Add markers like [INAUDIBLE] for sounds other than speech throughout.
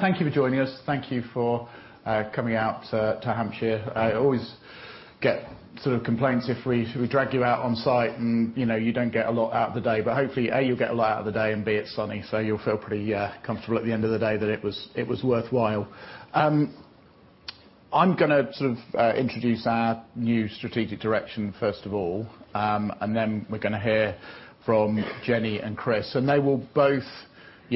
Thank you for joining us. Thank you for coming out to Hampshire. I always get complaints if we drag you out on site and you don't get a lot out of the day. Hopefully, A, you'll get a lot out of the day, and B, it's sunny, so you'll feel pretty comfortable at the end of the day that it was worthwhile. I'm going to introduce our new strategic direction first of all, then we're going to hear from Jenny and Chris. They will both,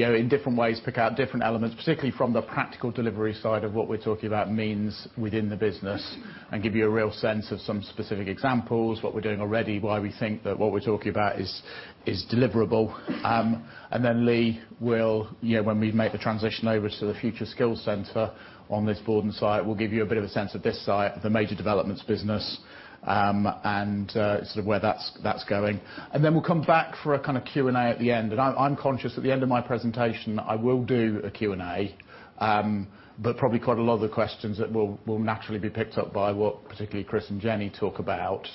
in different ways, pick out different elements, particularly from the practical delivery side of what we're talking about means within the business and give you a real sense of some specific examples, what we're doing already, why we think that what we're talking about is deliverable. Lee will, when we make the transition over to the Future Skills Center on this Bordon site, will give you a bit of a sense of this site, the major developments business, and where that's going. We'll come back for a Q&A at the end. I'm conscious at the end of my presentation, I will do a Q&A. Probably quite a lot of the questions that will naturally be picked up by what particularly Chris and Jenny talk about.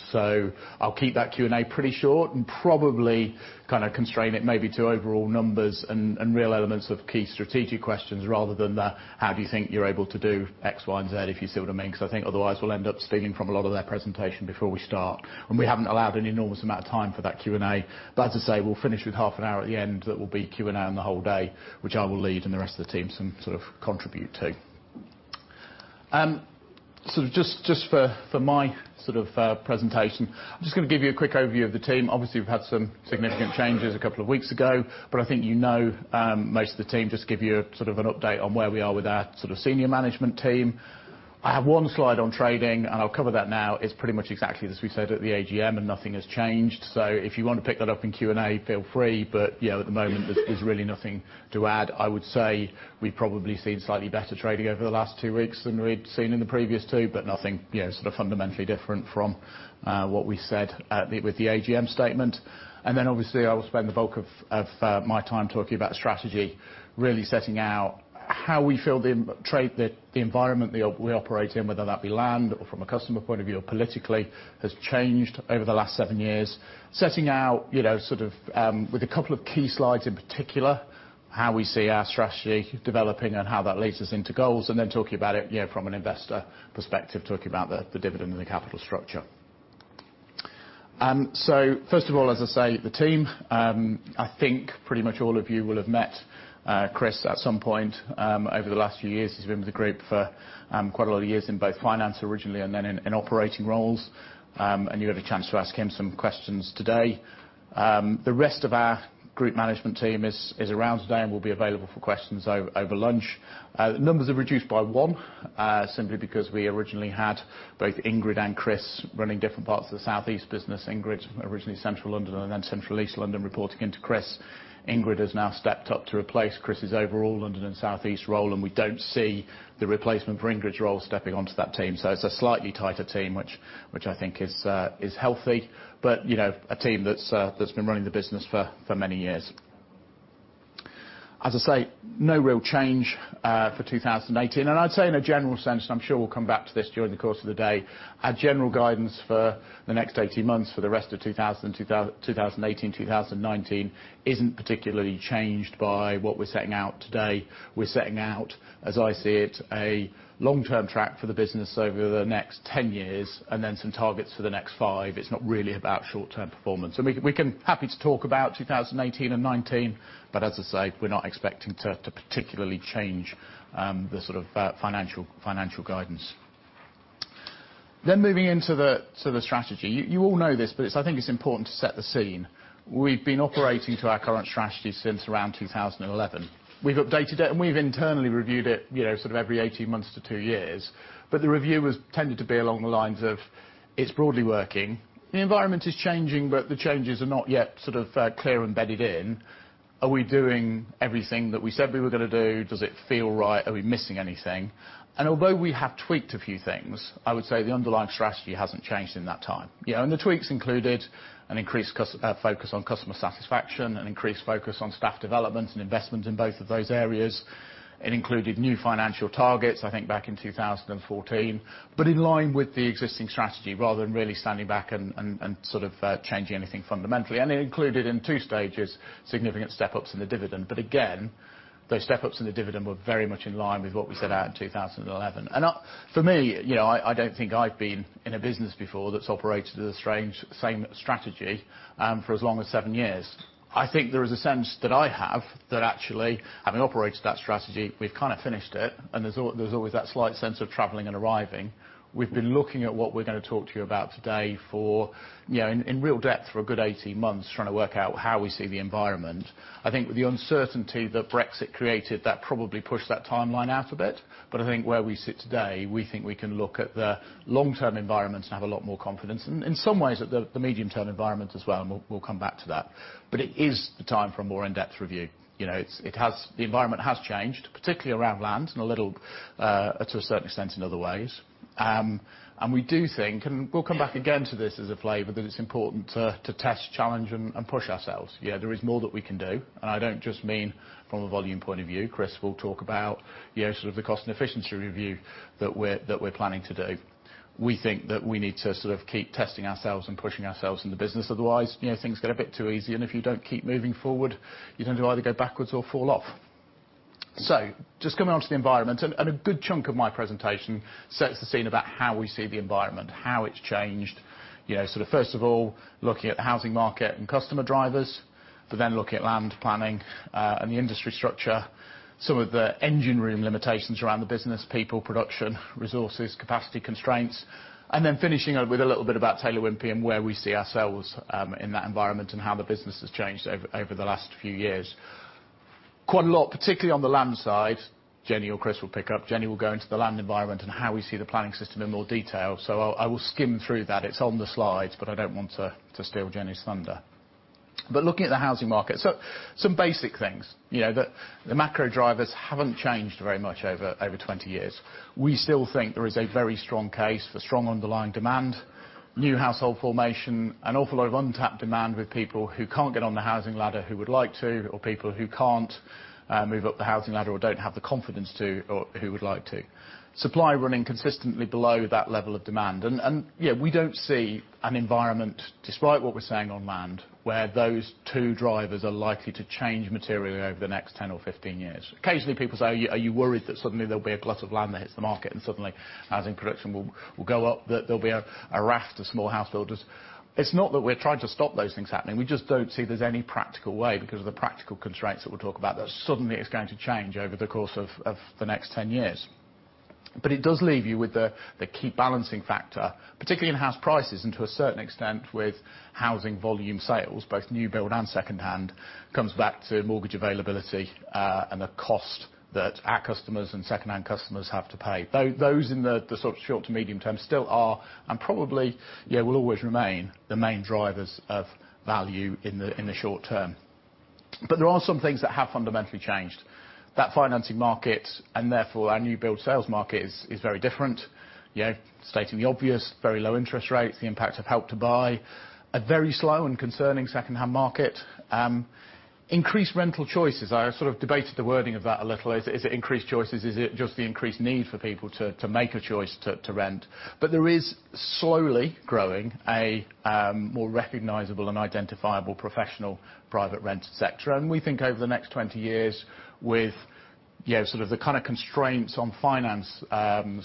I'll keep that Q&A pretty short and probably constrain it maybe to overall numbers and real elements of key strategic questions rather than the how do you think you're able to do X, Y, and Z, if you see what I mean, because I think otherwise we'll end up stealing from a lot of their presentation before we start. We haven't allowed an enormous amount of time for that Q&A. As I say, we'll finish with half an hour at the end that will be Q&A on the whole day, which I will lead and the rest of the team contribute to. Just for my presentation, I'm just going to give you a quick overview of the team. Obviously, we've had some significant changes a couple of weeks ago, but I think you know most of the team. Just give you an update on where we are with our senior management team. I have one slide on trading, and I'll cover that now. It's pretty much exactly as we said at the AGM and nothing has changed. If you want to pick that up in Q&A, feel free. At the moment, there's really nothing to add. I would say we've probably seen slightly better trading over the last 2 weeks than we'd seen in the previous 2, but nothing fundamentally different from what we said with the AGM statement. Obviously, I will spend the bulk of my time talking about strategy, really setting out how we feel the environment we operate in, whether that be land or from a customer point of view or politically, has changed over the last 7 years. Setting out, with 2 key slides in particular, how we see our strategy developing and how that leads us into goals, then talking about it from an investor perspective, talking about the dividend and the capital structure. First of all, as I say, the team. I think pretty much all of you will have met Chris at some point over the last few years. He's been with the group for quite a lot of years in both finance originally and then in operating roles. You have a chance to ask him some questions today. The rest of our group management team is around today and will be available for questions over lunch. Numbers are reduced by one, simply because we originally had both Ingrid and Chris running different parts of the Southeast business. Ingrid, originally Central London, and then Central East London, reporting into Chris. Ingrid has now stepped up to replace Chris' overall London and Southeast role, and we don't see the replacement for Ingrid's role stepping onto that team. It's a slightly tighter team, which I think is healthy, but a team that's been running the business for many years. As I say, no real change for 2018. I'd say in a general sense, and I'm sure we'll come back to this during the course of the day, our general guidance for the next 18 months for the rest of 2018, 2019 isn't particularly changed by what we're setting out today. We're setting out, as I see it, a long-term track for the business over the next 10 years and then some targets for the next 5. It's not really about short-term performance. We can, happy to talk about 2018 and 2019, but as I say, we're not expecting to particularly change the financial guidance. Moving into the strategy. You all know this, but I think it's important to set the scene. We've been operating to our current strategy since around 2011. We've updated it, and we've internally reviewed it every 18 months to two years. The review has tended to be along the lines of it's broadly working. The environment is changing, the changes are not yet clear and bedded in. Are we doing everything that we said we were going to do? Does it feel right? Are we missing anything? Although we have tweaked a few things, I would say the underlying strategy hasn't changed in that time. The tweaks included an increased focus on customer satisfaction, an increased focus on staff development and investment in both of those areas. It included new financial targets, I think back in 2014. In line with the existing strategy rather than really standing back and changing anything fundamentally. It included in 2 stages, significant step-ups in the dividend. Again, those step-ups in the dividend were very much in line with what we set out in 2011. For me, I don't think I've been in a business before that's operated as a strange same strategy for as long as seven years. I think there is a sense that I have that actually, having operated that strategy, we've kind of finished it, and there's always that slight sense of traveling and arriving. We've been looking at what we're going to talk to you about today for, in real depth, for a good 18 months, trying to work out how we see the environment. I think the uncertainty that Brexit created, that probably pushed that timeline out a bit. I think where we sit today, we think we can look at the long-term environment and have a lot more confidence. In some ways, at the medium-term environment as well, and we'll come back to that. It is the time for a more in-depth review. The environment has changed, particularly around land and a little to a certain extent in other ways. We do think, and we will come back again to this as a flavor, that it is important to test, challenge and push ourselves. There is more that we can do, and I do not just mean from a volume point of view. Chris will talk about the cost and efficiency review that we are planning to do. We think that we need to sort of keep testing ourselves and pushing ourselves in the business. Otherwise, things get a bit too easy, and if you do not keep moving forward, you tend to either go backwards or fall off. Just coming on to the environment, a good chunk of my presentation sets the scene about how we see the environment, how it has changed. First of all, looking at the housing market and customer drivers, then looking at land planning and the industry structure, some of the engine room limitations around the business, people, production, resources, capacity constraints. Then finishing with a little bit about Taylor Wimpey and where we see ourselves in that environment and how the business has changed over the last few years. Quite a lot, particularly on the land side. Jennie or Chris will pick up. Jennie will go into the land environment and how we see the planning system in more detail. I will skim through that. It is on the slides, but I do not want to steal Jennie's thunder. Looking at the housing market, some basic things. The macro drivers have not changed very much over 20 years. We still think there is a very strong case for strong underlying demand, new household formation, an awful lot of untapped demand with people who cannot get on the housing ladder who would like to, or people who cannot move up the housing ladder or do not have the confidence to, or who would like to. Supply running consistently below that level of demand. We do not see an environment, despite what we are saying on land, where those two drivers are likely to change materially over the next 10 or 15 years. Occasionally people say, "Are you worried that suddenly there will be a glut of land that hits the market and suddenly housing production will go up, that there will be a raft of small house builders?" It is not that we are trying to stop those things happening. We just do not see there is any practical way because of the practical constraints that we will talk about, that suddenly it is going to change over the course of the next 10 years. It does leave you with the key balancing factor, particularly in house prices and to a certain extent with housing volume sales, both new build and second-hand, comes back to mortgage availability and the cost that our customers and second-hand customers have to pay. Those in the sort of short to medium term still are, and probably will always remain the main drivers of value in the short term. There are some things that have fundamentally changed. That financing market and therefore our new build sales market is very different. Stating the obvious, very low interest rates, the impact of Help to Buy, a very slow and concerning second-hand market. Increased rental choices. I sort of debated the wording of that a little. Is it increased choices? Is it just the increased need for people to make a choice to rent? There is slowly growing a more recognizable and identifiable professional private rent sector. We think over the next 20 years with sort of the kind of constraints on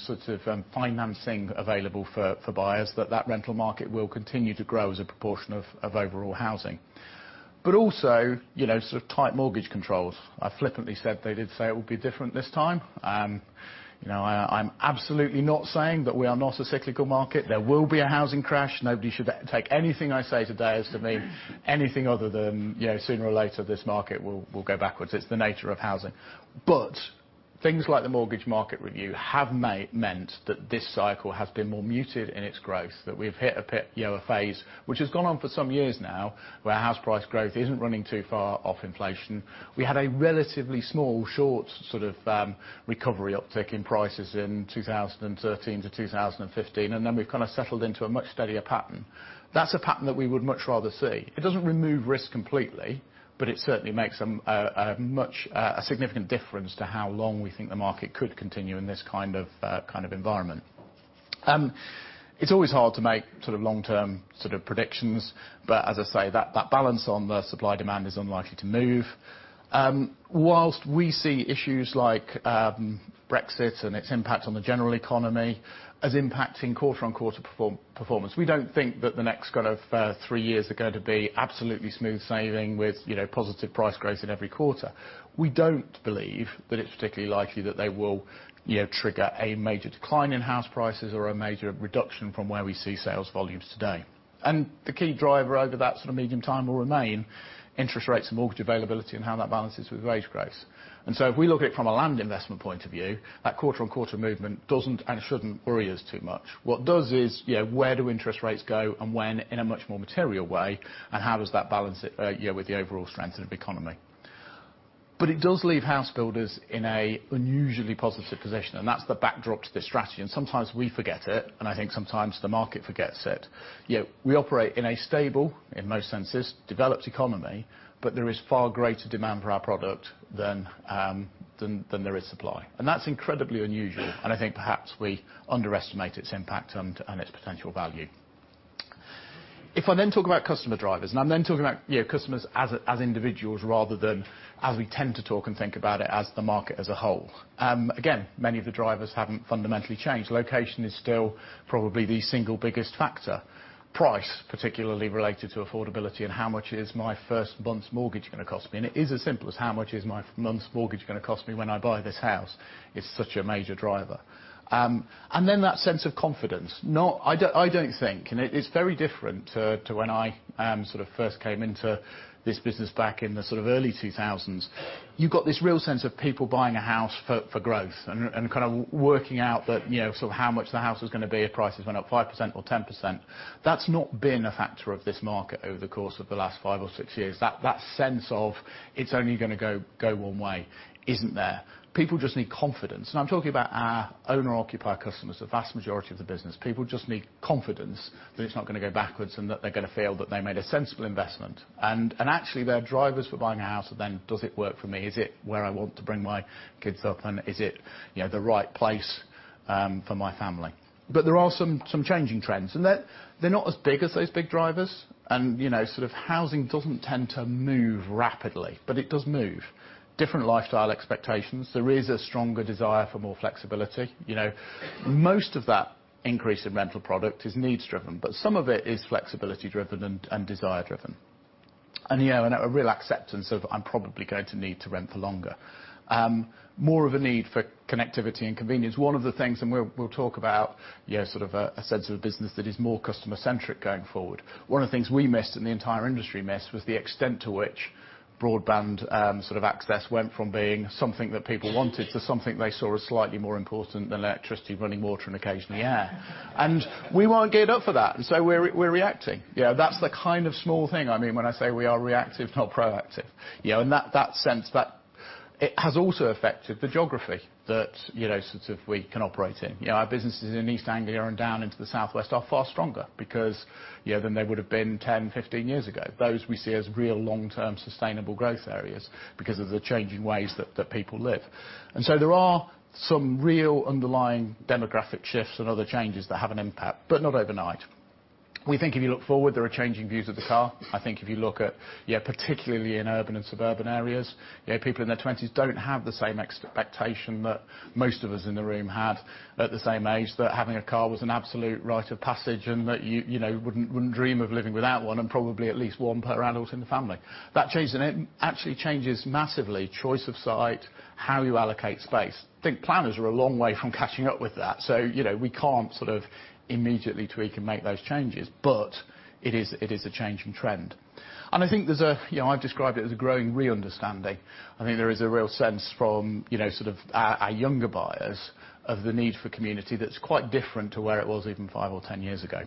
sorts of financing available for buyers, that that rental market will continue to grow as a proportion of overall housing. Also sort of tight mortgage controls. I flippantly said they did say it will be different this time. I'm absolutely not saying that we are not a cyclical market. There will be a housing crash. Nobody should take anything I say today as to mean anything other than sooner or later this market will go backwards. It's the nature of housing. Things like the Mortgage Market Review have meant that this cycle has been more muted in its growth, that we've hit a phase which has gone on for some years now where house price growth isn't running too far off inflation. We had a relatively small, short sort of recovery uptick in prices in 2013 to 2015, then we've kind of settled into a much steadier pattern. That's a pattern that we would much rather see. It doesn't remove risk completely, it certainly makes a significant difference to how long we think the market could continue in this kind of environment. It's always hard to make long-term predictions. As I say, that balance on the supply demand is unlikely to move. Whilst we see issues like Brexit and its impact on the general economy as impacting quarter on quarter performance, we don't think that the next kind of three years are going to be absolutely smooth sailing with positive price growth in every quarter. We don't believe that it's particularly likely that they will trigger a major decline in house prices or a major reduction from where we see sales volumes today. The key driver over that sort of medium time will remain interest rates and mortgage availability and how that balances with wage growth. If we look at it from a land investment point of view, that quarter on quarter movement doesn't and shouldn't worry us too much. What does is where do interest rates go and when in a much more material way, how does that balance with the overall strength of economy. It does leave house builders in a unusually positive position, and that's the backdrop to this strategy. Sometimes we forget it, and I think sometimes the market forgets it. We operate in a stable, in most senses, developed economy, there is far greater demand for our product than there is supply. That's incredibly unusual, and I think perhaps we underestimate its impact and its potential value. If I then talk about customer drivers, I'm then talking about customers as individuals rather than as we tend to talk and think about it as the market as a whole. Again, many of the drivers haven't fundamentally changed. Location is still probably the single biggest factor. Price, particularly related to affordability and how much is my first month's mortgage going to cost me. It is as simple as how much is my month's mortgage going to cost me when I buy this house, is such a major driver. Then that sense of confidence. I don't think, and it's very different to when I first came into this business back in the early 2000s. You've got this real sense of people buying a house for growth and working out how much the house is going to be if prices went up 5% or 10%. That's not been a factor of this market over the course of the last five or six years. That sense of it's only going to go one way isn't there. People just need confidence. I'm talking about our owner-occupier customers, the vast majority of the business. People just need confidence that it's not going to go backwards and that they're going to feel that they made a sensible investment. Actually their drivers for buying a house are then, does it work for me? Is it where I want to bring my kids up? Is it the right place for my family? There are some changing trends, and they're not as big as those big drivers. Housing doesn't tend to move rapidly, but it does move. Different lifestyle expectations. There is a stronger desire for more flexibility. Most of that increase in rental product is needs driven, but some of it is flexibility driven and desire driven. A real acceptance of, I'm probably going to need to rent for longer. More of a need for connectivity and convenience. One of the things, and we'll talk about a sense of a business that is more customer centric going forward. One of the things we missed, and the entire industry missed, was the extent to which broadband access went from being something that people wanted to something they saw as slightly more important than electricity, running water, and occasionally air. We weren't geared up for that. So we're reacting. That's the kind of small thing, when I say we are reactive, not proactive. In that sense, it has also affected the geography that we can operate in. Our businesses in East Anglia and down into the South West are far stronger than they would've been 10, 15 years ago. Those we see as real long-term sustainable growth areas because of the changing ways that people live. There are some real underlying demographic shifts and other changes that have an impact, but not overnight. We think if you look forward, there are changing views of the car. I think if you look at, particularly in urban and suburban areas, people in their 20s don't have the same expectation that most of us in the room had at the same age. That having a car was an absolute rite of passage, and that you wouldn't dream of living without one, and probably at least one per adult in the family. That changes, and it actually changes massively, choice of site, how you allocate space. I think planners are a long way from catching up with that. We can't immediately tweak and make those changes. It is a changing trend. I think there's a, I've described it as a growing reunderstanding. There is a real sense from our younger buyers of the need for community that's quite different to where it was even five or 10 years ago.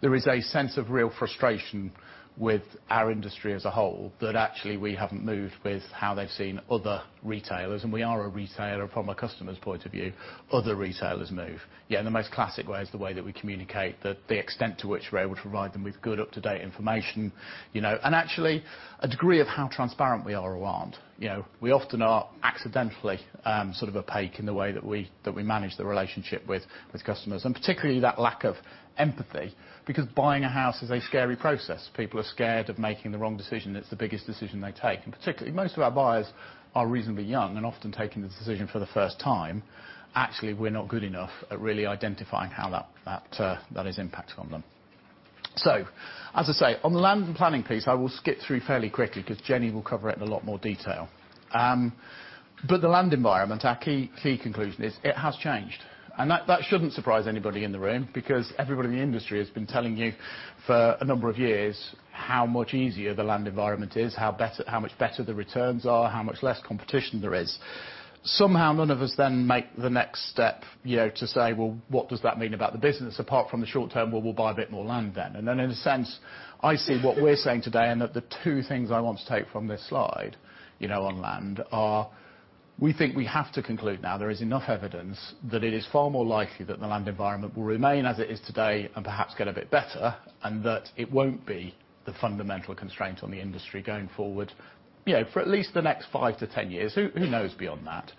There is a sense of real frustration with our industry as a whole that actually we haven't moved with how they've seen other retailers. We are a retailer from a customer's point of view, other retailers move. In the most classic ways, the way that we communicate, the extent to which we're able to provide them with good up-to-date information, and actually a degree of how transparent we are or aren't. We often are accidentally opaque in the way that we manage the relationship with customers, and particularly that lack of empathy. Buying a house is a scary process. People are scared of making the wrong decision. It's the biggest decision they take. Particularly, most of our buyers are reasonably young and often taking this decision for the first time. Actually, we're not good enough at really identifying how that is impacting on them. As I say, on the land and planning piece, I will skip through fairly quickly because Jennie will cover it in a lot more detail. The land environment, our key conclusion is it has changed. That shouldn't surprise anybody in the room because everybody in the industry has been telling you for a number of years how much easier the land environment is, how much better the returns are, how much less competition there is. Somehow, none of us make the next step to say, "Well, what does that mean about the business apart from the short term? We'll buy a bit more land." In a sense, I see what we're saying today, and that the two things I want to take from this slide on land are, we think we have to conclude now there is enough evidence that it is far more likely that the land environment will remain as it is today and perhaps get a bit better, and that it won't be the fundamental constraint on the industry going forward for at least the next five to 10 years. Who knows beyond that?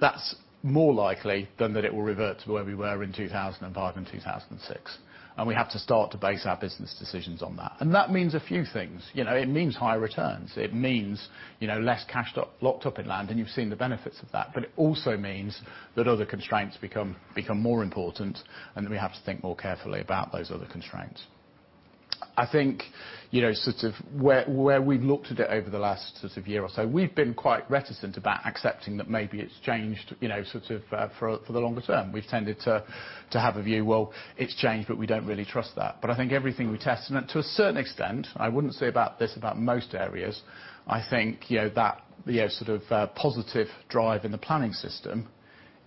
That's more likely than that it will revert to where we were in 2005 and 2006, and we have to start to base our business decisions on that. That means a few things. It means higher returns. It means less cash locked up in land, and you've seen the benefits of that. It also means that other constraints become more important, and we have to think more carefully about those other constraints. I think where we've looked at it over the last year or so, we've been quite reticent about accepting that maybe it's changed for the longer term. We've tended to have a view, it's changed, we don't really trust that. I think everything we test, and to a certain extent, I wouldn't say about this, about most areas, I think that positive drive in the planning system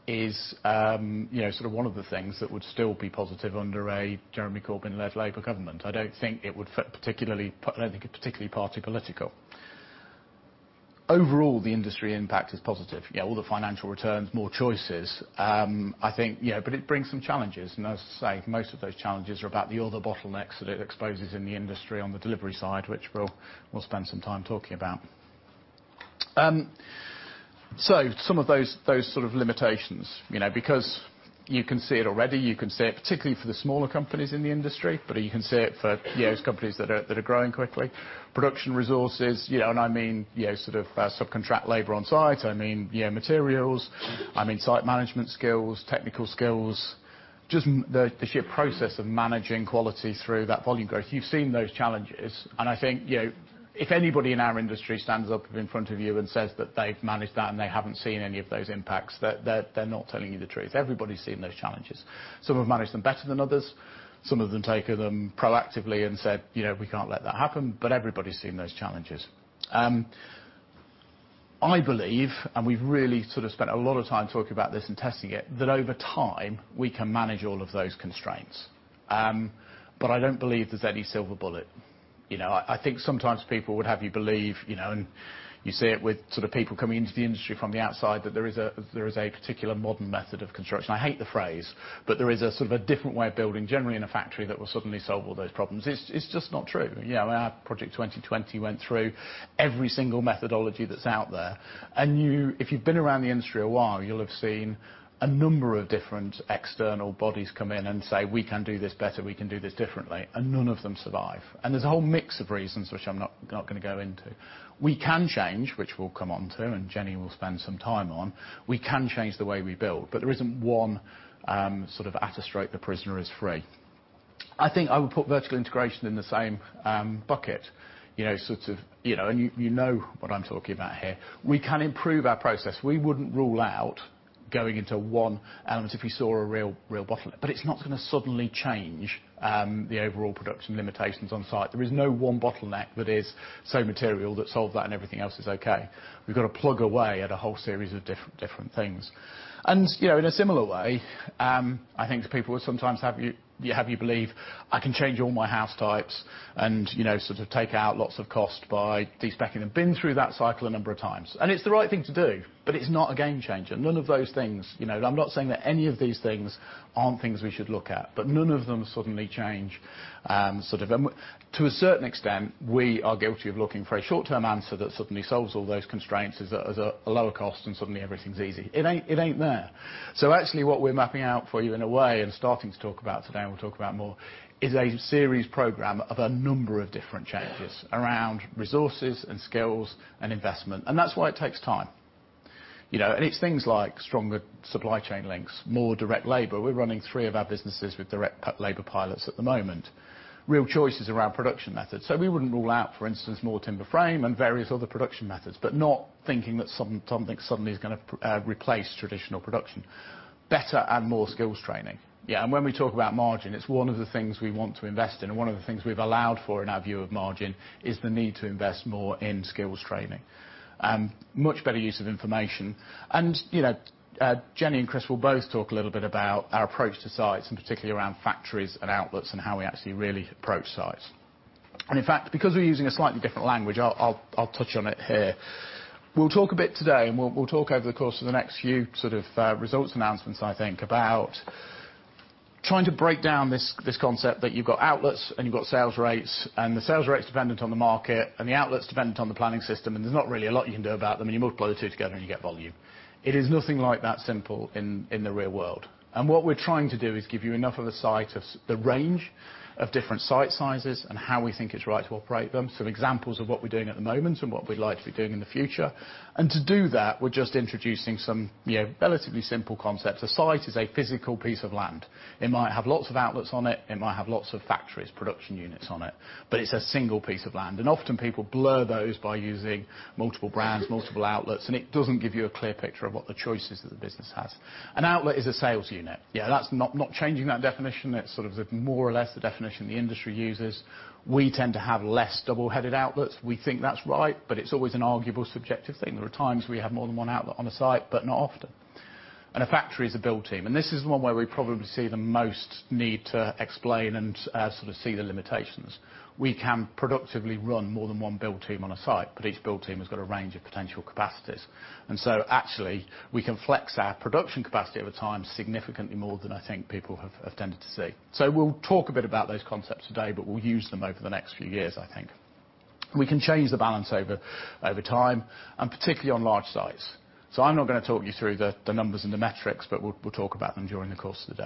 is one of the things that would still be positive under a Jeremy Corbyn-led Labour government. I don't think it's particularly party political. Overall, the industry impact is positive. All the financial returns, more choices. It brings some challenges, and as I say, most of those challenges are about the other bottlenecks that it exposes in the industry on the delivery side, which we'll spend some time talking about. Some of those sort of limitations. You can see it already, you can see it particularly for the smaller companies in the industry, but you can see it for those companies that are growing quickly. Production resources, and I mean subcontract labor on site. I mean materials. I mean site management skills, technical skills, just the sheer process of managing quality through that volume growth. You've seen those challenges, and I think if anybody in our industry stands up in front of you and says that they've managed that and they haven't seen any of those impacts, they're not telling you the truth. Everybody's seen those challenges. Some have managed them better than others. Some of them taken them proactively and said, "We can't let that happen." Everybody's seen those challenges. I believe, and we've really sort of spent a lot of time talking about this and testing it, that over time we can manage all of those constraints. I don't believe there's any silver bullet. I think sometimes people would have you believe, and you see it with people coming into the industry from the outside, that there is a particular modern method of construction. I hate the phrase, but there is a sort of different way of building, generally in a factory, that will suddenly solve all those problems. It's just not true. Our Project 2020 went through every single methodology that's out there. If you've been around the industry a while, you'll have seen a number of different external bodies come in and say, "We can do this better. We can do this differently." None of them survive. There's a whole mix of reasons, which I'm not going to go into. We can change, which we'll come onto and Jennie will spend some time on. We can change the way we build, but there isn't one sort of at a stroke, the prisoner is free. I think I would put vertical integration in the same bucket. You know what I'm talking about here. We can improve our process. We wouldn't rule out going into one element if we saw a real bottleneck. It's not going to suddenly change the overall production limitations on site. There is no one bottleneck that is so material that solves that and everything else is okay. We've got to plug away at a whole series of different things. In a similar way, I think people will sometimes have you believe, "I can change all my house types and take out lots of cost by de-speccing." Been through that cycle a number of times. It's the right thing to do, but it's not a game changer. None of those things. I'm not saying that any of these things aren't things we should look at, but none of them suddenly change. To a certain extent, we are guilty of looking for a short-term answer that suddenly solves all those constraints as a lower cost, and suddenly everything's easy. It ain't there. Actually, what we're mapping out for you in a way, and starting to talk about today and we'll talk about more, is a series program of a number of different changes around resources and skills and investment. That's why it takes time. It's things like stronger supply chain links, more direct labor. We're running three of our businesses with direct labor pilots at the moment. Real choices around production methods. We wouldn't rule out, for instance, more timber frame and various other production methods, but not thinking that something suddenly is going to replace traditional production. Better and more skills training. When we talk about margin, it's one of the things we want to invest in and one of the things we've allowed for in our view of margin, is the need to invest more in skills training. Much better use of information. Jennie and Chris will both talk a little bit about our approach to sites, and particularly around factories and outlets and how we actually really approach sites. In fact, because we're using a slightly different language, I'll touch on it here. We'll talk a bit today and we'll talk over the course of the next few sort of results announcements, I think, about trying to break down this concept that you've got outlets and you've got sales rates. The sales rate is dependent on the market and the outlets dependent on the planning system, and there's not really a lot you can do about them. You multiply the two together and you get volume. It is nothing like that simple in the real world. What we're trying to do is give you enough of a sight of the range of different site sizes and how we think it's right to operate them. Some examples of what we're doing at the moment and what we'd like to be doing in the future. To do that, we're just introducing some relatively simple concepts. A site is a physical piece of land. It might have lots of outlets on it might have lots of factories, production units on it, but it's a single piece of land. Often people blur those by using multiple brands, multiple outlets, and it doesn't give you a clear picture of what the choices that the business has. An outlet is a sales unit. That's not changing that definition. That's sort of more or less the definition the industry uses. We tend to have less double-headed outlets. We think that's right, but it's always an arguable, subjective thing. There are times where you have more than one outlet on a site, but not often. A factory is a build team. This is one where we probably see the most need to explain and sort of see the limitations. We can productively run more than one build team on a site, but each build team has got a range of potential capacities. Actually, we can flex our production capacity over time significantly more than I think people have tended to see. We'll talk a bit about those concepts today, but we'll use them over the next few years, I think. We can change the balance over time, and particularly on large sites. I'm not going to talk you through the numbers and the metrics, we'll talk about them during the course of the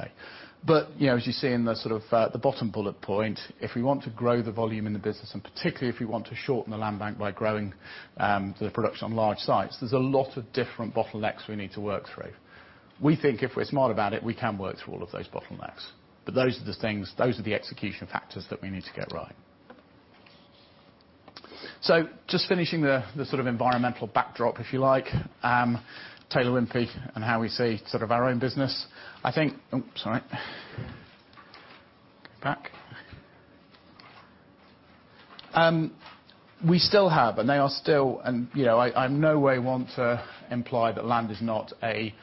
day. As you see in the sort of bottom bullet point, if we want to grow the volume in the business, and particularly if we want to shorten the land bank by growing the production on large sites, there's a lot of different bottlenecks we need to work through. We think if we're smart about it, we can work through all of those bottlenecks. Those are the things, those are the execution factors that we need to get right. Just finishing the sort of environmental backdrop, if you like, Taylor Wimpey and how we see sort of our own business. I think Oh, sorry. Go back. We still have, and they are still, I in no way want to imply that land is not a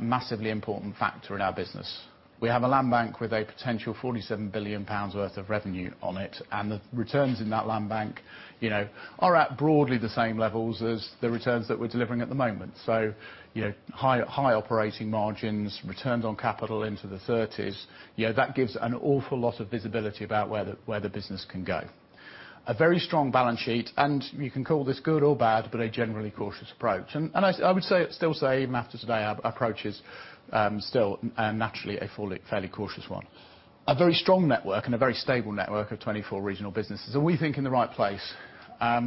massively important factor in our business. We have a land bank with a potential 47 billion pounds worth of revenue on it, and the returns in that land bank are at broadly the same levels as the returns that we're delivering at the moment. High operating margins, returns on capital into the 30s. That gives an awful lot of visibility about where the business can go. A very strong balance sheet, and you can call this good or bad, but a generally cautious approach. I would still say after today, our approach is still naturally a fairly cautious one. A very strong network and a very stable network of 24 regional businesses, and we think in the right place.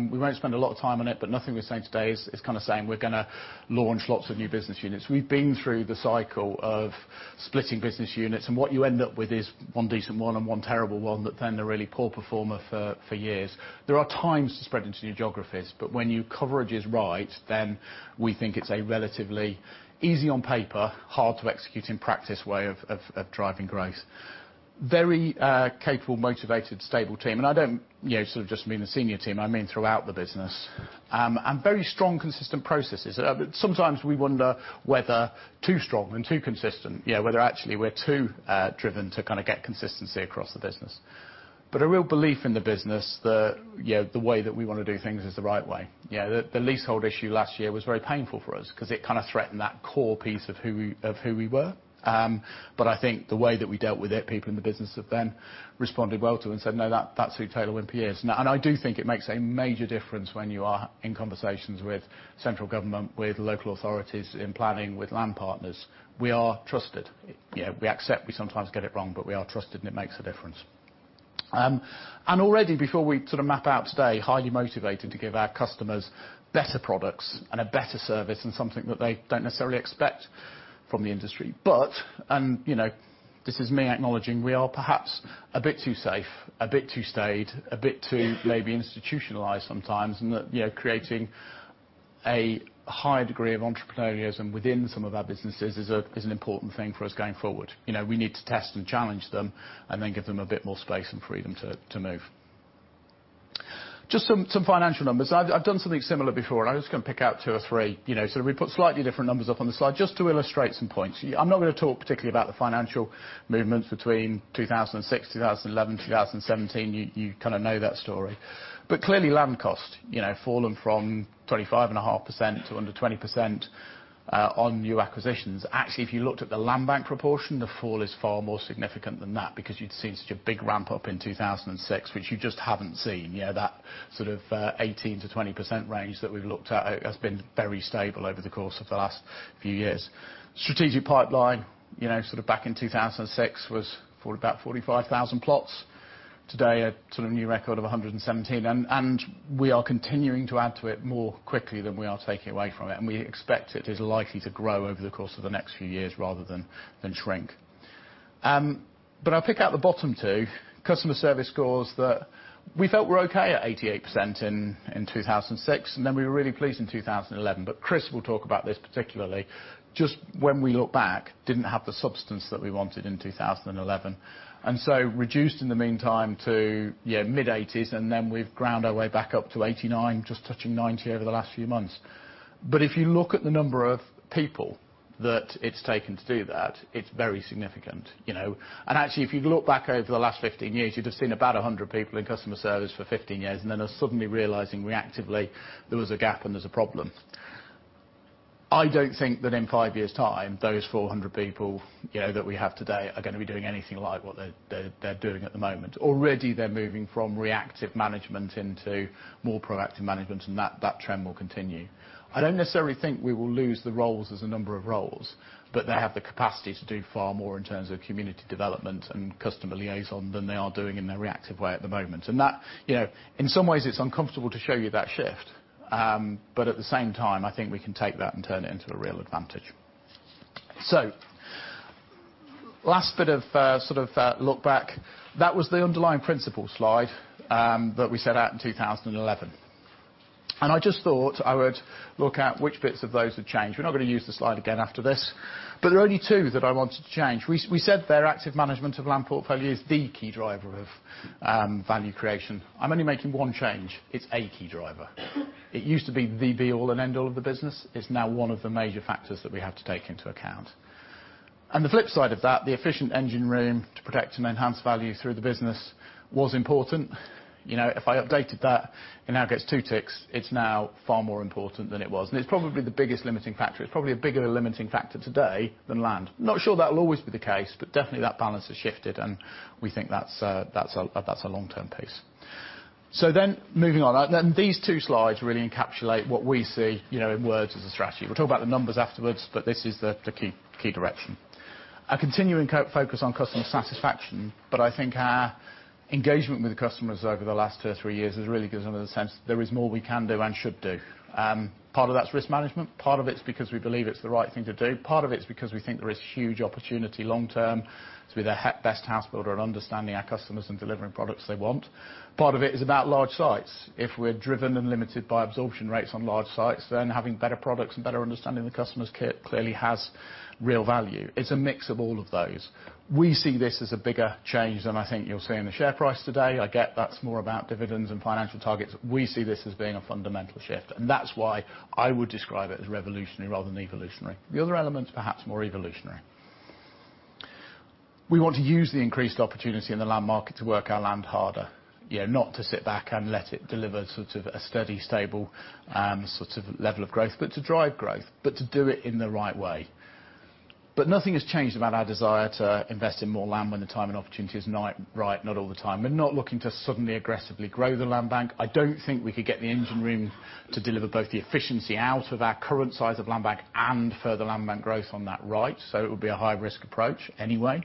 We won't spend a lot of time on it, nothing we're saying today is kind of saying we're going to launch lots of new business units. We've been through the cycle of splitting business units, and what you end up with is one decent one and one terrible one that then they're a really poor performer for years. There are times to spread into new geographies, but when your coverage is right, then we think it's a relatively easy on paper, hard to execute in practice way of driving growth. Very capable, motivated, stable team. I don't sort of just mean the senior team, I mean throughout the business. Very strong, consistent processes. Sometimes we wonder whether too strong and too consistent, whether actually we're too driven to kind of get consistency across the business. A real belief in the business that the way that we want to do things is the right way. The leasehold issue last year was very painful for us because it kind of threatened that core piece of who we were. I think the way that we dealt with it, people in the business have then responded well to and said, "No, that's who Taylor Wimpey is." I do think it makes a major difference when you are in conversations with central government, with local authorities, in planning, with land partners. We are trusted. We accept we sometimes get it wrong, but we are trusted, and it makes a difference. Already, before we sort of map out today, highly motivated to give our customers better products and a better service, and something that they don't necessarily expect from the industry. This is me acknowledging we are perhaps a bit too safe, a bit too staid, a bit too maybe institutionalized sometimes, and that creating a higher degree of entrepreneurism within some of our businesses is an important thing for us going forward. We need to test and challenge them and then give them a bit more space and freedom to move. Just some financial numbers. I've done something similar before, and I'm just going to pick out two or three. We put slightly different numbers up on the slide just to illustrate some points. I'm not going to talk particularly about the financial movements between 2006, 2011, 2017. You kind of know that story. Clearly, land cost, fallen from 25.5% to under 20% on new acquisitions. If you looked at the land bank proportion, the fall is far more significant than that because you'd seen such a big ramp-up in 2006, which you just haven't seen. That sort of 18%-20% range that we've looked at has been very stable over the course of the last few years. Strategic pipeline, sort of back in 2006 was about 45,000 plots. Today, a sort of new record of 117. We are continuing to add to it more quickly than we are taking away from it, and we expect it is likely to grow over the course of the next few years rather than shrink. I'll pick out the bottom two. Customer service scores that we felt were okay at 88% in 2006, and then we were really pleased in 2011. Chris will talk about this particularly. Just when we look back, didn't have the substance that we wanted in 2011. Reduced in the meantime to mid-80s, and then we've ground our way back up to 89, just touching 90 over the last few months. If you look at the number of people that it's taken to do that, it's very significant. Actually, if you'd looked back over the last 15 years, you'd have seen about 100 people in customer service for 15 years, and then us suddenly realizing reactively there was a gap and there's a problem. I don't think that in five years' time, those 400 people that we have today are going to be doing anything like what they're doing at the moment. Already, they're moving from reactive management into more proactive management, and that trend will continue. I don't necessarily think we will lose the roles as a number of roles, but they have the capacity to do far more in terms of community development and customer liaison than they are doing in a reactive way at the moment. That, in some ways, it's uncomfortable to show you that shift. At the same time, I think we can take that and turn it into a real advantage. Last bit of sort of look back. That was the underlying principle slide that we set out in 2011. I just thought I would look at which bits of those have changed. We're not going to use the slide again after this. There are only two that I wanted to change. We said better active management of land portfolio is the key driver of value creation. I'm only making one change. It's a key driver. It used to be the be all and end all of the business. It's now one of the major factors that we have to take into account. The flip side of that, the efficient engine room to protect and enhance value through the business was important. If I updated that, it now gets two ticks. It's now far more important than it was. It's probably the biggest limiting factor. It's probably a bigger limiting factor today than land. Not sure that'll always be the case, but definitely that balance has shifted, and we think that's a long-term piece. Moving on. These two slides really encapsulate what we see in words as a strategy. We'll talk about the numbers afterwards, but this is the key direction. A continuing focus on customer satisfaction, but I think our engagement with customers over the last two or three years has really given us a sense that there is more we can do and should do. Part of that's risk management. Part of it's because we believe it's the right thing to do. Part of it's because we think there is huge opportunity long term to be the best house builder and understanding our customers and delivering products they want. Part of it is about large sites. If we're driven and limited by absorption rates on large sites, then having better products and better understanding the customers clearly has real value. It's a mix of all of those. We see this as a bigger change than I think you'll see in the share price today. I get that's more about dividends and financial targets. We see this as being a fundamental shift, and that's why I would describe it as revolutionary rather than evolutionary. The other element's perhaps more evolutionary. We want to use the increased opportunity in the land market to work our land harder. Not to sit back and let it deliver sort of a steady, stable sort of level of growth, but to drive growth, but to do it in the right way. Nothing has changed about our desire to invest in more land when the time and opportunity is right, not all the time. We're not looking to suddenly aggressively grow the land bank. I don't think we could get the engine room to deliver both the efficiency out of our current size of land bank and further land bank growth on that right, so it would be a high-risk approach anyway.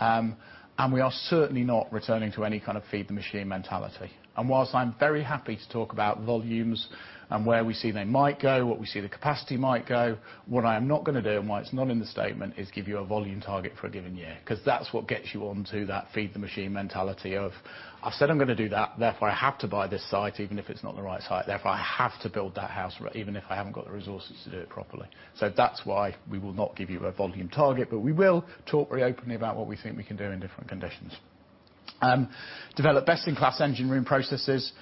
We are certainly not returning to any kind of feed the machine mentality. Whilst I'm very happy to talk about volumes and where we see they might go, what we see the capacity might go, what I am not going to do and why it's not in the statement is give you a volume target for a given year. Because that's what gets you onto that feed the machine mentality of I've said I'm going to do that, therefore I have to buy this site, even if it's not the right site. Therefore, I have to build that house, even if I haven't got the resources to do it properly. That's why we will not give you a volume target, but we will talk very openly about what we think we can do in different conditions. Develop best-in-class engine room processes.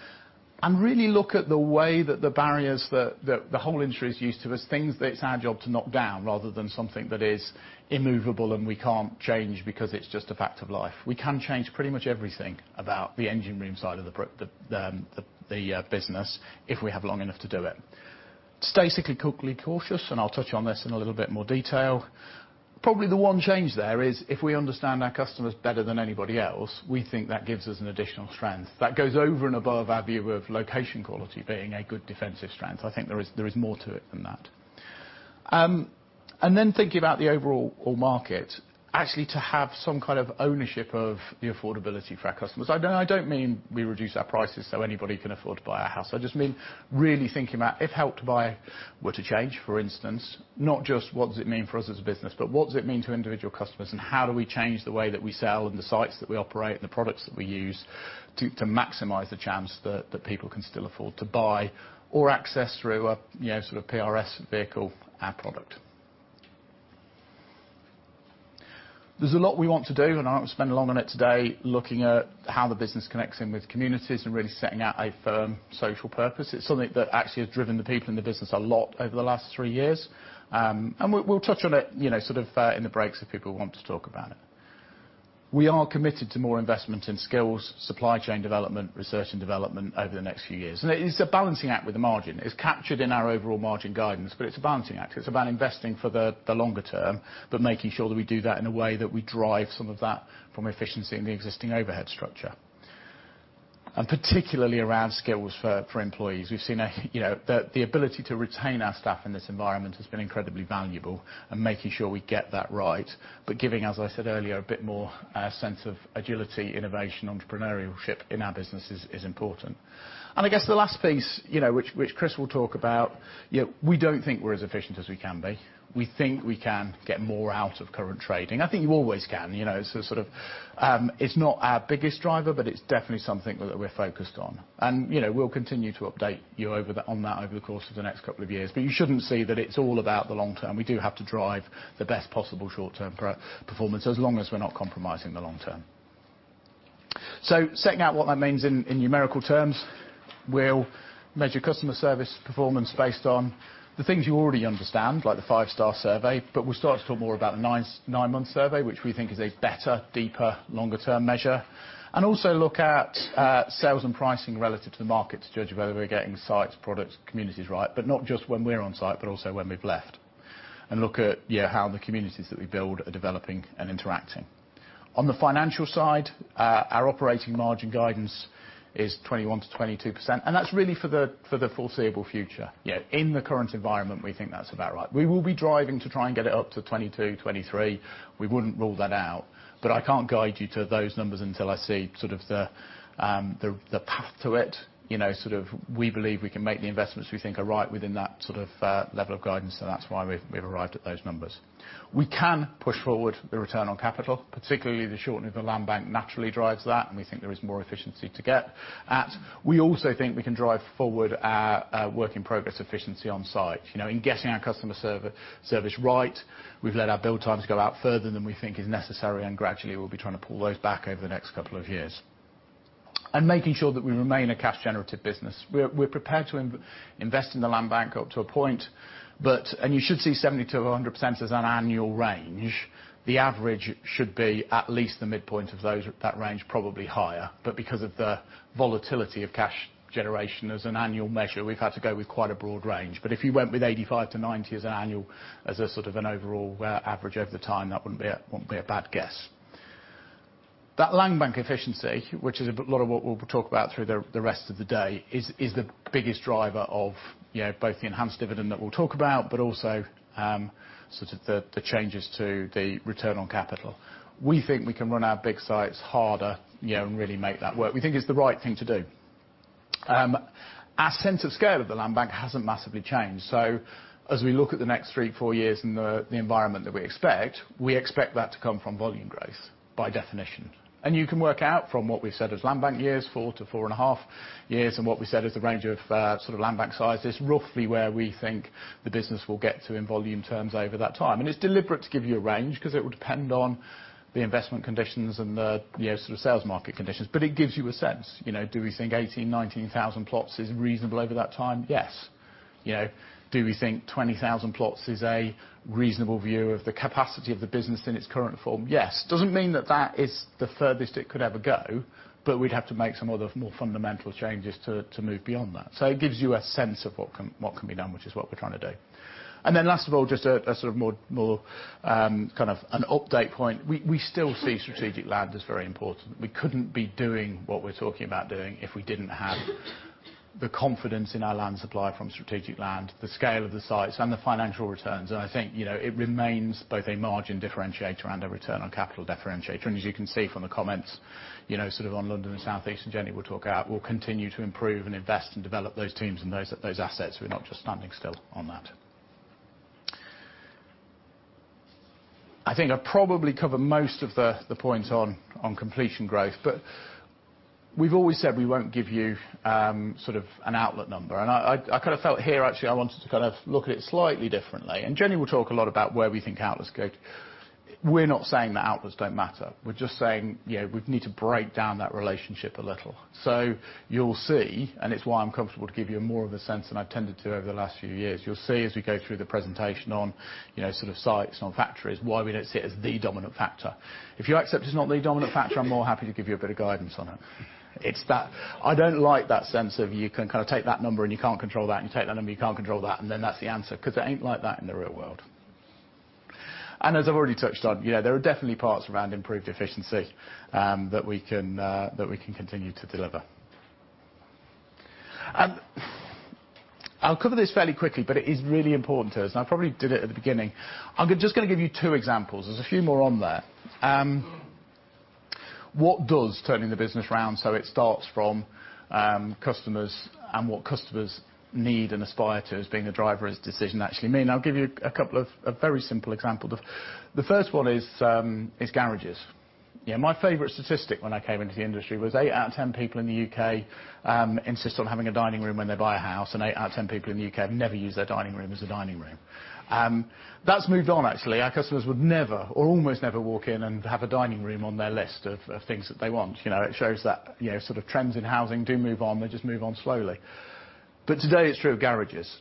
Really look at the way that the barriers that the whole industry is used to as things that it's our job to knock down rather than something that is immovable and we can't change because it's just a fact of life. We can change pretty much everything about the engine room side of the business if we have long enough to do it. It's basically cyclically cautious, and I'll touch on this in a little bit more detail. Probably the one change there is if we understand our customers better than anybody else, we think that gives us an additional strength. That goes over and above our view of location quality being a good defensive strength. I think there is more to it than that. Then thinking about the overall market, actually to have some kind of ownership of the affordability for our customers. I don't mean we reduce our prices so anybody can afford to buy a house. I just mean really thinking about if Help to Buy were to change, for instance, not just what does it mean for us as a business, but what does it mean to individual customers and how do we change the way that we sell and the sites that we operate and the products that we use to maximize the chance that people can still afford to buy or access through a PRS vehicle, our product. There's a lot we want to do, and I won't spend long on it today, looking at how the business connects in with communities and really setting out a firm social purpose. It's something that actually has driven the people in the business a lot over the last three years. We'll touch on it in the breaks if people want to talk about it. We are committed to more investment in skills, supply chain development, research and development over the next few years. It is a balancing act with the margin. It's captured in our overall margin guidance, but it's a balancing act. It's about investing for the longer term, but making sure that we do that in a way that we drive some of that from efficiency in the existing overhead structure. Particularly around skills for employees. We've seen that the ability to retain our staff in this environment has been incredibly valuable and making sure we get that right. Giving, as I said earlier, a bit more sense of agility, innovation, entrepreneurship in our businesses is important. I guess the last piece which Chris will talk about, we don't think we're as efficient as we can be. We think we can get more out of current trading. I think you always can. It's not our biggest driver, but it's definitely something that we're focused on. We'll continue to update you on that over the course of the next couple of years. You shouldn't see that it's all about the long term. We do have to drive the best possible short term performance as long as we're not compromising the long term. Setting out what that means in numerical terms, we'll measure customer service performance based on the things you already understand, like the five-star survey, but we'll start to talk more about a nine-month survey, which we think is a better, deeper, longer term measure. Also look at sales and pricing relative to the market to judge whether we're getting sites, products, communities right, but not just when we're on site, but also when we've left. Look at how the communities that we build are developing and interacting. On the financial side, our operating margin guidance is 21%-22%, and that's really for the foreseeable future. In the current environment, we think that's about right. We will be driving to try and get it up to 22%-23%. We wouldn't rule that out. I can't guide you to those numbers until I see sort of the path to it. We believe we can make the investments we think are right within that sort of level of guidance, so that's why we've arrived at those numbers. We can push forward the return on capital, particularly the shortening of the land bank naturally drives that, and we think there is more efficiency to get at. We also think we can drive forward our work in progress efficiency on site. In getting our customer service right, we've let our build times go out further than we think is necessary, and gradually, we'll be trying to pull those back over the next couple of years. Making sure that we remain a cash generative business. We're prepared to invest in the land bank up to a point, and you should see 70%-100% as an annual range. The average should be at least the midpoint of that range, probably higher. Because of the volatility of cash generation as an annual measure, we've had to go with quite a broad range. If you went with 85%-90% as an annual, as a sort of an overall average over the time, that won't be a bad guess. That land bank efficiency, which is a lot of what we'll talk about through the rest of the day, is the biggest driver of both the enhanced dividend that we'll talk about, but also sort of the changes to the return on capital. We think we can run our big sites harder and really make that work. We think it's the right thing to do. Our sense of scale of the land bank hasn't massively changed. As we look at the next three, four years in the environment that we expect, we expect that to come from volume growth by definition. You can work out from what we've said as land bank years, four to four and a half years, and what we said as the range of sort of land bank sizes, roughly where we think the business will get to in volume terms over that time. It's deliberate to give you a range because it will depend on the investment conditions and the sort of sales market conditions. It gives you a sense. Do we think 18,000, 19,000 plots is reasonable over that time? Yes. Do we think 20,000 plots is a reasonable view of the capacity of the business in its current form? Yes. Doesn't mean that that is the furthest it could ever go, but we'd have to make some other more fundamental changes to move beyond that. It gives you a sense of what can be done, which is what we're trying to do. Last of all, just a sort of more kind of an update point. We still see strategic land as very important. We couldn't be doing what we're talking about doing if we didn't have the confidence in our land supply from strategic land, the scale of the sites, and the financial returns. I think it remains both a margin differentiator and a return on capital differentiator. As you can see from the comments sort of on London & South East, and Jennie will talk about, we'll continue to improve and invest and develop those teams and those assets. We're not just standing still on that. I think I probably covered most of the points on completion growth. We've always said we won't give you sort of an outlet number. I kind of felt here, actually, I wanted to kind of look at it slightly differently. Jennie will talk a lot about where we think outlets go. We're not saying that outputs don't matter. We're just saying we need to break down that relationship a little. You'll see, and it's why I'm comfortable to give you more of a sense than I tended to over the last few years. You'll see as we go through the presentation on sort of sites, on factories, why we don't see it as the dominant factor. If you accept it's not the dominant factor, I'm more happy to give you a bit of guidance on it. It's that I don't like that sense of you can kind of take that number and you can't control that, and you take that number, you can't control that, and then that's the answer. It ain't like that in the real world. As I've already touched on, there are definitely parts around improved efficiency that we can continue to deliver. I'll cover this fairly quickly, but it is really important to us, and I probably did it at the beginning. I'm just going to give you two examples. There's a few more on there. What does turning the business around, so it starts from customers and what customers need and aspire to as being a driver as decision actually mean? I'll give you a couple of a very simple example. The first one is garages. My favorite statistic when I came into the industry was eight out of 10 people in the U.K. insist on having a dining room when they buy a house, eight out of 10 people in the U.K. have never used their dining room as a dining room. That's moved on, actually. Our customers would never or almost never walk in and have a dining room on their list of things that they want. It shows that sort of trends in housing do move on. They just move on slowly. Today it's true of garages.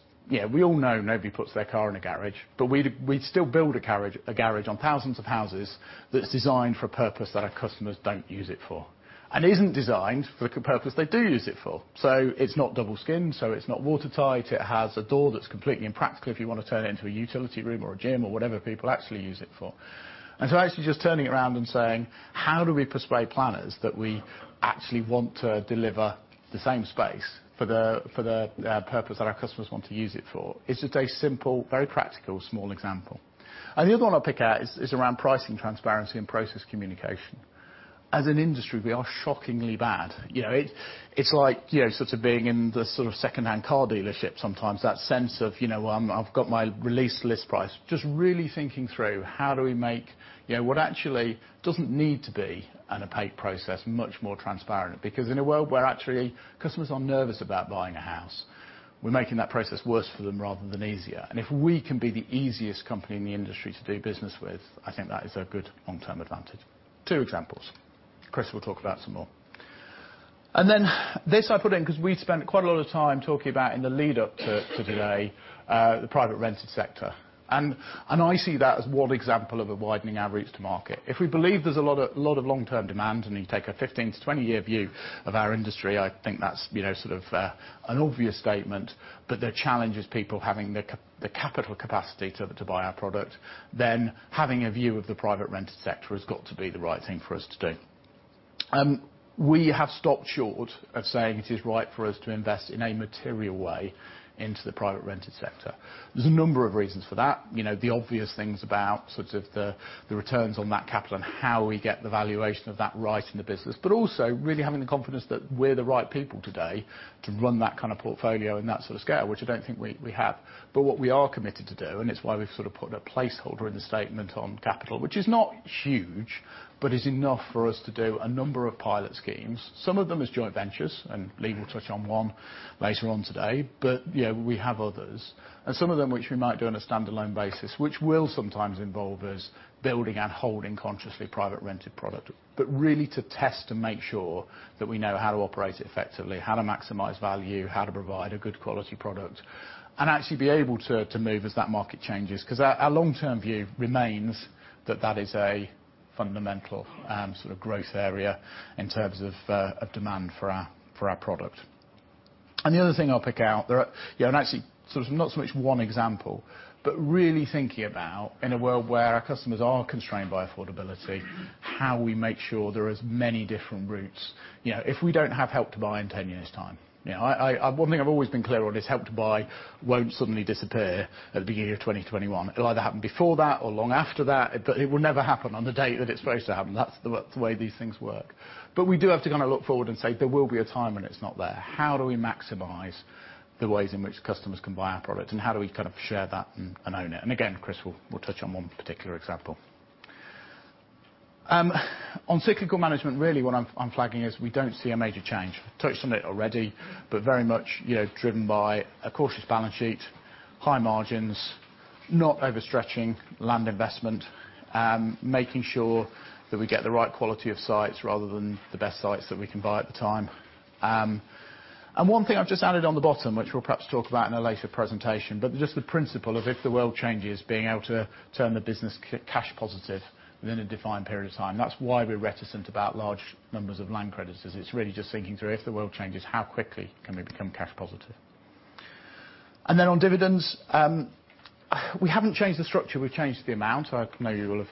We all know nobody puts their car in a garage, but we still build a garage on thousands of houses that's designed for a purpose that our customers don't use it for and isn't designed for the purpose they do use it for. It's not double skinned, it's not watertight. It has a door that's completely impractical if you want to turn it into a utility room or a gym or whatever people actually use it for. Actually just turning it around and saying, how do we persuade planners that we actually want to deliver the same space for the purpose that our customers want to use it for? It's just a simple, very practical, small example. The other one I'll pick out is around pricing transparency and process communication. As an industry, we are shockingly bad. It's like sort of being in the sort of secondhand car dealership sometimes. That sense of I've got my release list price. Just really thinking through how do we make what actually doesn't need to be an opaque process much more transparent. In a world where actually customers are nervous about buying a house, we're making that process worse for them rather than easier. If we can be the easiest company in the industry to do business with, I think that is a good long-term advantage. Two examples. Chris will talk about some more. Then this I put in because we spent quite a lot of time talking about in the lead-up to today, the private rented sector. I see that as one example of a widening our routes to market. If we believe there's a lot of long-term demand, you take a 15-20 year view of our industry, I think that's sort of an obvious statement. The challenge is people having the capital capacity to buy our product, then having a view of the private rented sector has got to be the right thing for us to do. We have stopped short of saying it is right for us to invest in a material way into the private rented sector. There's a number of reasons for that. The obvious things about sort of the returns on that capital and how we get the valuation of that right in the business. Also really having the confidence that we're the right people today to run that kind of portfolio and that sort of scale, which I don't think we have. What we are committed to do, it's why we've sort of put a placeholder in the statement on capital, which is not huge, but is enough for us to do a number of pilot schemes. Some of them as joint ventures, Lee will touch on one later on today. We have others. Some of them which we might do on a standalone basis, which will sometimes involve us building and holding consciously private rented product. Really to test and make sure that we know how to operate it effectively, how to maximize value, how to provide a good quality product, actually be able to move as that market changes. Our long-term view remains that that is a fundamental sort of growth area in terms of demand for our product. The other thing I'll pick out there, and actually sort of not so much one example, but really thinking about in a world where our customers are constrained by affordability, how we make sure there are as many different routes. If we don't have Help to Buy in 10 years' time. One thing I've always been clear on is Help to Buy won't suddenly disappear at the beginning of 2021. It'll either happen before that or long after that, but it will never happen on the date that it's supposed to happen. That's the way these things work. We do have to kind of look forward and say, there will be a time when it's not there. How do we maximize the ways in which customers can buy our product, and how do we kind of share that and own it? Again, Chris will touch on one particular example. On cyclical management, really what I'm flagging is we don't see a major change. Touched on it already, but very much driven by a cautious balance sheet, high margins, not overstretching land investment, making sure that we get the right quality of sites rather than the best sites that we can buy at the time. One thing I've just added on the bottom, which we'll perhaps talk about in a later presentation, but just the principle of if the world changes, being able to turn the business cash positive within a defined period of time. That's why we're reticent about large numbers of land credits, is it's really just thinking through if the world changes, how quickly can we become cash positive? Then on dividends, we haven't changed the structure. We've changed the amount. I know you will have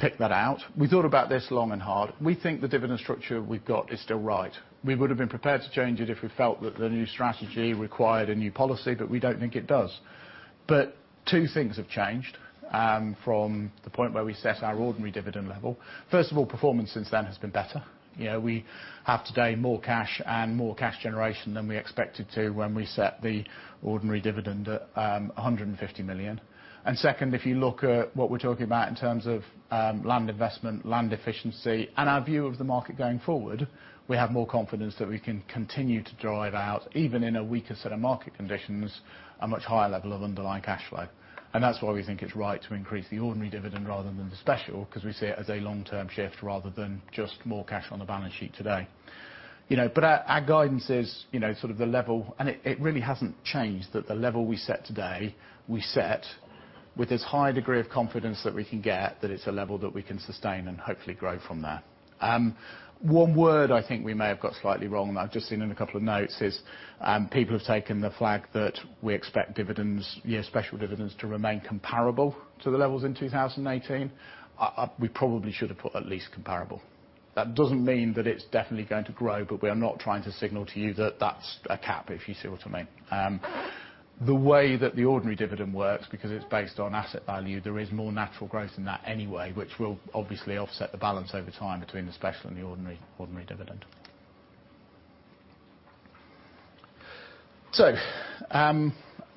picked that out. We thought about this long and hard. We think the dividend structure we've got is still right. We would have been prepared to change it if we felt that the new strategy required a new policy, but we don't think it does. Two things have changed from the point where we set our ordinary dividend level. First of all, performance since then has been better. We have today more cash and more cash generation than we expected to when we set the ordinary dividend at 150 million. Second, if you look at what we're talking about in terms of land investment, land efficiency, and our view of the market going forward, we have more confidence that we can continue to drive out, even in a weaker set of market conditions, a much higher level of underlying cash flow. That's why we think it's right to increase the ordinary dividend rather than the special, because we see it as a long-term shift rather than just more cash on the balance sheet today. Our guidance is sort of the level, and it really hasn't changed, that the level we set today, we set with as high a degree of confidence that we can get, that it's a level that we can sustain and hopefully grow from there. One word I think we may have got slightly wrong, and I've just seen in a couple of notes is, people have taken the flag that we expect dividends, special dividends, to remain comparable to the levels in 2018. We probably should have put at least comparable. That doesn't mean that it's definitely going to grow, but we are not trying to signal to you that that's a cap, if you see what I mean. The way that the ordinary dividend works, because it's based on asset value, there is more natural growth in that anyway, which will obviously offset the balance over time between the special and the ordinary dividend.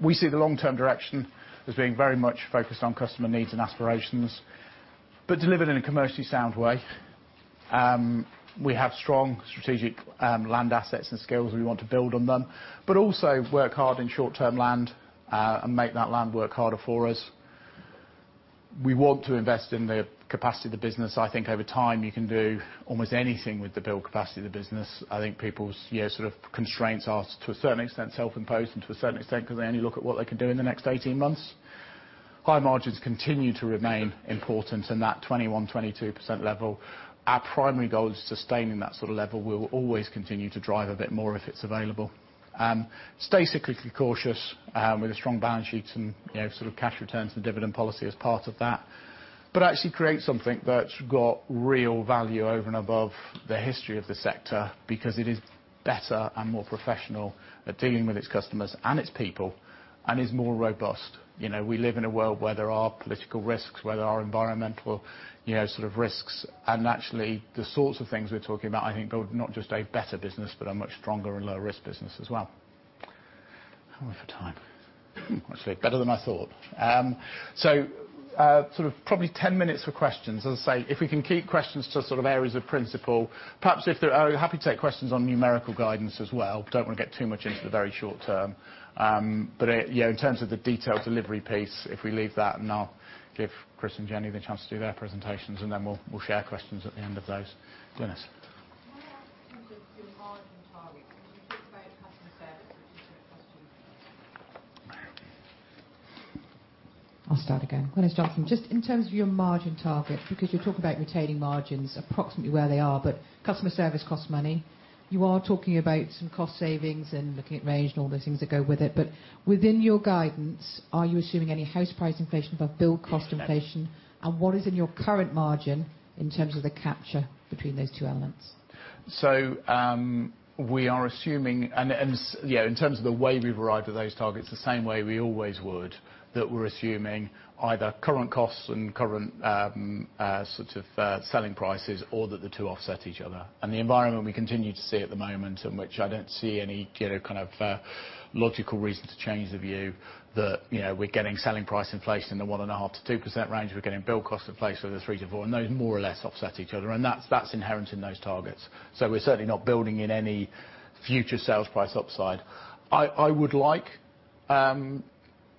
We see the long-term direction as being very much focused on customer needs and aspirations, but delivered in a commercially sound way. We have strong strategic land assets and skills. We want to build on them, but also work hard in short-term land, and make that land work harder for us. We want to invest in the capacity of the business. I think over time, you can do almost anything with the build capacity of the business. I think people's sort of constraints are, to a certain extent, self-imposed, and to a certain extent, because they only look at what they can do in the next 18 months. High margins continue to remain important in that 21%-22% level. Our primary goal is sustaining that sort of level. We will always continue to drive a bit more if it's available. Stay cyclically cautious, with a strong balance sheet and sort of cash returns and dividend policy as part of that. Actually create something that's got real value over and above the history of the sector because it is better and more professional at dealing with its customers and its people, and is more robust. We live in a world where there are political risks, where there are environmental risks, and actually, the sorts of things we're talking about, I think, build not just a better business, but a much stronger and lower risk business as well. How are we for time? Actually, better than I thought. Probably 10 minutes for questions. As I say, if we can keep questions to sort of areas of principle. Happy to take questions on numerical guidance as well. Don't want to get too much into the very short term. In terms of the detailed delivery piece, if we leave that, and I'll give Chris and Jennie the chance to do their presentations, and then we'll share questions at the end of those. Glynis. Can I ask in terms of your margin targets, can you talk about customer service, which is going to cost you? I'll start again. Glynis, starting. Just in terms of your margin targets, because you're talking about retaining margins approximately where they are, customer service costs money. You are talking about some cost savings and looking at range and all those things that go with it. Within your guidance, are you assuming any house price inflation above build cost inflation? Yes. What is in your current margin in terms of the capture between those two elements? We are assuming, and in terms of the way we've arrived at those targets, the same way we always would, that we're assuming either current costs and current selling prices, or that the two offset each other. The environment we continue to see at the moment, and which I don't see any kind of logical reason to change the view that we're getting selling price inflation in the 1.5%-2% range. We're getting build cost inflation in the 3%-4%, and those more or less offset each other. That's inherent in those targets. We're certainly not building in any future sales price upside. I would like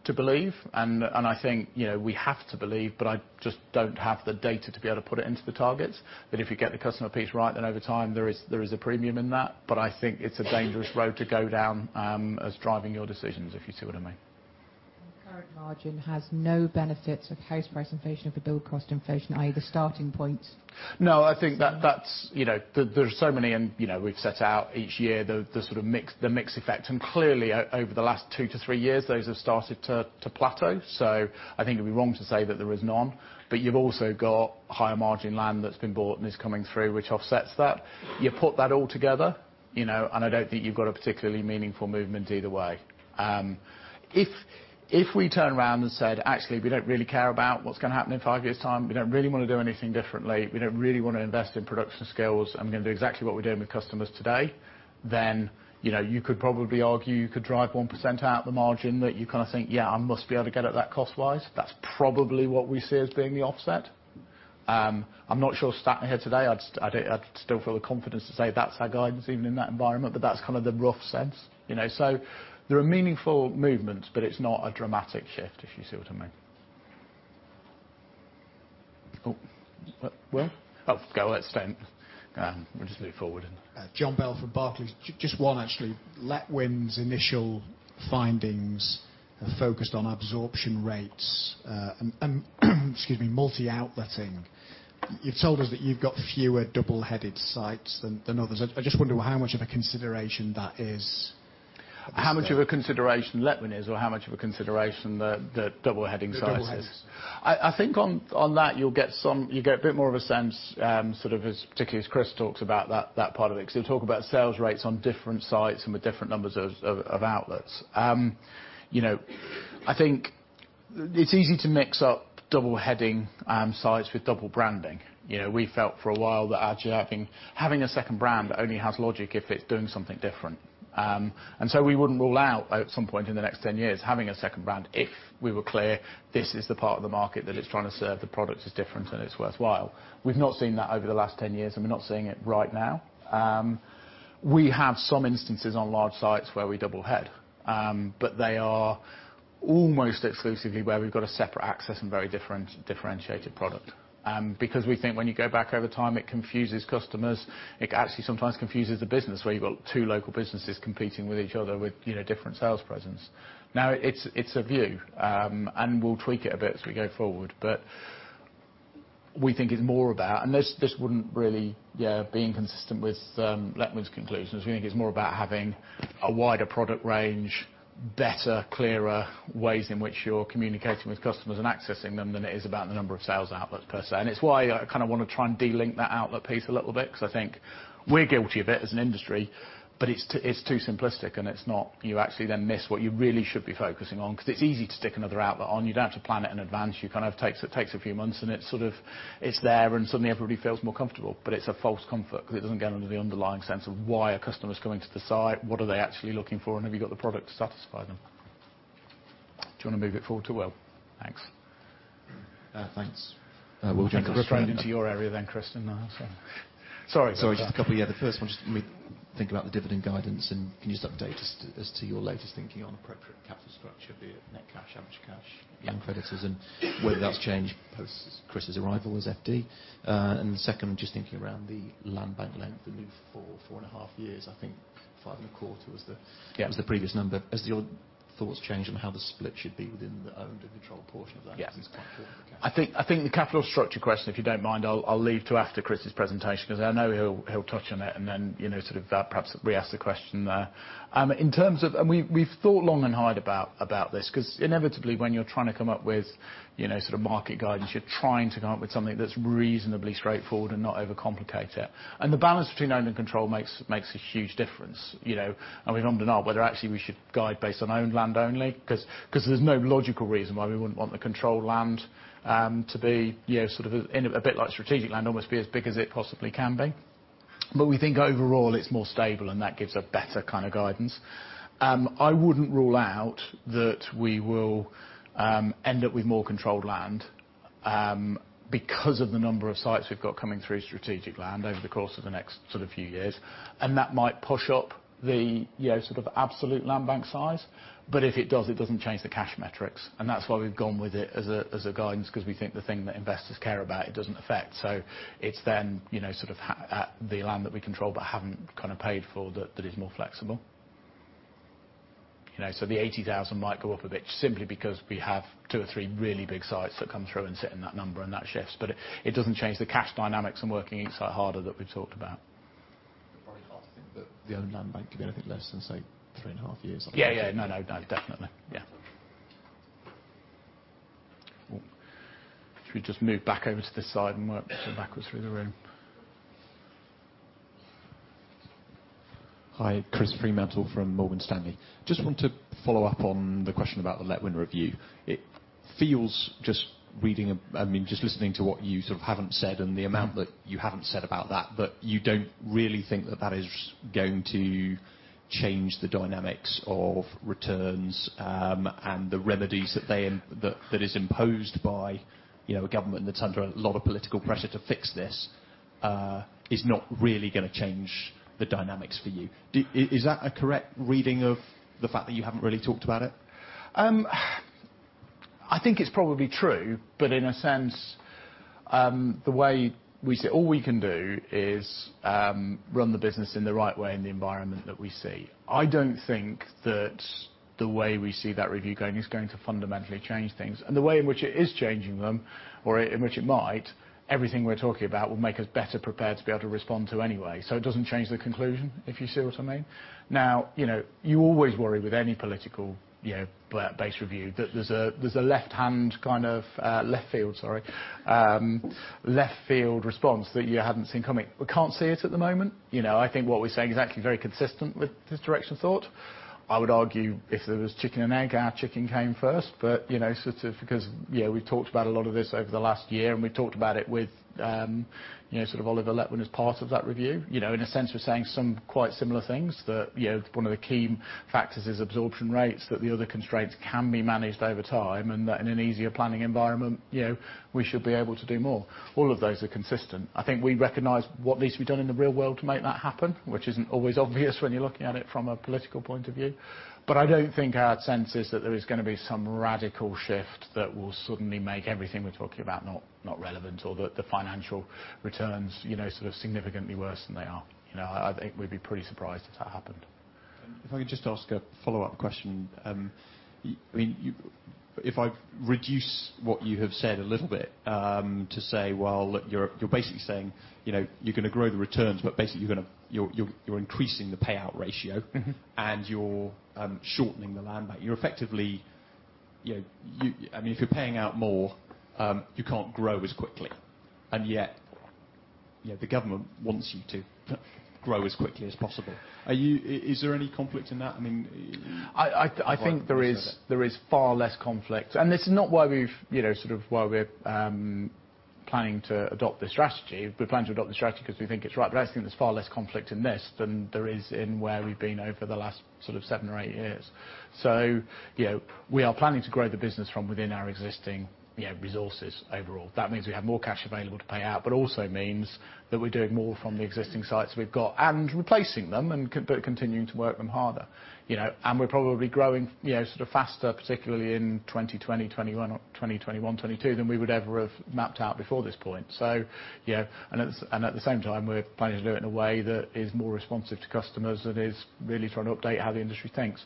to believe, and I think we have to believe, but I just don't have the data to be able to put it into the targets. That if you get the customer piece right, then over time, there is a premium in that. I think it's a dangerous road to go down as driving your decisions, if you see what I mean. The current margin has no benefits of house price inflation over build cost inflation, i.e., the starting points? There are so many, and we've set out each year the sort of mix effect. Clearly, over the last two to three years, those have started to plateau. I think it'd be wrong to say that there is none. You've also got higher margin land that's been bought and is coming through, which offsets that. You put that all together, I don't think you've got a particularly meaningful movement either way. If we turn around and said, "Actually, we don't really care about what's going to happen in five years' time. We don't really want to do anything differently. We don't really want to invest in production skills, we're going to do exactly what we're doing with customers today," you could probably argue, you could drive 1% out the margin that you kind of think, "Yeah, I must be able to get at that cost-wise." That's probably what we see as being the offset. I'm not sure standing here today I'd still feel the confidence to say that's our guidance even in that environment. That's kind of the rough sense. There are meaningful movements, but it's not a dramatic shift, if you see what I mean. Will? [INAUDIBLE] We'll just move forward then. John Bell from Barclays. Just one, actually. Letwin's initial findings are focused on absorption rates and excuse me, multi-outletting. You've told us that you've got fewer double-headed sites than others. I just wonder how much of a consideration that is. How much of a consideration Letwin is, or how much of a consideration the double-heading sites is? The double-heads. I think on that, you'll get a bit more of a sense, particularly as Chris talks about that part of it. Because he'll talk about sales rates on different sites and with different numbers of outlets. I think it's easy to mix up double-heading sites with double branding. We felt for a while that actually having a second brand only has logic if it's doing something different. We wouldn't rule out at some point in the next 10 years, having a second brand if we were clear this is the part of the market that it's trying to serve, the product is different, and it's worthwhile. We've not seen that over the last 10 years, and we're not seeing it right now. We have some instances on large sites where we double head. They are Almost exclusively where we've got a separate access and very differentiated product. Because we think when you go back over time, it confuses customers. It actually sometimes confuses the business, where you've got two local businesses competing with each other, with different sales presence. Now, it's a view, and we'll tweak it a bit as we go forward, but we think it's more about This wouldn't really be inconsistent with Letwin's conclusions. We think it's more about having a wider product range, better, clearer ways in which you're communicating with customers and accessing them, than it is about the number of sales outlets per se. It's why I want to try and de-link that outlet piece a little bit, because I think we're guilty a bit as an industry. It's too simplistic, and you actually then miss what you really should be focusing on. Because it's easy to stick another outlet on. You don't have to plan it in advance. It takes a few months, and it's there, and suddenly everybody feels more comfortable. It's a false comfort, because it doesn't get under the underlying sense of why a customer's coming to the site, what are they actually looking for, and have you got the product to satisfy them? Do you want to move it forward to Will? Thanks. Thanks. Will Jones I think we've trained into your area then, Kristen. No, sorry. Sorry. Just a couple. Yeah. The first one, just when we think about the dividend guidance, can you just update us as to your latest thinking on appropriate capital structure, be it net cash, average cash Yeah Land creditors, whether that's changed post Chris' arrival as FD? The second, just thinking around the land bank length, the new four and a half years. I think five and a quarter was the Yeah was the previous number. Has your thoughts changed on how the split should be within the owned and controlled portion of that- Yeah since capital I think the capital structure question, if you don't mind, I'll leave to after Chris' presentation, because I know he'll touch on it and then sort of perhaps re-ask the question there. We've thought long and hard about this, because inevitably when you're trying to come up with sort of market guidance, you're trying to come up with something that's reasonably straightforward and not overcomplicate it. The balance between owned and controlled makes a huge difference. We've ummed and aahed whether actually we should guide based on owned land only, because there's no logical reason why we wouldn't want the controlled land to be sort of, a bit like strategic land, almost be as big as it possibly can be. We think overall it's more stable, and that gives a better kind of guidance. I wouldn't rule out that we will end up with more controlled land, because of the number of sites we've got coming through strategic land over the course of the next few years. That might push up the sort of absolute land bank size. If it does, it doesn't change the cash metrics, and that's why we've gone with it as a guidance, because we think the thing that investors care about, it doesn't affect. It's then sort of the land that we control but haven't paid for that is more flexible. The 80,000 might go up a bit simply because we have two or three really big sites that come through and sit in that number, and that shifts. It doesn't change the cash dynamics and working each site harder that we've talked about. Probably last thing, the owned land bank, do you think less than, say, three and a half years? Yeah. No. Definitely. Yeah. Shall we just move back over to this side and work backwards through the room? Hi. Chris Fremantle from Morgan Stanley. Just want to follow up on the question about the Letwin review. It feels, just listening to what you sort of haven't said and the amount that you haven't said about that, you don't really think that that is going to change the dynamics of returns, the remedies that is imposed by a government that's under a lot of political pressure to fix this, is not really going to change the dynamics for you. Is that a correct reading of the fact that you haven't really talked about it? I think it's probably true, in a sense, all we can do is run the business in the right way in the environment that we see. I don't think that the way we see that review going is going to fundamentally change things. The way in which it is changing them, or in which it might, everything we're talking about will make us better prepared to be able to respond to anyway. It doesn't change the conclusion, if you see what I mean. You always worry with any political base review that there's a left field response that you haven't seen coming. We can't see it at the moment. I think what we're saying is actually very consistent with this direction of thought. I would argue if there was chicken and egg, our chicken came first. Because we've talked about a lot of this over the last year, and we talked about it with Oliver Letwin as part of that review. In a sense, we're saying some quite similar things, that one of the key factors is absorption rates, that the other constraints can be managed over time, and that in an easier planning environment, we should be able to do more. All of those are consistent. I think we recognize what needs to be done in the real world to make that happen, which isn't always obvious when you're looking at it from a political point of view. I don't think our sense is that there is going to be some radical shift that will suddenly make everything we're talking about not relevant, or that the financial returns significantly worse than they are. I think we'd be pretty surprised if that happened. If I could just ask a follow-up question. If I reduce what you have said a little bit, to say, well, look, you're basically saying, you're going to grow the returns, basically you're increasing the payout ratio. You're shortening the land bank. If you're paying out more, you can't grow as quickly, and yet the government wants you to grow as quickly as possible. Is there any conflict in that? I mean. I think there is far less conflict. This is not why we're planning to adopt this strategy. We plan to adopt this strategy because we think it's right, I actually think there's far less conflict in this than there is in where we've been over the last sort of seven or eight years. We are planning to grow the business from within our existing resources overall. That means we have more cash available to pay out, also means that we're doing more from the existing sites we've got and replacing them, continuing to work them harder. We're probably growing faster, particularly in 2020, 2021 or 2021, 2022, than we would ever have mapped out before this point. At the same time, we're planning to do it in a way that is more responsive to customers and is really trying to update how the industry thinks.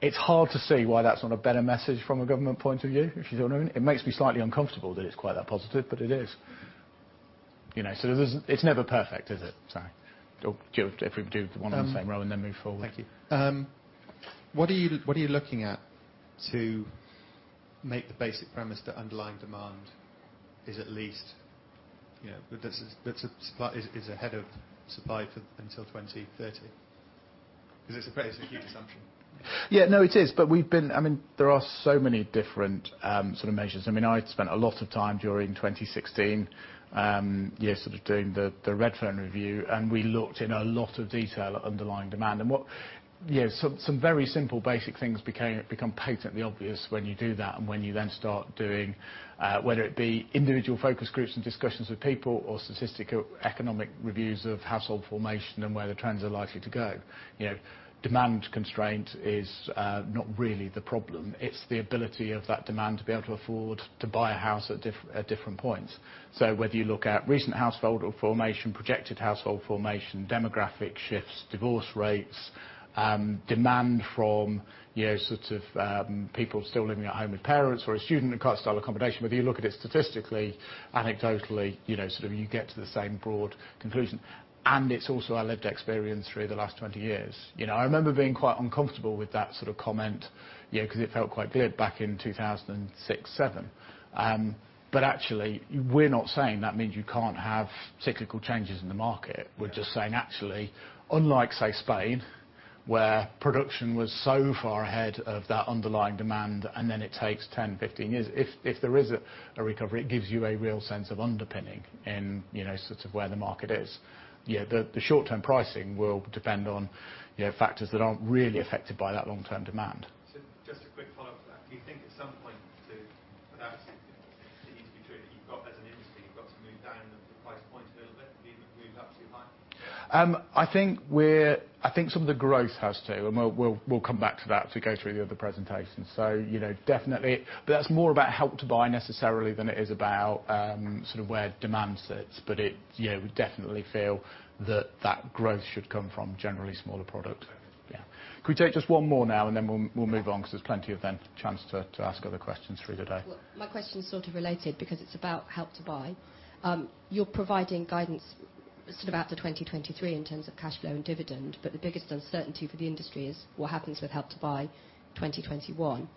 It's hard to see why that's not a better message from a government point of view, if you know what I mean. It makes me slightly uncomfortable that it's quite that positive, but it is. It's never perfect, is it? Sorry. If we do the one in the same row and then move forward. Thank you. What are you looking at to make the basic premise that underlying demand is ahead of supply until 2030? It's a pretty huge assumption. No, it is, there are so many different sort of measures. I mean, I'd spent a lot of time during 2016 doing the Redfern Review, we looked in a lot of detail at underlying demand. Some very simple basic things become patently obvious when you do that and when you then start doing, whether it be individual focus groups and discussions with people or statistic economic reviews of household formation and where the trends are likely to go. Demand constraint is not really the problem. It's the ability of that demand to be able to afford to buy a house at different points. Whether you look at recent household formation, projected household formation, demographic shifts, divorce rates, demand from people still living at home with parents or a student style accommodation, whether you look at it statistically, anecdotally, sort of you get to the same broad conclusion. It's also our lived experience through the last 20 years. I remember being quite uncomfortable with that sort of comment because it felt quite weird back in 2006, 2007. Actually, we're not saying that means you can't have cyclical changes in the market. We're just saying actually, unlike, say, Spain, where production was so far ahead of that underlying demand and then it takes 10, 15 years. If there is a recovery, it gives you a real sense of underpinning in sort of where the market is. The short-term pricing will depend on factors that aren't really affected by that long-term demand. Just a quick follow up to that. Do you think at some point to perhaps it needs to be true that you've got as an industry, you've got to move down the price point a little bit even if you move up to your maximum? I think some of the growth has to. We'll come back to that as we go through the other presentations. Definitely, but that's more about Help to Buy necessarily than it is about sort of where demand sits. We definitely feel that that growth should come from generally smaller product. Yeah. Can we take just one more now and then we'll move on because there's plenty of then chance to ask other questions through the day. My question's sort of related because it's about Help to Buy. You're providing guidance sort of out to 2023 in terms of cash flow and dividend. The biggest uncertainty for the industry is what happens with Help to Buy 2021.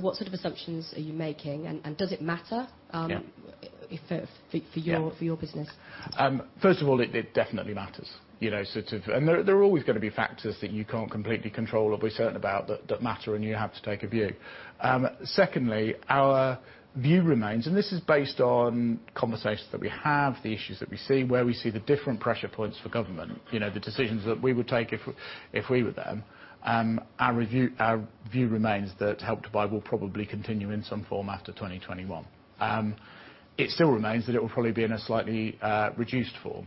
What sort of assumptions are you making and does it matter? Yeah for your business? First of all, it definitely matters. There are always going to be factors that you can't completely control or be certain about that matter, and you have to take a view. Secondly, our view remains, this is based on conversations that we have, the issues that we see, where we see the different pressure points for government. The decisions that we would take if we were them. Our view remains that Help to Buy will probably continue in some form after 2021. It still remains that it will probably be in a slightly reduced form.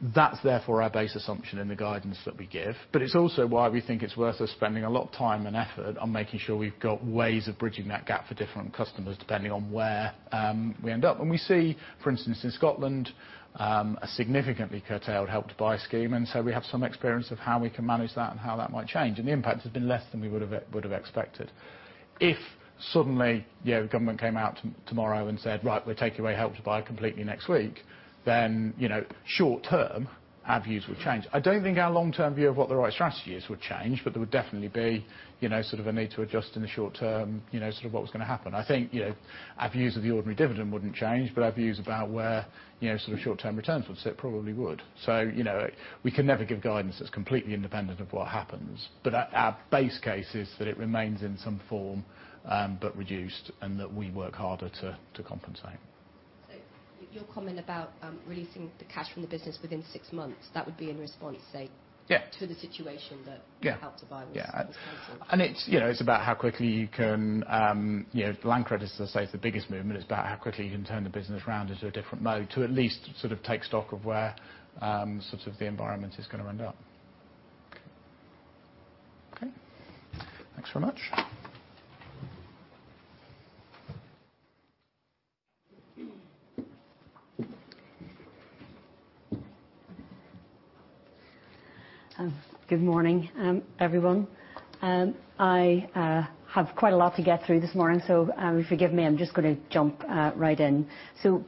That's therefore our base assumption in the guidance that we give. It's also why we think it's worth us spending a lot of time and effort on making sure we've got ways of bridging that gap for different customers depending on where we end up. We see, for instance, in Scotland, a significantly curtailed Help to Buy scheme, we have some experience of how we can manage that and how that might change. The impact has been less than we would have expected. If suddenly the government came out tomorrow and said, "Right, we're taking away Help to Buy completely next week," then, short term, our views would change. I don't think our long-term view of what the right strategy is would change, there would definitely be sort of a need to adjust in the short term sort of what was going to happen. I think our views of the ordinary dividend wouldn't change, our views about where sort of short-term returns would sit probably would. We can never give guidance that's completely independent of what happens. Our base case is that it remains in some form, reduced, and that we work harder to compensate. Your comment about releasing the cash from the business within six months, that would be in response. Yeah to the situation. Yeah Help to Buy was cancelled. Yeah. It's about how quickly you can. Land Registry, as I say, is the biggest movement. It's about how quickly you can turn the business around into a different mode to at least sort of take stock of where sort of the environment is going to end up. Okay. Thanks very much. Good morning, everyone. I have quite a lot to get through this morning, so if you forgive me, I'm just going to jump right in.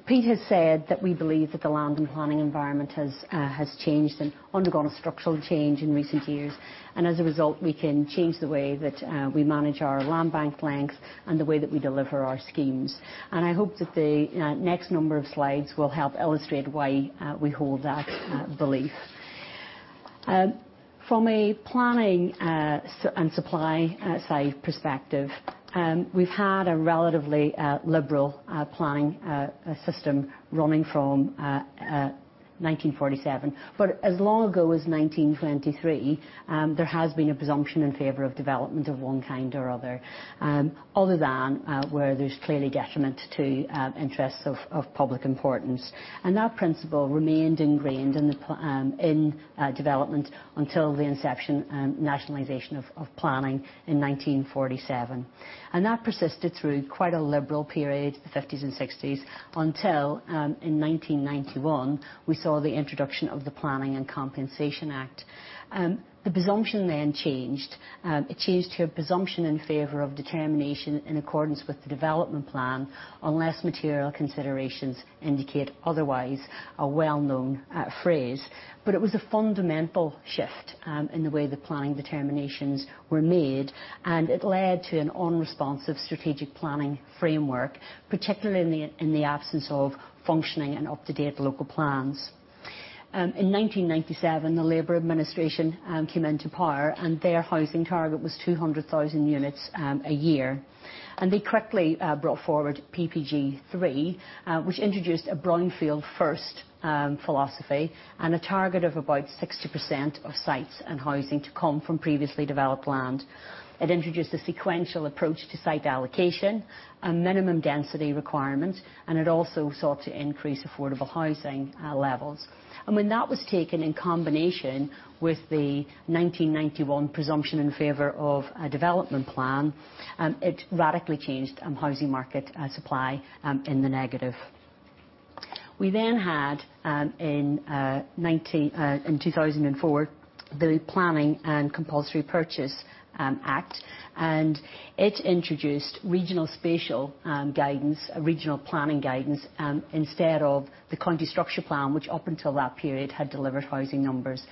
Pete has said that we believe that the land and planning environment has changed and undergone a structural change in recent years. As a result, we can change the way that we manage our land bank length and the way that we deliver our schemes. I hope that the next number of slides will help illustrate why we hold that belief. From a planning and supply side perspective, we've had a relatively liberal planning system running from 1947. As long ago as 1923, there has been a presumption in favor of development of one kind or other than where there's clearly detriment to interests of public importance. That principle remained ingrained in development until the inception and nationalization of planning in 1947. That persisted through quite a liberal period, the '50s and '60s, until in 1991, we saw the introduction of the Planning and Compensation Act. The presumption then changed. It changed to a presumption in favor of determination in accordance with the development plan unless material considerations indicate otherwise, a well-known phrase. It was a fundamental shift in the way the planning determinations were made, and it led to an unresponsive strategic planning framework, particularly in the absence of functioning and up-to-date local plans. In 1997, the Labour administration came into power, and their housing target was 200,000 units a year. They correctly brought forward PPG3, which introduced a brownfield first philosophy and a target of about 60% of sites and housing to come from previously developed land. It introduced a sequential approach to site allocation, a minimum density requirement, and it also sought to increase affordable housing levels. When that was taken in combination with the 1991 presumption in favor of a development plan, it radically changed housing market supply in the negative. We then had, in 2004, the Planning and Compulsory Purchase Act, and it introduced regional spatial guidance, regional planning guidance, instead of the county structure plan, which up until that period had delivered housing numbers.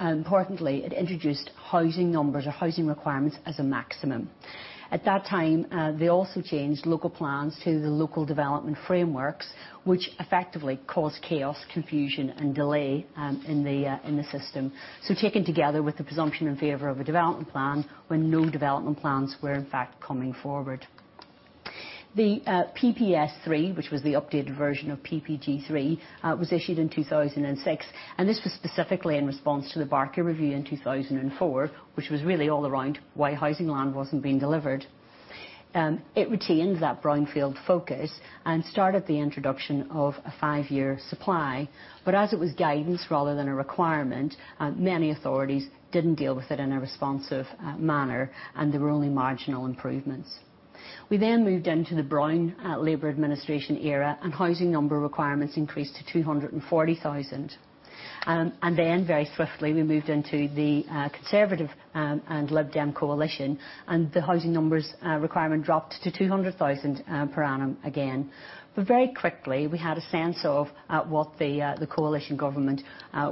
Importantly, it introduced housing numbers or housing requirements as a maximum. At that time, they also changed local plans to the local development frameworks, which effectively caused chaos, confusion, and delay in the system. Taken together with the presumption in favor of a development plan when no development plans were in fact coming forward. The PPS3, which was the updated version of PPG3, was issued in 2006, and this was specifically in response to the Barker Review in 2004, which was really all around why housing land wasn't being delivered. It retained that brownfield focus and started the introduction of a five-year supply. As it was guidance rather than a requirement, many authorities didn't deal with it in a responsive manner, and there were only marginal improvements. We then moved into the Brown Labour administration era, and housing number requirements increased to 240,000. Then very swiftly, we moved into the Conservative and Lib Dem coalition, and the housing numbers requirement dropped to 200,000 per annum again. Very quickly, we had a sense of what the coalition government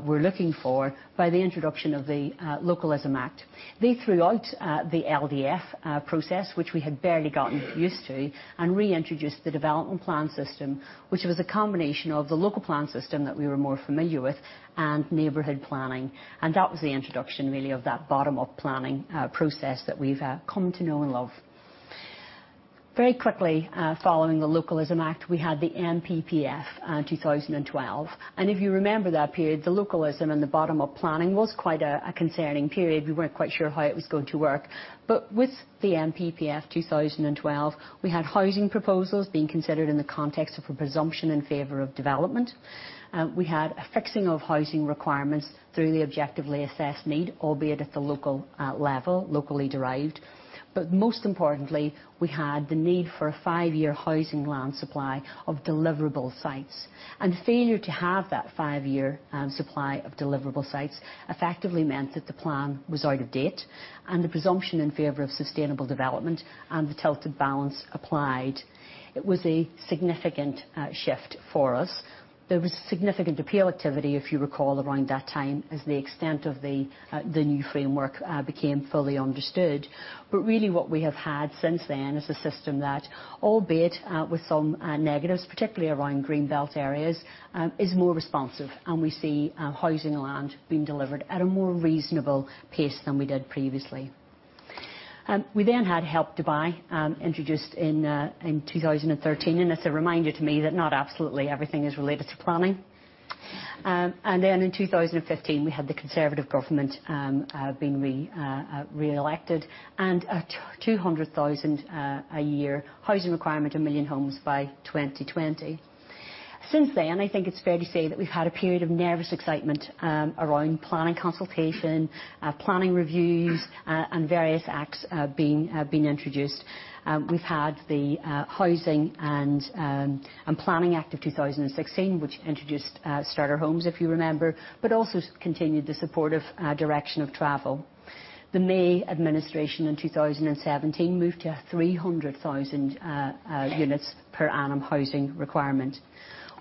were looking for by the introduction of the Localism Act. They threw out the LDF process, which we had barely gotten used to, and reintroduced the development plan system, which was a combination of the local plan system that we were more familiar with and neighborhood planning. That was the introduction, really, of that bottom-up planning process that we've come to know and love. Very quickly following the Localism Act, we had the NPPF 2012. If you remember that period, the localism and the bottom-up planning was quite a concerning period. We weren't quite sure how it was going to work. With the NPPF 2012, we had housing proposals being considered in the context of a presumption in favor of development. We had a fixing of housing requirements through the objectively assessed need, albeit at the local level, locally derived. Most importantly, we had the need for a five-year housing land supply of deliverable sites. Failure to have that five-year supply of deliverable sites effectively meant that the plan was out of date and the presumption in favor of sustainable development and the tilted balance applied. It was a significant shift for us. There was significant appeal activity, if you recall, around that time as the extent of the new framework became fully understood. Really what we have had since then is a system that, albeit with some negatives, particularly around green belt areas, is more responsive, and we see housing land being delivered at a more reasonable pace than we did previously. We had Help to Buy introduced in 2013, and it's a reminder to me that not absolutely everything is related to planning. In 2015, we had the Conservative government being re-elected and a 200,000 a year housing requirement, 1 million homes by 2020. Since then, I think it's fair to say that we've had a period of nervous excitement around planning consultation, planning reviews, and various acts being introduced. We've had the Housing and Planning Act 2016, which introduced starter homes, if you remember, but also continued the supportive direction of travel. The May administration in 2017 moved to 300,000 units per annum housing requirement.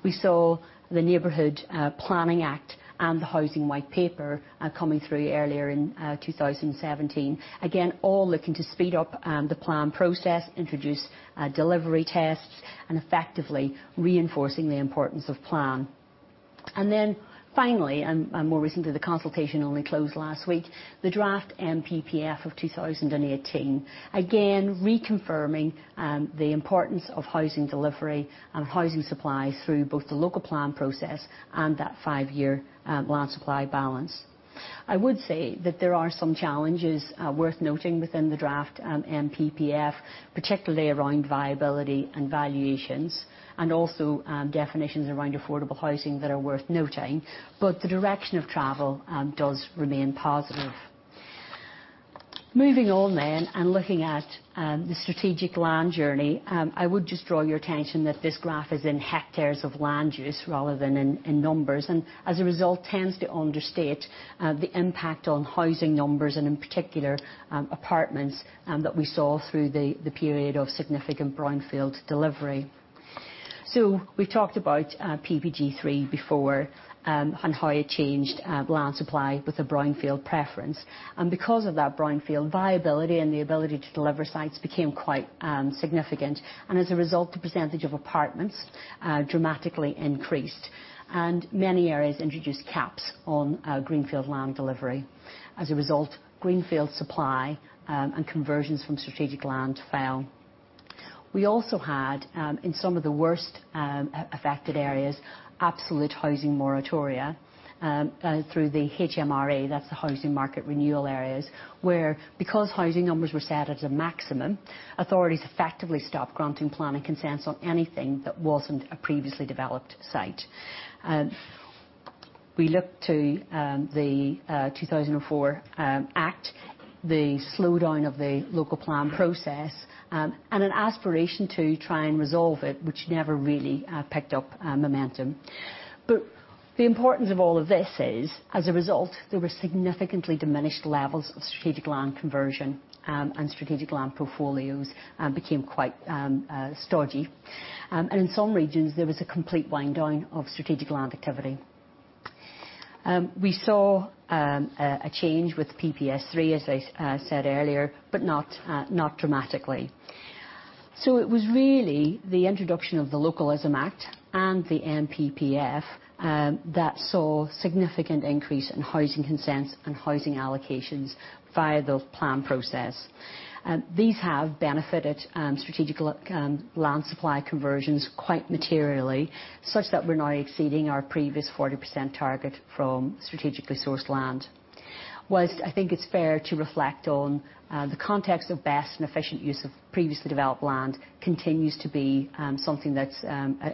We saw the Neighbourhood Planning Act and the Housing White Paper coming through earlier in 2017. Again, all looking to speed up the plan process, introduce delivery tests, and effectively reinforcing the importance of plan. Finally, and more recently, the consultation only closed last week, the draft NPPF of 2018, again, reconfirming the importance of housing delivery and housing supply through both the local plan process and that five-year land supply balance. I would say that there are some challenges worth noting within the draft NPPF, particularly around viability and valuations, and also definitions around affordable housing that are worth noting, the direction of travel does remain positive. Moving on, looking at the strategic land journey, I would just draw your attention that this graph is in hectares of land use rather than in numbers, and as a result, tends to understate the impact on housing numbers and, in particular, apartments that we saw through the period of significant brownfield delivery. We've talked about PPG3 before, and how it changed land supply with a brownfield preference. Because of that brownfield viability and the ability to deliver sites became quite significant, and as a result, the percentage of apartments dramatically increased, and many areas introduced caps on greenfield land delivery. As a result, greenfield supply and conversions from strategic land fell. We also had, in some of the worst affected areas, absolute housing moratoria through the HMRA, that is the Housing Market Renewal Areas, where because housing numbers were set at a maximum, authorities effectively stopped granting planning consents on anything that wasn't a previously developed site. We look to the 2004 Act, the slowdown of the local plan process, and an aspiration to try and resolve it, which never really picked up momentum. The importance of all of this is, as a result, there were significantly diminished levels of strategic land conversion, and strategic land portfolios became quite stodgy. In some regions, there was a complete wind down of strategic land activity. We saw a change with PPS3, as I said earlier, but not dramatically. It was really the introduction of the Localism Act and the NPPF that saw significant increase in housing consents and housing allocations via the plan process. These have benefited strategic land supply conversions quite materially, such that we are now exceeding our previous 40% target from strategically sourced land. Whilst I think it is fair to reflect on the context of best and efficient use of previously developed land continues to be something that is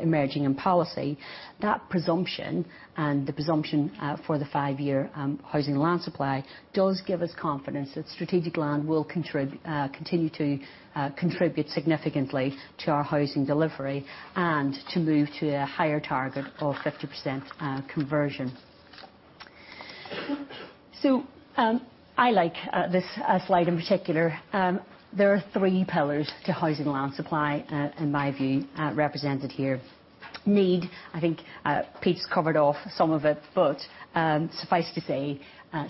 emerging in policy, that presumption, and the presumption for the five-year housing land supply, does give us confidence that strategic land will continue to contribute significantly to our housing delivery and to move to a higher target of 50% conversion. I like this slide in particular. There are three pillars to housing land supply, in my view, represented here. Need, I think Pete's covered off some of it, but suffice to say,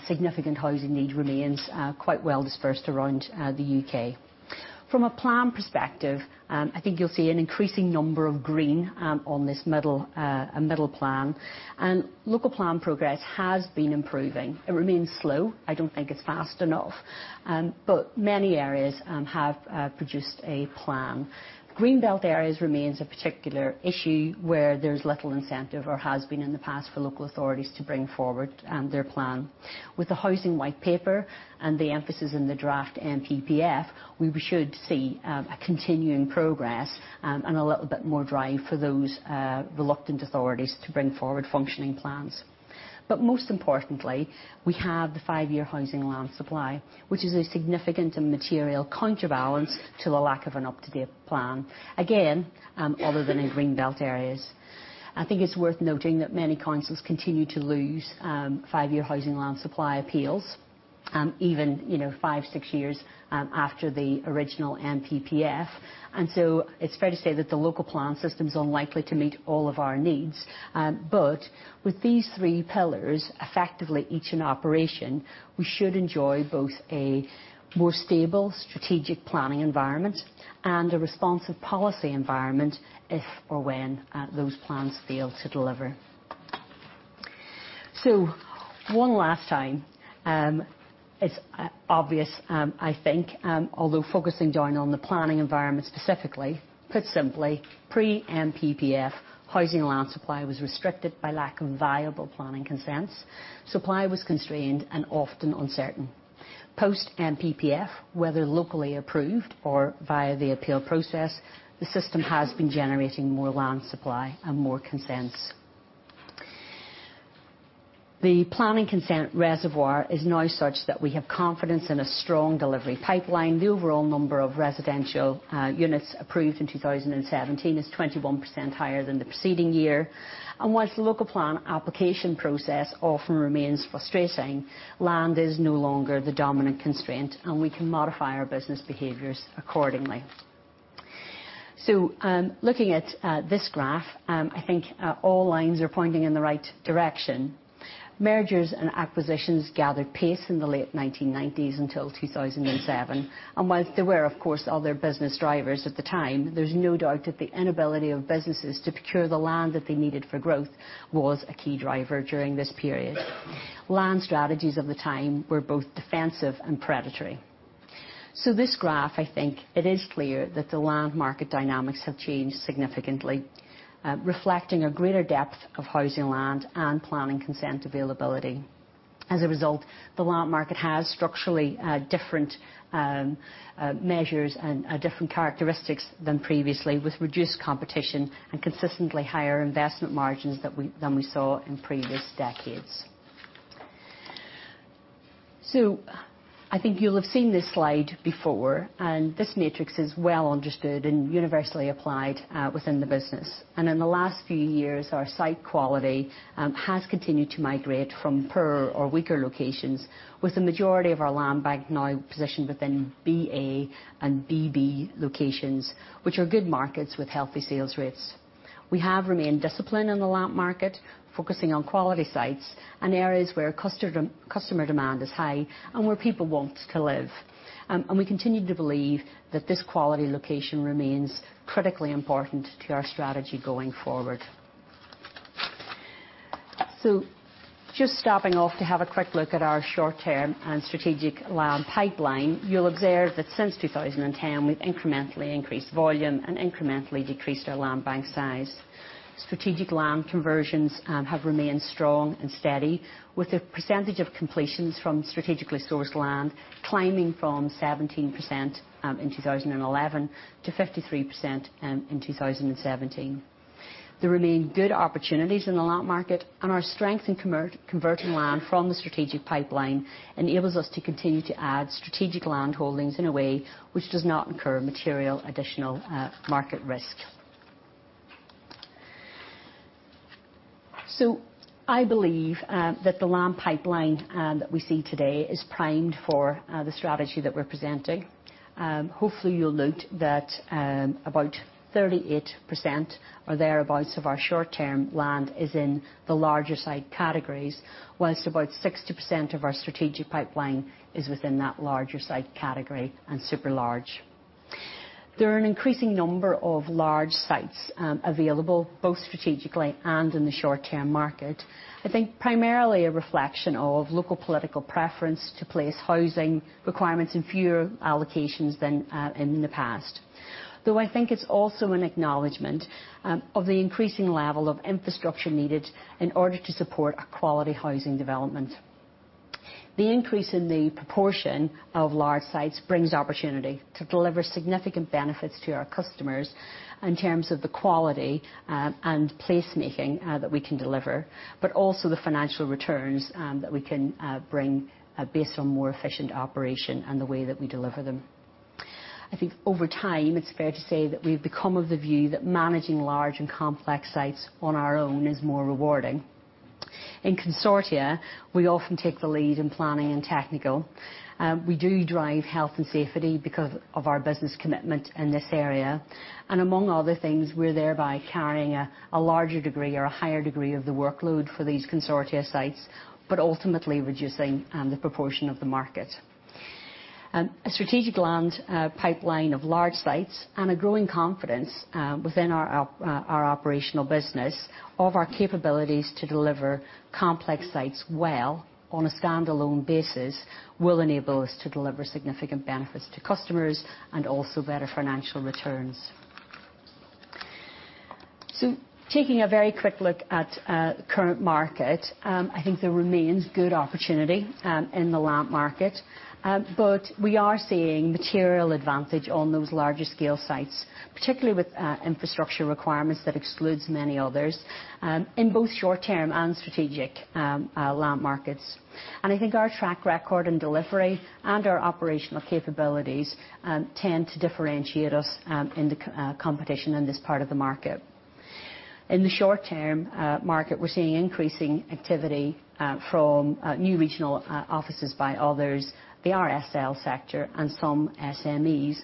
significant housing need remains quite well dispersed around the U.K. From a plan perspective, I think you will see an increasing number of green on this middle plan. Local plan progress has been improving. It remains slow, I don't think it is fast enough, but many areas have produced a plan. Green belt areas remains a particular issue where there is little incentive or has been in the past for local authorities to bring forward their plan. With the Housing White Paper and the emphasis in the draft NPPF, we should see a continuing progress and a little bit more drive for those reluctant authorities to bring forward functioning plans. Most importantly, we have the five-year housing land supply, which is a significant and material counterbalance to the lack of an up-to-date plan, again, other than in green belt areas. I think it is worth noting that many councils continue to lose five-year housing land supply appeals, even five, six years after the original NPPF. It is fair to say that the local plan system is unlikely to meet all of our needs. With these three pillars, effectively each in operation, we should enjoy both a more stable strategic planning environment and a responsive policy environment if or when those plans fail to deliver. One last time. It is obvious, I think, although focusing, Joan, on the planning environment specifically, put simply, pre-NPPF housing land supply was restricted by lack of viable planning consents. Supply was constrained and often uncertain. Post-NPPF, whether locally approved or via the appeal process, the system has been generating more land supply and more consents. The planning consent reservoir is now such that we have confidence in a strong delivery pipeline. The overall number of residential units approved in 2017 is 21% higher than the preceding year. Whilst the local plan application process often remains frustrating, land is no longer the dominant constraint, and we can modify our business behaviors accordingly. Looking at this graph, I think all lines are pointing in the right direction. Mergers and acquisitions gathered pace in the late 1990s until 2007. Whilst there were, of course, other business drivers at the time, there's no doubt that the inability of businesses to procure the land that they needed for growth was a key driver during this period. Land strategies of the time were both defensive and predatory. This graph, I think, it is clear that the land market dynamics have changed significantly, reflecting a greater depth of housing land and planning consent availability. As a result, the land market has structurally different measures and different characteristics than previously, with reduced competition and consistently higher investment margins than we saw in previous decades. I think you'll have seen this slide before, and this matrix is well understood and universally applied within the business. In the last few years, our site quality has continued to migrate from poor or weaker locations, with the majority of our land bank now positioned within B/A and B/B locations, which are good markets with healthy sales rates. We have remained disciplined in the land market, focusing on quality sites and areas where customer demand is high and where people want to live. We continue to believe that this quality location remains critically important to our strategy going forward. Just stopping off to have a quick look at our short-term and strategic land pipeline. You'll observe that since 2010, we've incrementally increased volume and incrementally decreased our land bank size. Strategic land conversions have remained strong and steady, with the percentage of completions from strategically sourced land climbing from 17% in 2011 to 53% in 2017. There remain good opportunities in the land market, and our strength in converting land from the strategic pipeline enables us to continue to add strategic land holdings in a way which does not incur material additional market risk. I believe that the land pipeline that we see today is primed for the strategy that we're presenting. Hopefully, you'll note that about 38% or thereabouts of our short-term land is in the larger site categories, whilst about 60% of our strategic pipeline is within that larger site category and super large. There are an increasing number of large sites available, both strategically and in the short-term market. I think primarily a reflection of local political preference to place housing requirements in fewer allocations than in the past. I think it's also an acknowledgement of the increasing level of infrastructure needed in order to support a quality housing development. The increase in the proportion of large sites brings opportunity to deliver significant benefits to our customers in terms of the quality and placemaking that we can deliver, but also the financial returns that we can bring based on more efficient operation and the way that we deliver them. I think over time, it's fair to say that we've become of the view that managing large and complex sites on our own is more rewarding. In consortia, we often take the lead in planning and technical. We do drive health and safety because of our business commitment in this area. Among other things, we're thereby carrying a larger degree or a higher degree of the workload for these consortia sites, but ultimately reducing the proportion of the market. A strategic land pipeline of large sites and a growing confidence within our operational business of our capabilities to deliver complex sites well on a standalone basis will enable us to deliver significant benefits to customers and also better financial returns. Taking a very quick look at the current market, I think there remains good opportunity in the land market. We are seeing material advantage on those larger scale sites, particularly with infrastructure requirements that excludes many others, in both short-term and strategic land markets. I think our track record in delivery and our operational capabilities tend to differentiate us in the competition in this part of the market. In the short-term market, we're seeing increasing activity from new regional offices by others, the RSL sector, and some SMEs.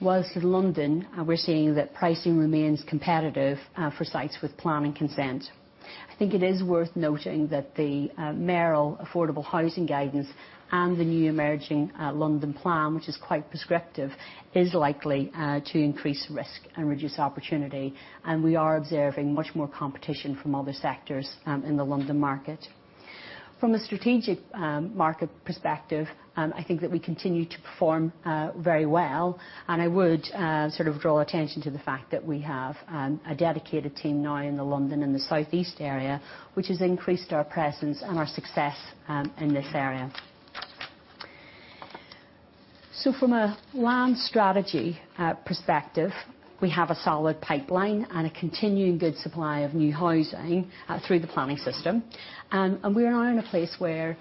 Whilst in London, we're seeing that pricing remains competitive for sites with planning consent. I think it is worth noting that the mayoral affordable housing guidance and the new emerging London Plan, which is quite prescriptive, is likely to increase risk and reduce opportunity, and we are observing much more competition from other sectors in the London market. From a strategic market perspective, I think that we continue to perform very well, and I would sort of draw attention to the fact that we have a dedicated team now in the London and the South East area, which has increased our presence and our success in this area. From a land strategy perspective, we have a solid pipeline and a continuing good supply of new housing through the planning system. We are now in a place where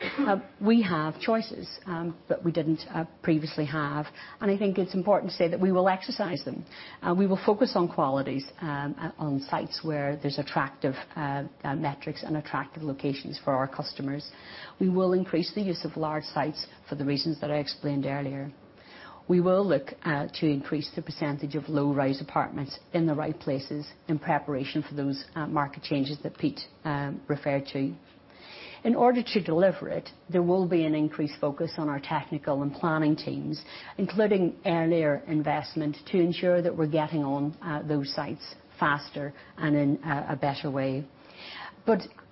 we have choices that we didn't previously have, and I think it's important to say that we will exercise them. We will focus on qualities on sites where there's attractive metrics and attractive locations for our customers. We will increase the use of large sites for the reasons that I explained earlier. We will look to increase the percentage of low-rise apartments in the right places in preparation for those market changes that Pete referred to. In order to deliver it, there will be an increased focus on our technical and planning teams, including earlier investment to ensure that we're getting on those sites faster and in a better way.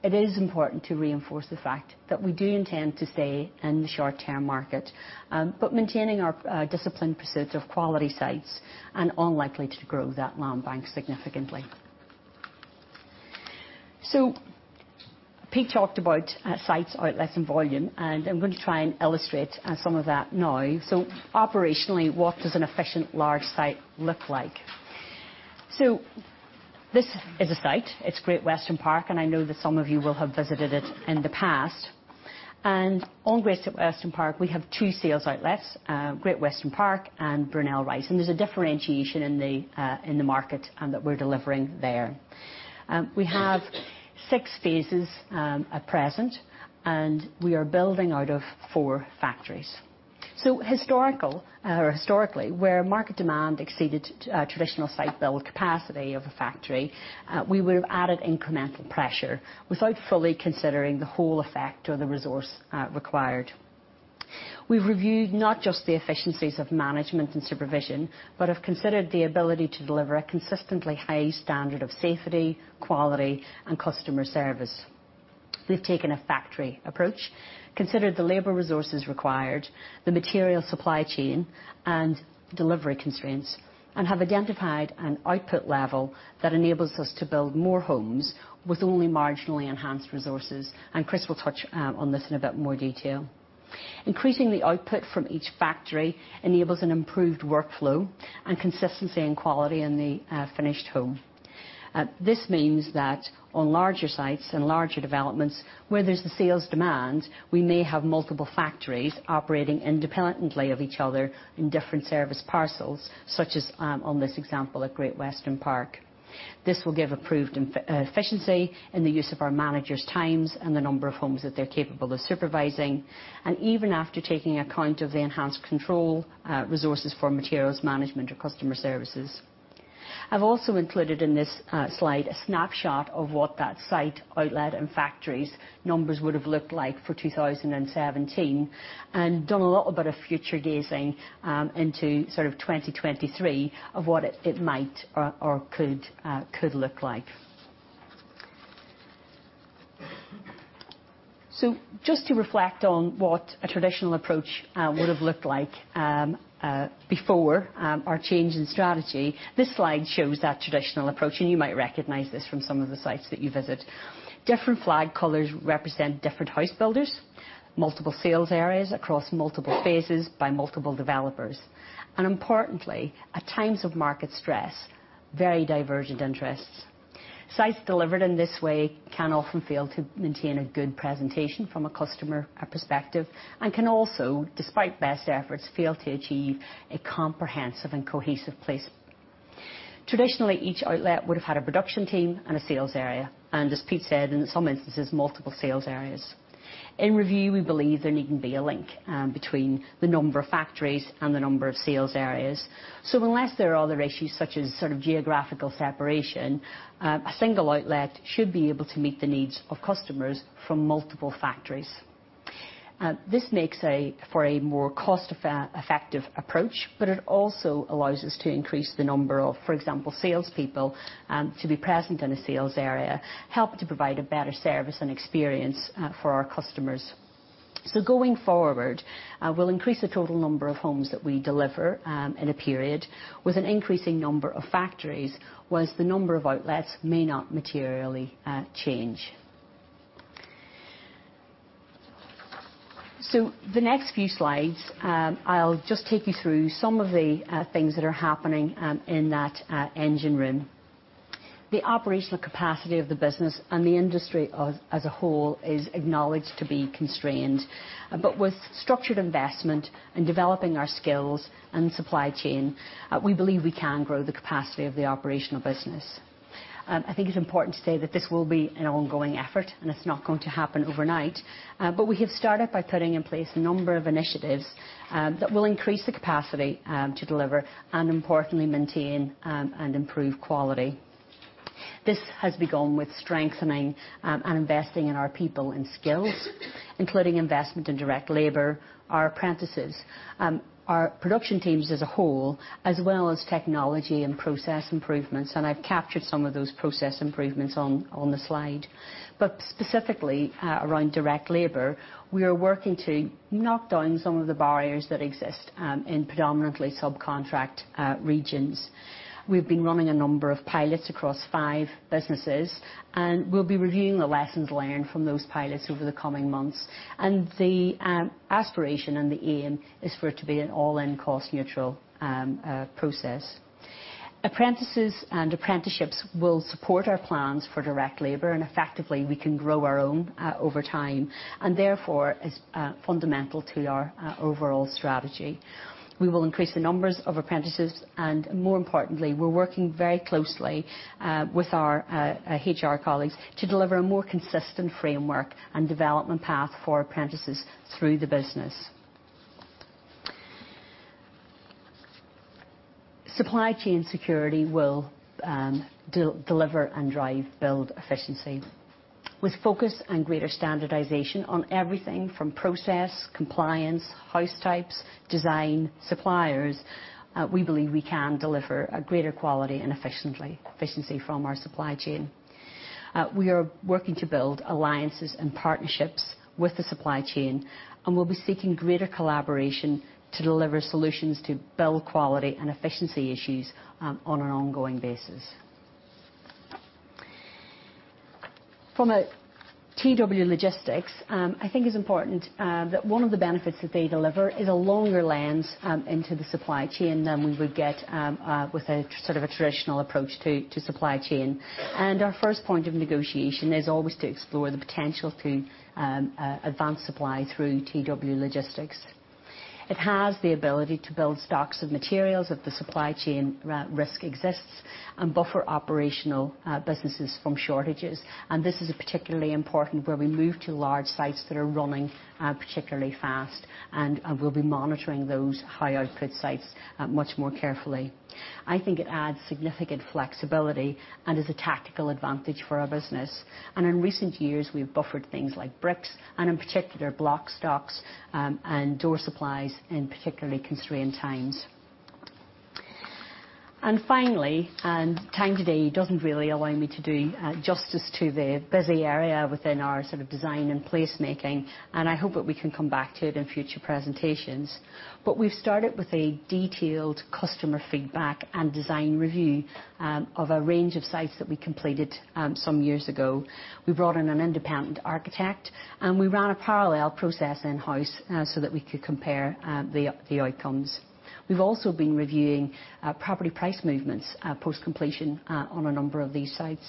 It is important to reinforce the fact that we do intend to stay in the short-term market, but maintaining our disciplined pursuit of quality sites and are likely to grow that land bank significantly. Pete talked about sites, outlets, and volume, and I'm going to try and illustrate some of that now. Operationally, what does an efficient large site look like? This is a site. It's Great Western Park, and I know that some of you will have visited it in the past. On Great Western Park, we have two sales outlets, Great Western Park and Brunel Rise. There's a differentiation in the market and that we're delivering there. We have 6 phases at present, and we are building out of 4 factories. Historically, where market demand exceeded traditional site build capacity of a factory, we would have added incremental pressure without fully considering the whole effect or the resource required. We've reviewed not just the efficiencies of management and supervision, but have considered the ability to deliver a consistently high standard of safety, quality, and customer service. We've taken a factory approach, considered the labor resources required, the material supply chain, and delivery constraints, and have identified an output level that enables us to build more homes with only marginally enhanced resources, and Chris will touch on this in a bit more detail. Increasing the output from each factory enables an improved workflow and consistency and quality in the finished home. This means that on larger sites and larger developments, where there's the sales demand, we may have multiple factories operating independently of each other in different service parcels, such as on this example at Great Western Park. This will give approved efficiency in the use of our managers' times and the number of homes that they're capable of supervising, and even after taking account of the enhanced control resources for materials management or customer services. I've also included in this slide a snapshot of what that site outlet and factories numbers would have looked like for 2017 and done a little bit of future gazing into 2023 of what it might or could look like. Just to reflect on what a traditional approach would have looked like before our change in strategy, this slide shows that traditional approach. You might recognize this from some of the sites that you visit. Different flag colors represent different house builders, multiple sales areas across multiple phases by multiple developers. Importantly, at times of market stress, very divergent interests. Sites delivered in this way can often fail to maintain a good presentation from a customer perspective and can also, despite best efforts, fail to achieve a comprehensive and cohesive place. Traditionally, each outlet would have had a production team and a sales area, and as Pete said, in some instances, multiple sales areas. In review, we believe there needn't be a link between the number of factories and the number of sales areas. Unless there are other issues such as geographical separation, a single outlet should be able to meet the needs of customers from multiple factories. This makes for a more cost-effective approach, it also allows us to increase the number of, for example, salespeople to be present in a sales area, help to provide a better service and experience for our customers. Going forward, we'll increase the total number of homes that we deliver in a period with an increasing number of factories, whereas the number of outlets may not materially change. The next few slides, I'll just take you through some of the things that are happening in that engine room. The operational capacity of the business and the industry as a whole is acknowledged to be constrained. With structured investment in developing our skills and supply chain, we believe we can grow the capacity of the operational business. I think it is important to say that this will be an ongoing effort, and it is not going to happen overnight. We have started by putting in place a number of initiatives that will increase the capacity to deliver and importantly, maintain and improve quality. This has begun with strengthening and investing in our people and skills, including investment in direct labor, our apprentices, our production teams as a whole, as well as technology and process improvements, and I have captured some of those process improvements on the slide. Specifically, around direct labor, we are working to knock down some of the barriers that exist in predominantly subcontract regions. We have been running a number of pilots across five businesses, and we will be reviewing the lessons learned from those pilots over the coming months. The aspiration and the aim is for it to be an all-in cost neutral process. Apprentices and apprenticeships will support our plans for direct labor, and effectively, we can grow our own over time, and therefore, is fundamental to our overall strategy. We will increase the numbers of apprentices, and more importantly, we are working very closely with our HR colleagues to deliver a more consistent framework and development path for apprentices through the business. Supply chain security will deliver and drive build efficiency. With focus and greater standardization on everything from process, compliance, house types, design, suppliers, we believe we can deliver a greater quality and efficiency from our supply chain. We are working to build alliances and partnerships with the supply chain, and we will be seeking greater collaboration to deliver solutions to build quality and efficiency issues on an ongoing basis. From a TW Logistics, I think it is important that one of the benefits that they deliver is a longer lens into the supply chain than we would get with a traditional approach to supply chain. Our first point of negotiation is always to explore the potential to advance supply through TW Logistics. It has the ability to build stocks of materials if the supply chain risk exists and buffer operational businesses from shortages. This is particularly important where we move to large sites that are running particularly fast, and we will be monitoring those high output sites much more carefully. I think it adds significant flexibility and is a tactical advantage for our business. In recent years, we have buffered things like bricks, and in particular, block stocks and door supplies in particularly constrained times. Finally, time today does not really allow me to do justice to the busy area within our design and placemaking, and I hope that we can come back to it in future presentations. We have started with a detailed customer feedback and design review of a range of sites that we completed some years ago. We brought in an independent architect, and we ran a parallel process in-house so that we could compare the outcomes. We have also been reviewing property price movements, post-completion, on a number of these sites.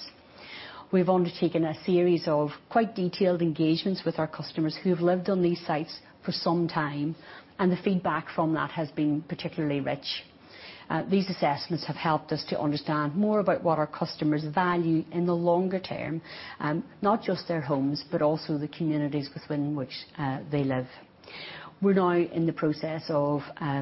We have undertaken a series of quite detailed engagements with our customers who have lived on these sites for some time, and the feedback from that has been particularly rich. These assessments have helped us to understand more about what our customers value in the longer term, not just their homes, but also the communities within which they live. We're now in the process of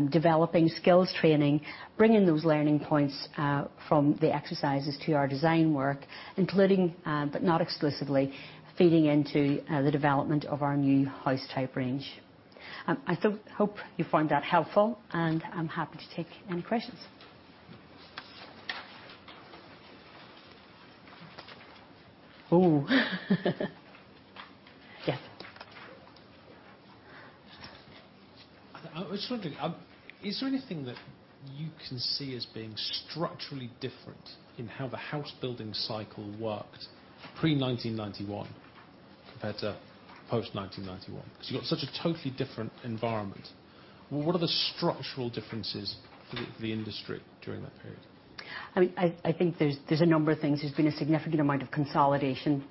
developing skills training, bringing those learning points from the exercises to our design work, including, but not exclusively, feeding into the development of our new house type range. I hope you find that helpful, and I'm happy to take any questions. Oh. Yes. I was wondering, is there anything that you can see as being structurally different in how the house building cycle worked pre-1991 compared to post-1991? Because you've got such a totally different environment. What are the structural differences for the industry during that period? I think there's a number of things. There's been a significant amount of consolidation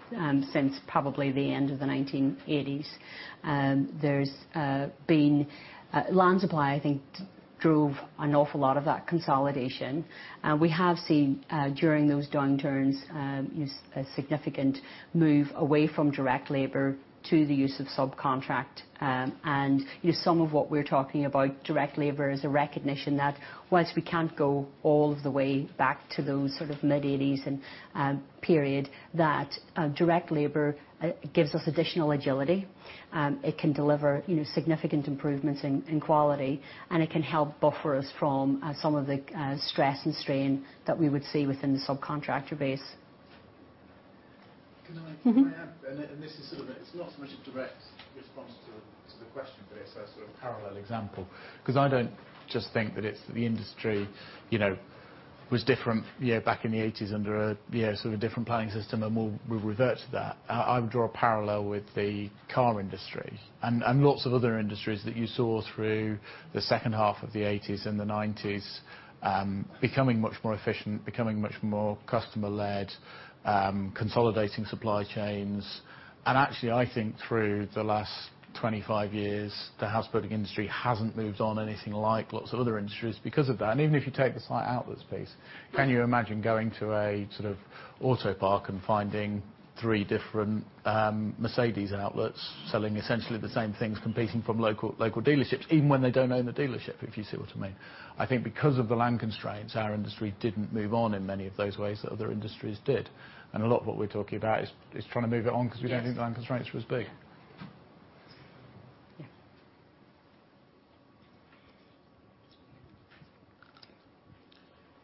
since probably the end of the 1980s. Land supply, I think, drove an awful lot of that consolidation. We have seen, during those downturns, a significant move away from direct labor to the use of subcontract. Some of what we're talking about direct labor is a recognition that whilst we can't go all the way back to those mid '80s period, that direct labor gives us additional agility. It can deliver significant improvements in quality, and it can help buffer us from some of the stress and strain that we would see within the subcontractor base. Can I add, and this is not so much a direct response to the question, but it's a parallel example, because I don't just think that it's the industry was different back in the '80s under a different planning system, and we'll revert to that. I would draw a parallel with the car industry and lots of other industries that you saw through the second half of the '80s and the '90s becoming much more efficient, becoming much more customer led, consolidating supply chains. Actually, I think through the last 25 years, the house building industry hasn't moved on anything like lots of other industries because of that. Even if you take the site outlets piece, can you imagine going to a sort of auto park and finding three different Mercedes-Benz outlets selling essentially the same things, competing from local dealerships, even when they don't own the dealership, if you see what I mean. I think because of the land constraints, our industry didn't move on in many of those ways that other industries did. A lot of what we're talking about is trying to move it on because we don't think the land constraints will stay. Yeah. Yeah,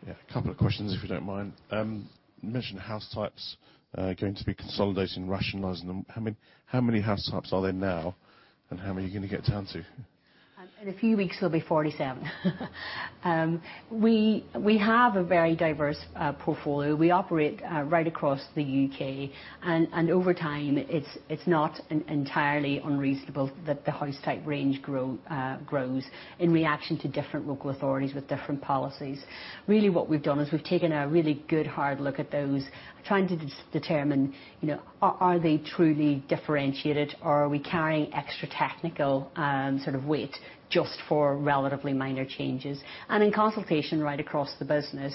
a couple of questions, if you don't mind. You mentioned house types, going to be consolidating, rationalizing them. How many house types are there now, and how many are you going to get down to? In a few weeks, there'll be 47. We have a very diverse portfolio. We operate right across the U.K., over time, it's not entirely unreasonable that the house type range grows in reaction to different local authorities with different policies. Really what we've done is we've taken a really good hard look at those, trying to determine are they truly differentiated or are we carrying extra technical weight just for relatively minor changes? In consultation right across the business,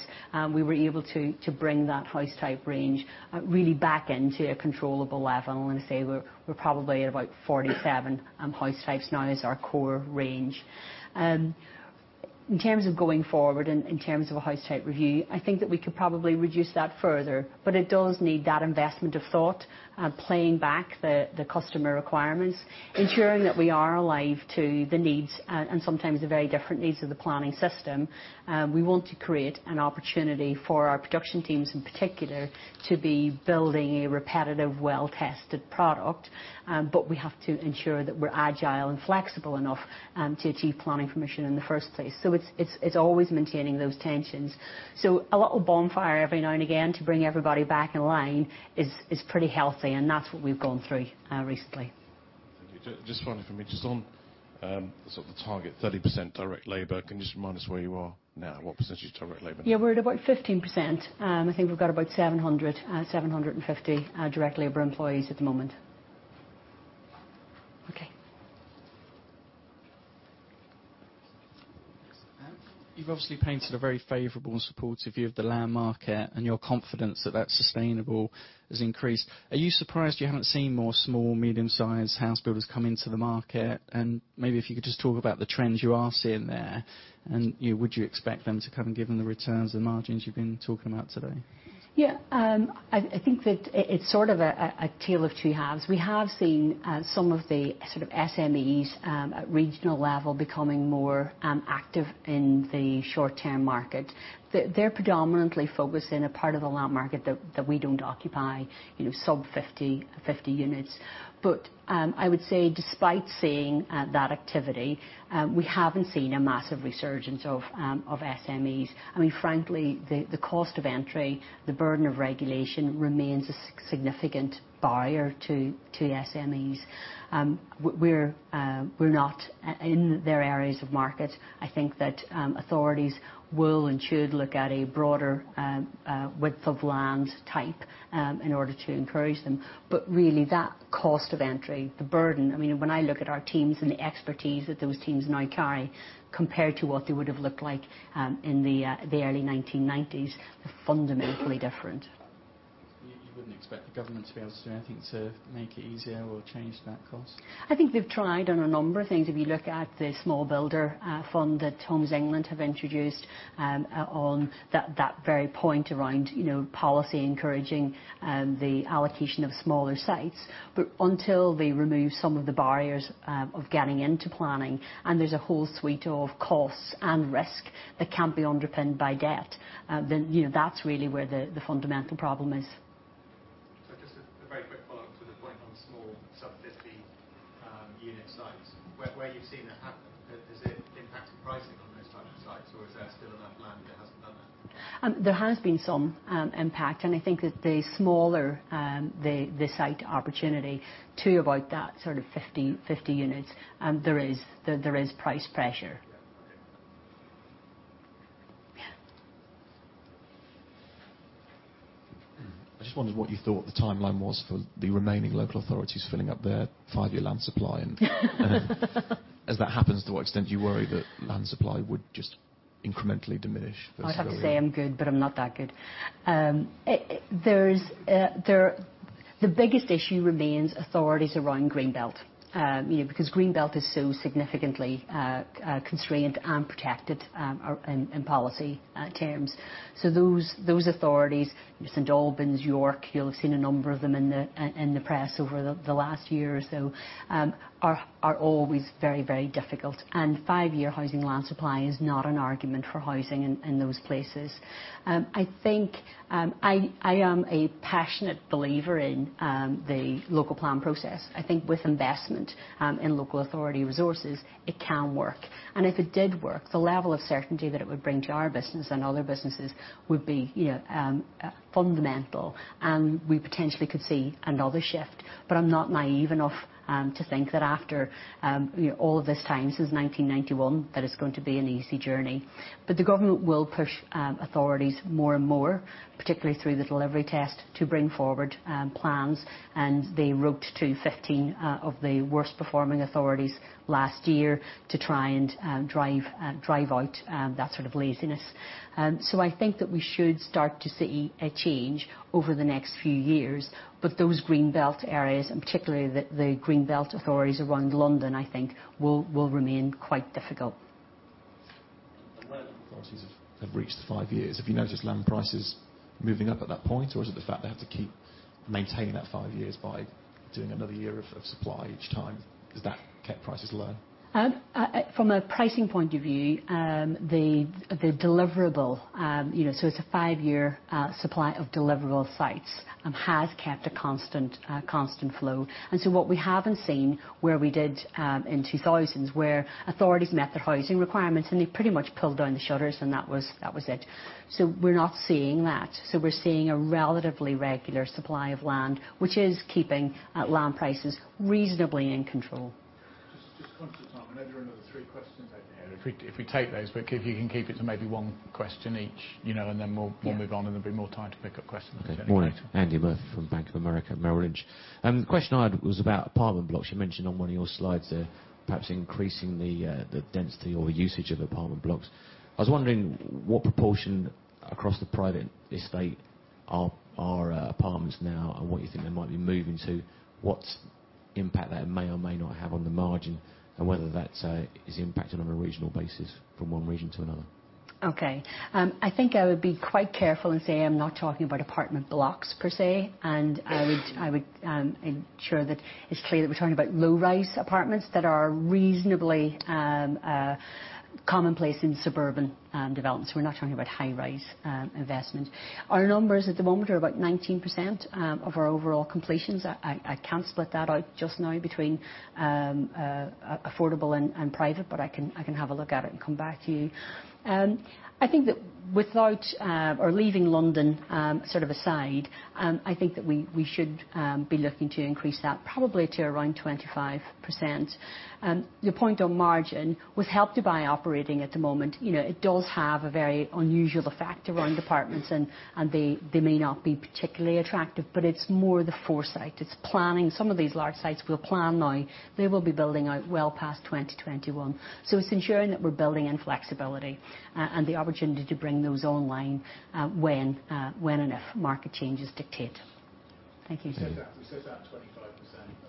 we were able to bring that house type range really back into a controllable level, and I say we're probably at about 47 house types now as our core range. In terms of going forward, in terms of a house type review, I think that we could probably reduce that further, it does need that investment of thought playing back the customer requirements, ensuring that we are alive to the needs and sometimes the very different needs of the planning system. We want to create an opportunity for our production teams in particular to be building a repetitive, well-tested product. We have to ensure that we're agile and flexible enough to achieve planning permission in the first place. It's always maintaining those tensions. A little bonfire every now and again to bring everybody back in line is pretty healthy, and that's what we've gone through recently. Just finally from me, just on sort of the target 30% direct labor, can you just remind us where you are now? What percentage of direct labor? Yeah, we're at about 15%. I think we've got about 700, 750 direct labor employees at the moment. Okay. You've obviously painted a very favorable and supportive view of the land market, your confidence that that's sustainable has increased. Are you surprised you haven't seen more small, medium-sized house builders come into the market? Maybe if you could just talk about the trends you are seeing there, would you expect them to come in given the returns and margins you've been talking about today? Yeah. I think that it's sort of a tale of two halves. We have seen some of the sort of SMEs at regional level becoming more active in the short-term market. They're predominantly focused in a part of the land market that we don't occupy, sub 50 units. I would say despite seeing that activity, we haven't seen a massive resurgence of SMEs. I mean, frankly, the cost of entry, the burden of regulation remains a significant barrier to SMEs. We're not in their areas of market. I think that authorities will and should look at a broader width of land type in order to encourage them. Really that cost of entry, the burden, I mean, when I look at our teams and the expertise that those teams now carry compared to what they would've looked like in the early 1990s, fundamentally different. You wouldn't expect the government to be able to do anything to make it easier or change that cost? I think they've tried on a number of things. If you look at the Home Building Fund that Homes England have introduced on that very point around policy encouraging the allocation of smaller sites. Until they remove some of the barriers of getting into planning, and there's a whole suite of costs and risk that can't be underpinned by debt, then that's really where the fundamental problem is. Just a very quick follow-up to the point on small sub 50 unit sites. Where you've seen that happen, has it impacted pricing on those type of sites, or is there still enough land that hasn't done that? There has been some impact, and I think that the smaller the site opportunity to about that sort of 50 units, there is price pressure. Yeah. I just wondered what you thought the timeline was for the remaining local authorities filling up their five-year land supply, and as that happens, to what extent do you worry that land supply would just incrementally diminish. I'd have to say I'm good, but I'm not that good. The biggest issue remains authorities around green belt because green belt is so significantly constrained and protected in policy terms. Those authorities, St Albans, York, you'll have seen a number of them in the press over the last year or so, are always very difficult. Five-year housing land supply is not an argument for housing in those places. I think I am a passionate believer in the local plan process. I think with investment in local authority resources, it can work. If it did work, the level of certainty that it would bring to our business and other businesses would be fundamental, and we potentially could see another shift. I'm not naive enough to think that after all this time, since 1991, that it's going to be an easy journey. The government will push authorities more and more, particularly through the delivery test, to bring forward plans, and they roped 250 of the worst performing authorities last year to try and drive out that sort of laziness. I think that we should start to see a change over the next few years. Those green belt areas, and particularly the green belt authorities around London, I think will remain quite difficult. Where the authorities have reached the five years, have you noticed land prices moving up at that point, or is it the fact they have to keep maintaining that five years by doing another year of supply each time, because that kept prices low? From a pricing point of view, the deliverable, so it's a five-year supply of deliverable sites, has kept a constant flow. What we haven't seen, where we did in 2000s, where authorities met their housing requirements, and they pretty much pulled down the shutters, and that was it. We're not seeing that. We're seeing a relatively regular supply of land, which is keeping land prices reasonably in control. Just conscious of time. I know there are another three questions at the end. If we take those, if you can keep it to maybe one question each, then we'll move on, there'll be more time to pick up questions at the end. Morning. Andy Murphy from Bank of America Merrill Lynch. The question I had was about apartment blocks. You mentioned on one of your slides there perhaps increasing the density or the usage of apartment blocks. I was wondering what proportion across the private estate are apartments now, what you think they might be moving to, what impact that may or may not have on the margin, whether that is impacted on a regional basis from one region to another. Okay. I think I would be quite careful and say I'm not talking about apartment blocks per se, and I would ensure that it's clear that we're talking about low-rise apartments that are reasonably commonplace in suburban developments. We're not talking about high-rise investment. Our numbers at the moment are about 19% of our overall completions. I can't split that out just now between affordable and private, but I can have a look at it and come back to you. I think that leaving London aside, I think that we should be looking to increase that probably to around 25%. Your point on margin, with Help to Buy operating at the moment, it does have a very unusual effect around apartments, and they may not be particularly attractive, but it's more the foresight. It's planning. Some of these large sites we'll plan now, they will be building out well past 2021. It's ensuring that we're building in flexibility, and the opportunity to bring those online when and if market changes dictate. Thank you. We set that 25%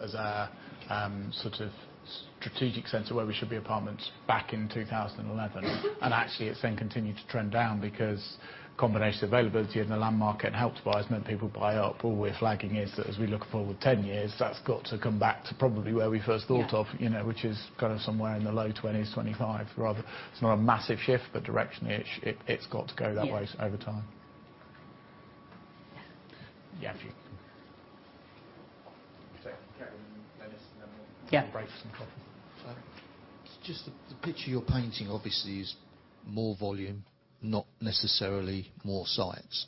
as our sort of strategic sense of where we should be apartments back in 2011. Actually, it's then continued to trend down, because combination of availability in the land market and Help to Buy has meant people buy up. All we're flagging is that as we look forward 10 years, that's got to come back to probably where we first thought of. Yeah. Which is kind of somewhere in the low 20s, 25 rather. It's not a massive shift, but directionally, it's got to go that way. Yeah Over time. Yeah, if you Second, Karen, then Dennis, and then we'll. Yeah. Break for some coffee. The picture you're painting obviously is more volume, not necessarily more sites.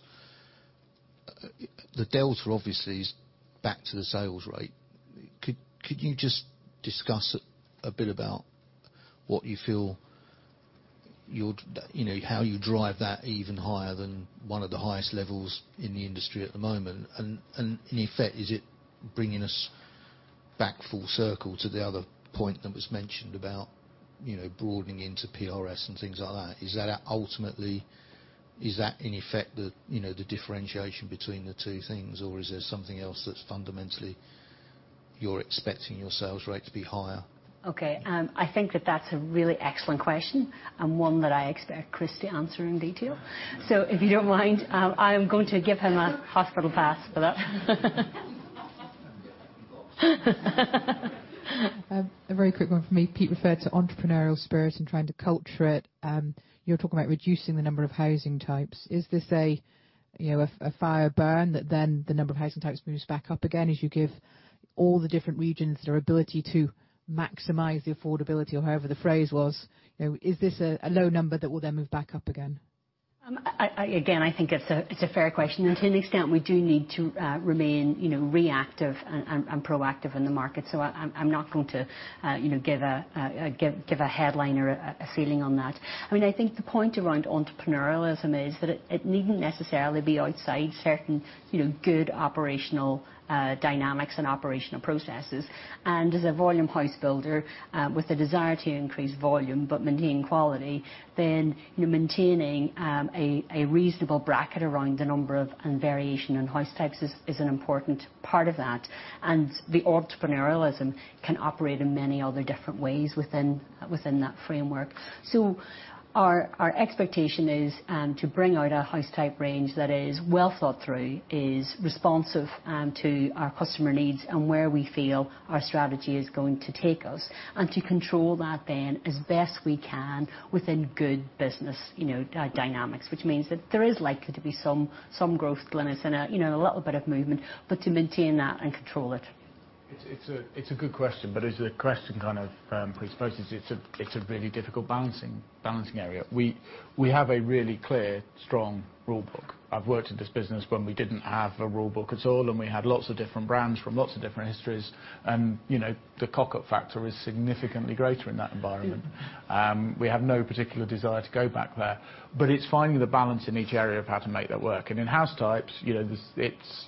The delta obviously is back to the sales rate. Could you just discuss a bit about what you feel, how you drive that even higher than one of the highest levels in the industry at the moment? In effect, is it bringing us back full circle to the other point that was mentioned about broadening into PRS and things like that? Ultimately, is that in effect the differentiation between the two things, or is there something else that's fundamentally you're expecting your sales rate to be higher? I think that that's a really excellent question, and one that I expect Chris to answer in detail. If you don't mind, I am going to give him a hospital pass for that. Get back in the box. A very quick one from me. Pete referred to entrepreneurial spirit and trying to culture it. You're talking about reducing the number of housing types. Is this a fire burn that then the number of housing types moves back up again as you give all the different regions their ability to maximize the affordability, or however the phrase was. Is this a low number that will then move back up again? Again, I think it's a fair question, and to an extent we do need to remain reactive and proactive in the market. I'm not going to give a headline or a ceiling on that. I think the point around entrepreneurialism is that it needn't necessarily be outside certain good operational dynamics and operational processes. As a volume house builder with a desire to increase volume but maintain quality, then maintaining a reasonable bracket around the number of and variation in house types is an important part of that. The entrepreneurialism can operate in many other different ways within that framework. Our expectation is to bring out a house type range that is well thought through, is responsive to our customer needs and where we feel our strategy is going to take us, and to control that then as best we can within good business dynamics. means that there is likely to be some growth limits and a little bit of movement, but to maintain that and control it. It's a good question, it's a question kind of presupposes it's a really difficult balancing area. We have a really clear, strong rule book. I've worked at this business when we didn't have a rule book at all, we had lots of different brands from lots of different histories, the cock-up factor is significantly greater in that environment. We have no particular desire to go back there. It's finding the balance in each area of how to make that work. In house types, it's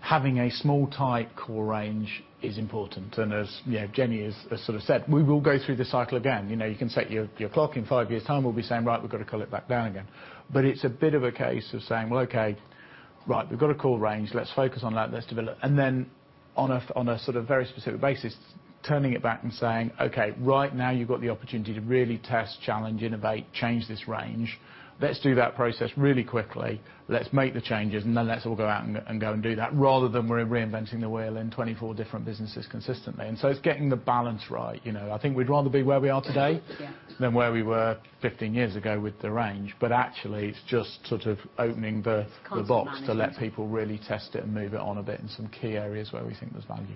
having a small, tight core range is important. As Jennie has sort of said, we will go through the cycle again. You can set your clock in five years' time, we'll be saying, "Right, we've got to cull it back down again." It's a bit of a case of saying, "Well, okay, right. We've got a core range, let's focus on that, let's develop." On a sort of very specific basis, turning it back and saying, "Okay. Right now you've got the opportunity to really test, challenge, innovate, change this range. Let's do that process really quickly. Let's make the changes, let's all go out and go and do that," rather than we're reinventing the wheel in 24 different businesses consistently. It's getting the balance right. I think we'd rather be where we are today. Yeah than where we were 15 years ago with the range. Actually, it's just sort of opening the box. Constant management to let people really test it and move it on a bit in some key areas where we think there's value.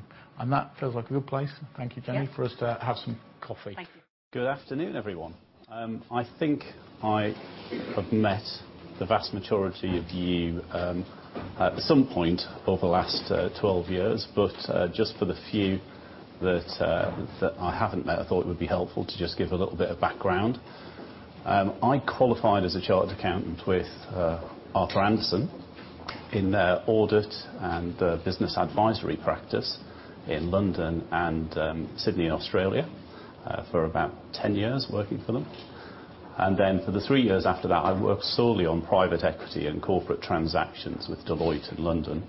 That feels like a good place, thank you, Jennie. Yeah for us to have some coffee. Thank you. Good afternoon, everyone. I think I have met the vast majority of you at some point over the last 12 years. Just for the few that I haven't met, I thought it would be helpful to just give a little bit of background. I qualified as a chartered accountant with Arthur Andersen In audit and business advisory practice in London and Sydney, Australia, for about 10 years working for them. For the three years after that, I worked solely on private equity and corporate transactions with Deloitte in London.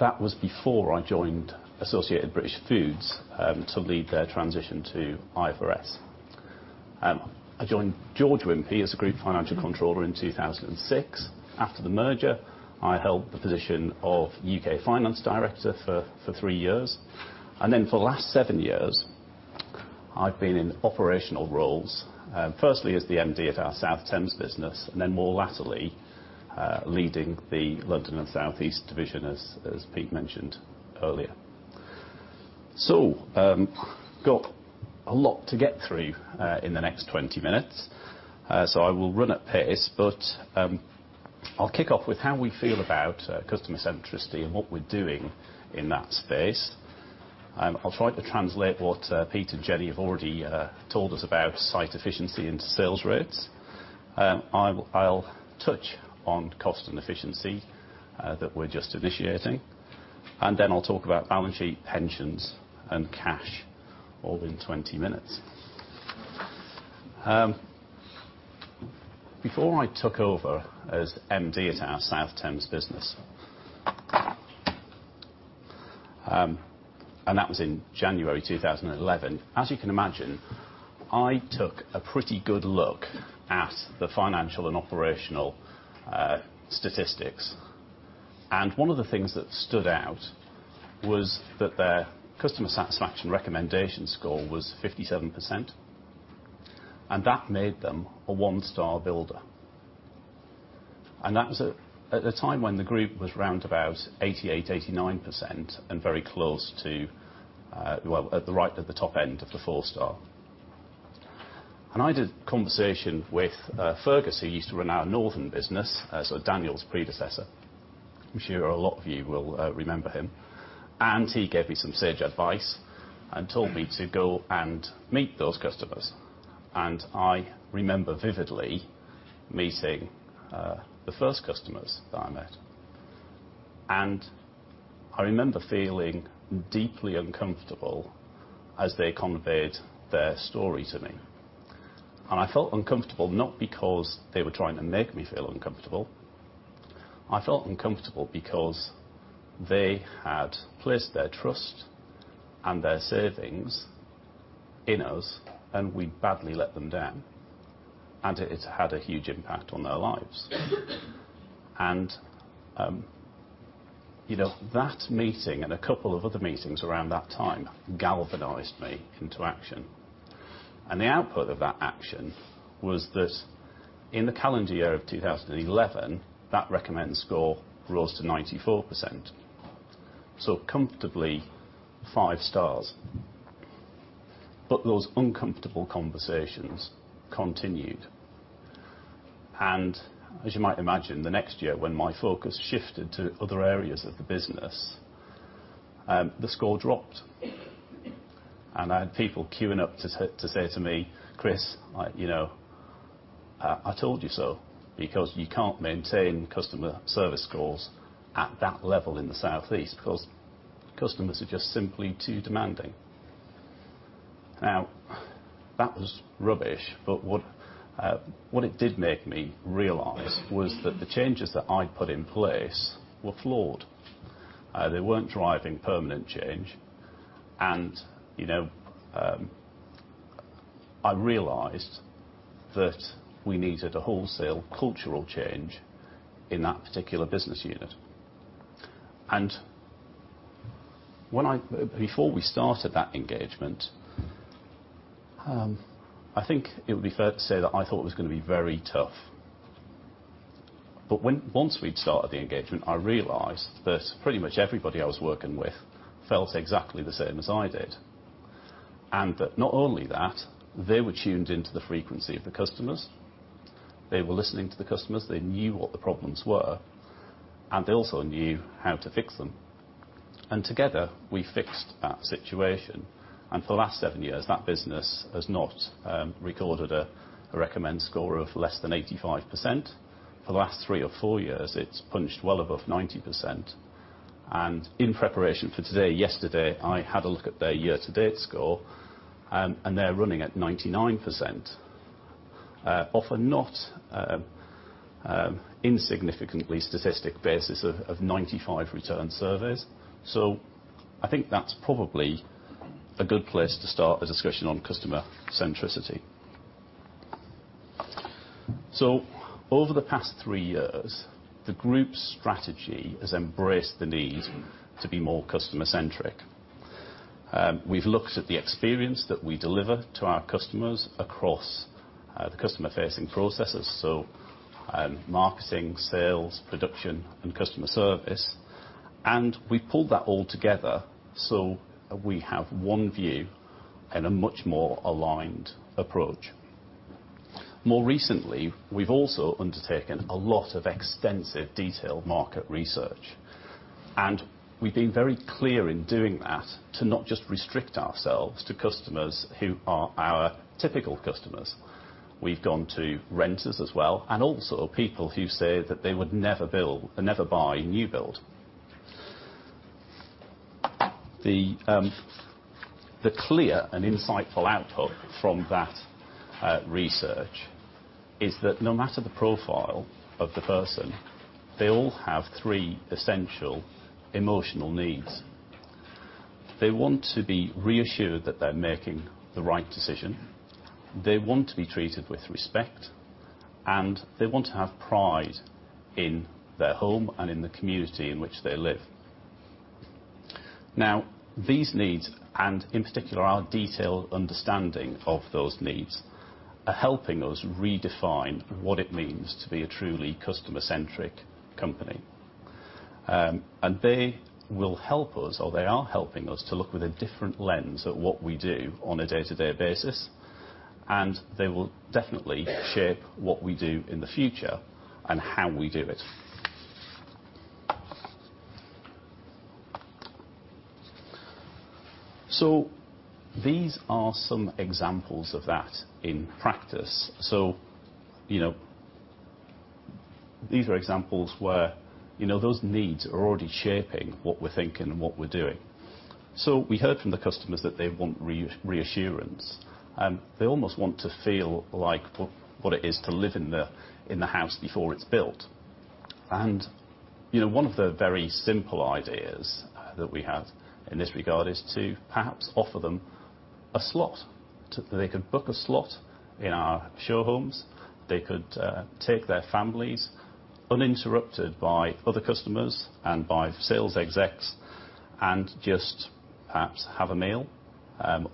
That was before I joined Associated British Foods to lead their transition to IFRS. I joined George Wimpey as a group financial controller in 2006. After the merger, I held the position of U.K. finance director for three years. For the last seven years, I've been in operational roles, firstly as the MD at our South Thames business, then more latterly, leading the London and South East division, as Pete mentioned earlier. Got a lot to get through in the next 20 minutes. I will run at pace, I'll kick off with how we feel about customer centricity and what we're doing in that space. I'll try to translate what Pete and Jennie have already told us about site efficiency into sales rates. I'll touch on cost and efficiency that we're just initiating, I'll talk about balance sheet pensions and cash, all in 20 minutes. Before I took over as MD at our South Thames business, that was in January 2011, as you can imagine, I took a pretty good look at the financial and operational statistics. One of the things that stood out was that their customer satisfaction recommendation score was 57%, that made them a one-star builder. That was at a time when the group was round about 88, 89% and very close to at the top end of the four-star. I had a conversation with Fergus, who used to run our northern business, so Daniel's predecessor. I'm sure a lot of you will remember him. He gave me some sage advice and told me to go and meet those customers. I remember vividly meeting the first customers that I met, and I remember feeling deeply uncomfortable as they conveyed their story to me. I felt uncomfortable, not because they were trying to make me feel uncomfortable. I felt uncomfortable because they had placed their trust and their savings in us, and we'd badly let them down, and it had a huge impact on their lives. That meeting and a couple of other meetings around that time galvanized me into action. The output of that action was that in the calendar year of 2011, that recommend score rose to 94%. So comfortably five stars. Those uncomfortable conversations continued. As you might imagine, the next year, when my focus shifted to other areas of the business, the score dropped. I had people queuing up to say to me, "Chris, I told you so, because you can't maintain customer service scores at that level in the South East because customers are just simply too demanding." That was rubbish, but what it did make me realize was that the changes that I put in place were flawed. They weren't driving permanent change, and I realized that we needed a wholesale cultural change in that particular business unit. Before we started that engagement, I think it would be fair to say that I thought it was going to be very tough. Once we'd started the engagement, I realized that pretty much everybody I was working with felt exactly the same as I did. That not only that, they were tuned into the frequency of the customers. They were listening to the customers. They knew what the problems were, and they also knew how to fix them. Together, we fixed that situation. For the last seven years, that business has not recorded a recommend score of less than 85%. For the last three or four years, it's punched well above 90%. In preparation for today, yesterday, I had a look at their year-to-date score, and they're running at 99%, off a not insignificantly statistic basis of 95 returned surveys. I think that's probably a good place to start a discussion on customer centricity. Over the past three years, the group's strategy has embraced the need to be more customer centric. We've looked at the experience that we deliver to our customers across the customer-facing processes, so marketing, sales, production, and customer service. We pulled that all together so we have one view and a much more aligned approach. More recently, we've also undertaken a lot of extensive detailed market research. We've been very clear in doing that to not just restrict ourselves to customers who are our typical customers. We've gone to renters as well, and also people who say that they would never build or never buy a new build. The clear and insightful output from that research is that no matter the profile of the person, they all have three essential emotional needs. They want to be reassured that they're making the right decision, they want to be treated with respect, and they want to have pride in their home and in the community in which they live. These needs, and in particular, our detailed understanding of those needs, are helping us redefine what it means to be a truly customer-centric company. They will help us, or they are helping us to look with a different lens at what we do on a day-to-day basis, and they will definitely shape what we do in the future and how we do it. These are some examples of that in practice. These are examples where those needs are already shaping what we're thinking and what we're doing. We heard from the customers that they want reassurance, and they almost want to feel like what it is to live in the house before it's built. One of the very simple ideas that we have in this regard is to perhaps offer them a slot. They could book a slot in our show homes. They could take their families uninterrupted by other customers and by sales execs and just perhaps have a meal,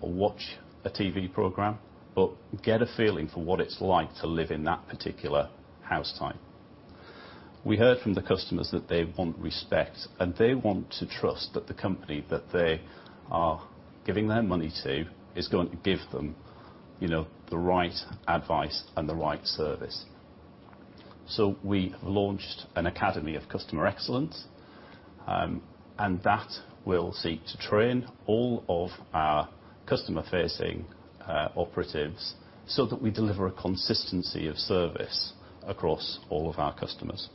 watch a TV program, but get a feeling for what it's like to live in that particular house type. We heard from the customers that they want respect, and they want to trust that the company that they are giving their money to is going to give them the right advice and the right service. We launched an Academy of Customer Excellence, and that will seek to train all of our customer-facing operatives so that we deliver a consistency of service across all of our customers.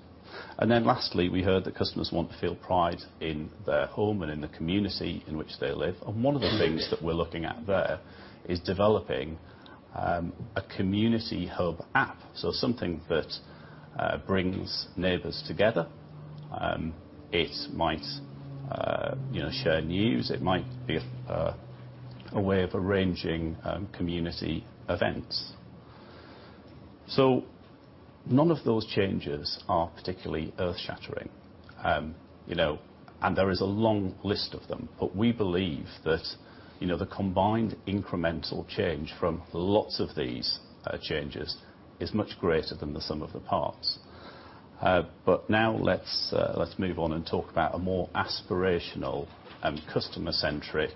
Lastly, we heard that customers want to feel pride in their home and in the community in which they live. One of the things that we're looking at there is developing a community hub app. Something that brings neighbors together. It might share news. It might be a way of arranging community events. None of those changes are particularly earth-shattering, and there is a long list of them. We believe that the combined incremental change from lots of these changes is much greater than the sum of the parts. Let's move on and talk about a more aspirational and customer-centric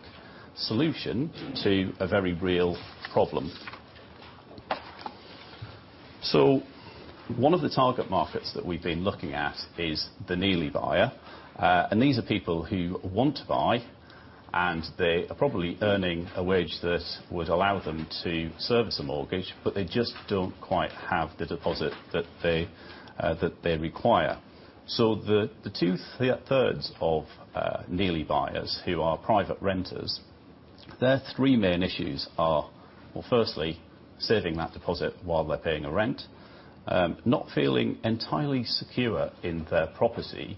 solution to a very real problem. One of the target markets that we've been looking at is the nearly buyer. These are people who want to buy, and they are probably earning a wage that would allow them to service a mortgage, but they just don't quite have the deposit that they require. The two-thirds of nearly buyers who are private renters, their three main issues are, well, firstly, saving that deposit while they're paying a rent. Not feeling entirely secure in their property,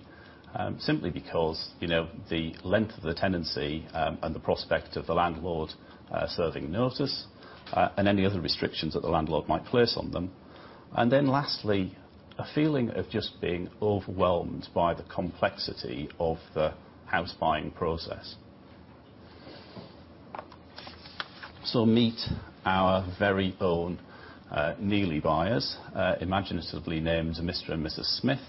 simply because the length of the tenancy and the prospect of the landlord serving notice, and any other restrictions that the landlord might place on them. Lastly, a feeling of just being overwhelmed by the complexity of the house buying process. Meet our very own nearly buyers, imaginatively named Mr. and Mrs. Smith.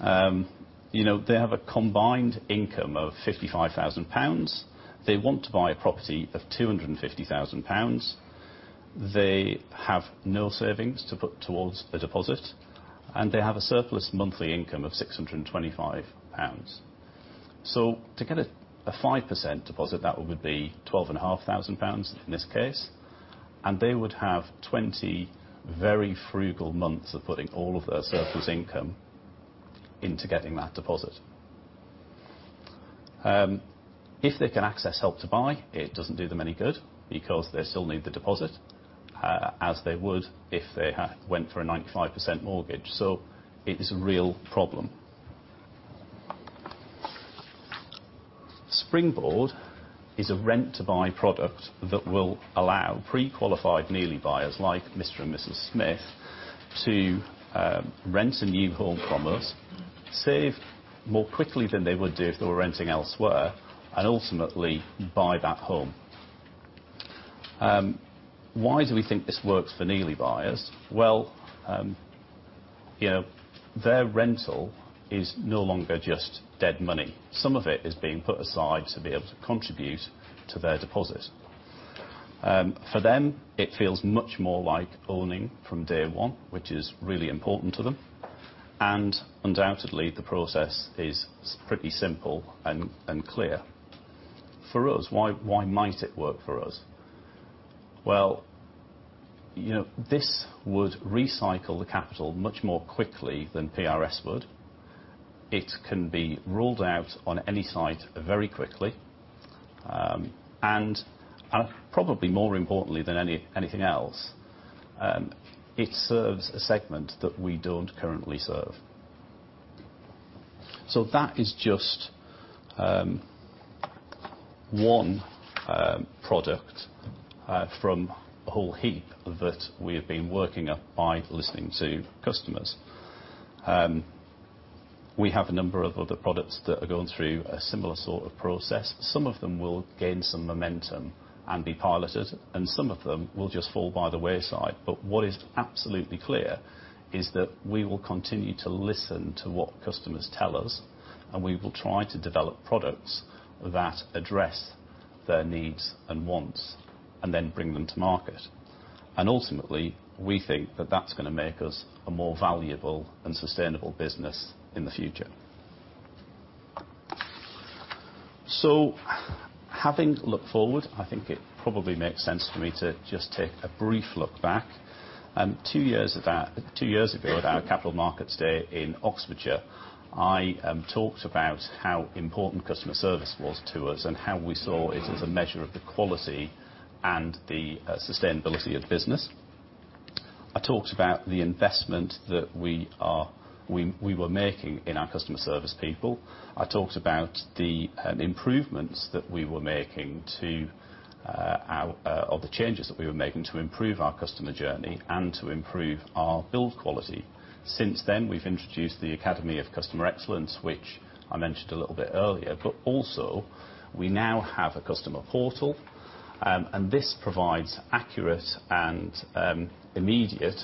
They have a combined income of 55,000 pounds. They want to buy a property of 250,000 pounds. They have no savings to put towards a deposit, and they have a surplus monthly income of 625 pounds. To get a 5% deposit, that would be 12,500 pounds in this case, and they would have 20 very frugal months of putting all of their surplus income into getting that deposit. If they can access Help to Buy, it doesn't do them any good because they still need the deposit, as they would if they went for a 95% mortgage. It is a real problem. Springboard is a rent-to-buy product that will allow pre-qualified nearly buyers like Mr. and Mrs. Smith to rent a new home from us, save more quickly than they would do if they were renting elsewhere, and ultimately buy that home. Why do we think this works for nearly buyers? Their rental is no longer just dead money. Some of it is being put aside to be able to contribute to their deposit. For them, it feels much more like owning from day one, which is really important to them. Undoubtedly, the process is pretty simple and clear. For us, why might it work for us? This would recycle the capital much more quickly than PRS would. It can be rolled out on any site very quickly. Probably more importantly than anything else, it serves a segment that we don't currently serve. That is just one product from a whole heap that we have been working up by listening to customers. We have a number of other products that are going through a similar sort of process. Some of them will gain some momentum and be piloted, and some of them will just fall by the wayside. What is absolutely clear is that we will continue to listen to what customers tell us, and we will try to develop products that address their needs and wants, and then bring them to market. Ultimately, we think that that's going to make us a more valuable and sustainable business in the future. Having looked forward, I think it probably makes sense for me to just take a brief look back. Two years ago at our Capital Markets Day in Oxfordshire, I talked about how important customer service was to us and how we saw it as a measure of the quality and the sustainability of business. I talked about the investment that we were making in our customer service people. I talked about the improvements that we were making or the changes that we were making to improve our customer journey and to improve our build quality. Since then, we've introduced the Academy of Customer Excellence, which I mentioned a little bit earlier. Also, we now have a customer portal, and this provides accurate and immediate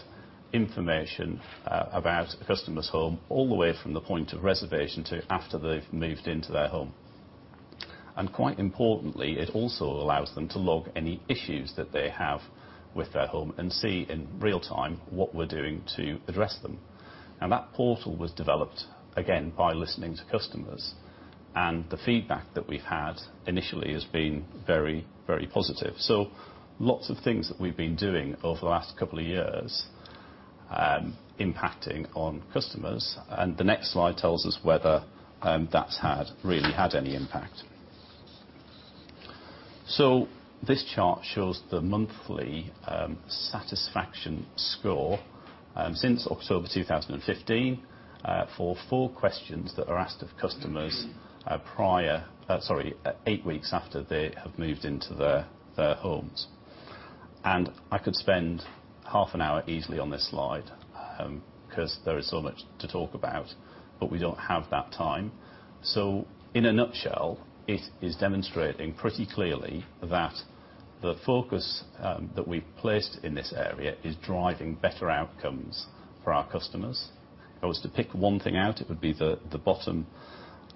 information about a customer's home all the way from the point of reservation to after they've moved into their home. Quite importantly, it also allows them to log any issues that they have with their home and see in real time what we're doing to address them. That portal was developed, again, by listening to customers. The feedback that we've had initially has been very, very positive. lots of things that we've been doing over the last couple of years impacting on customers, the next slide tells us whether that's really had any impact. This chart shows the monthly satisfaction score since October 2015 for four questions that are asked of customers prior, sorry, eight weeks after they have moved into their homes. I could spend half an hour easily on this slide, because there is so much to talk about, but we don't have that time. In a nutshell, it is demonstrating pretty clearly that the focus that we've placed in this area is driving better outcomes for our customers. If I was to pick one thing out, it would be the bottom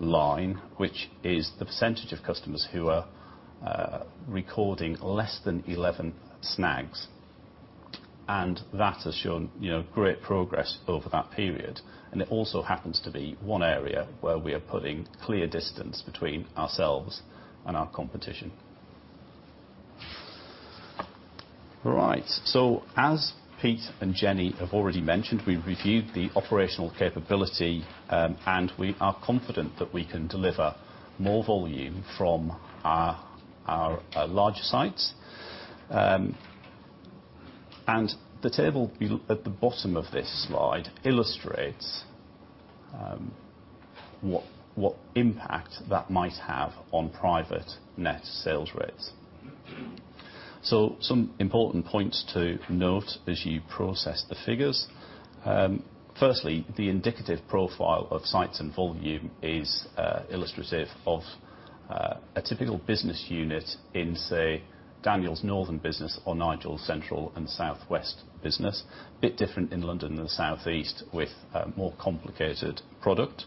line, which is the percentage of customers who are recording less than 11 snags. That has shown great progress over that period. It also happens to be one area where we are putting clear distance between ourselves and our competition. Right. As Pete and Jennie have already mentioned, we've reviewed the operational capability, we are confident that we can deliver more volume from our larger sites. The table at the bottom of this slide illustrates what impact that might have on private net sales rates. Some important points to note as you process the figures. Firstly, the indicative profile of sites and volume is illustrative of a typical business unit in, say, Daniel's northern business or Nigel's central and South West business. A bit different in London and the South East with a more complicated product.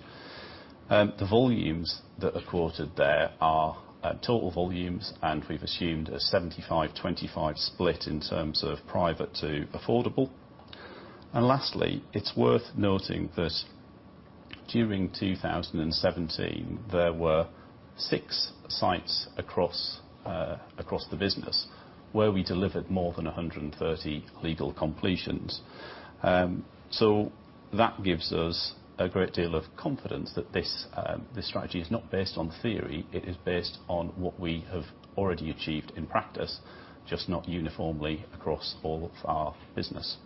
The volumes that are quoted there are total volumes, we've assumed a 75/25 split in terms of private to affordable. Lastly, it's worth noting that during 2017 there were six sites across the business where we delivered more than 130 legal completions. That gives us a great deal of confidence that this strategy is not based on theory, it is based on what we have already achieved in practice, just not uniformly across all of our business.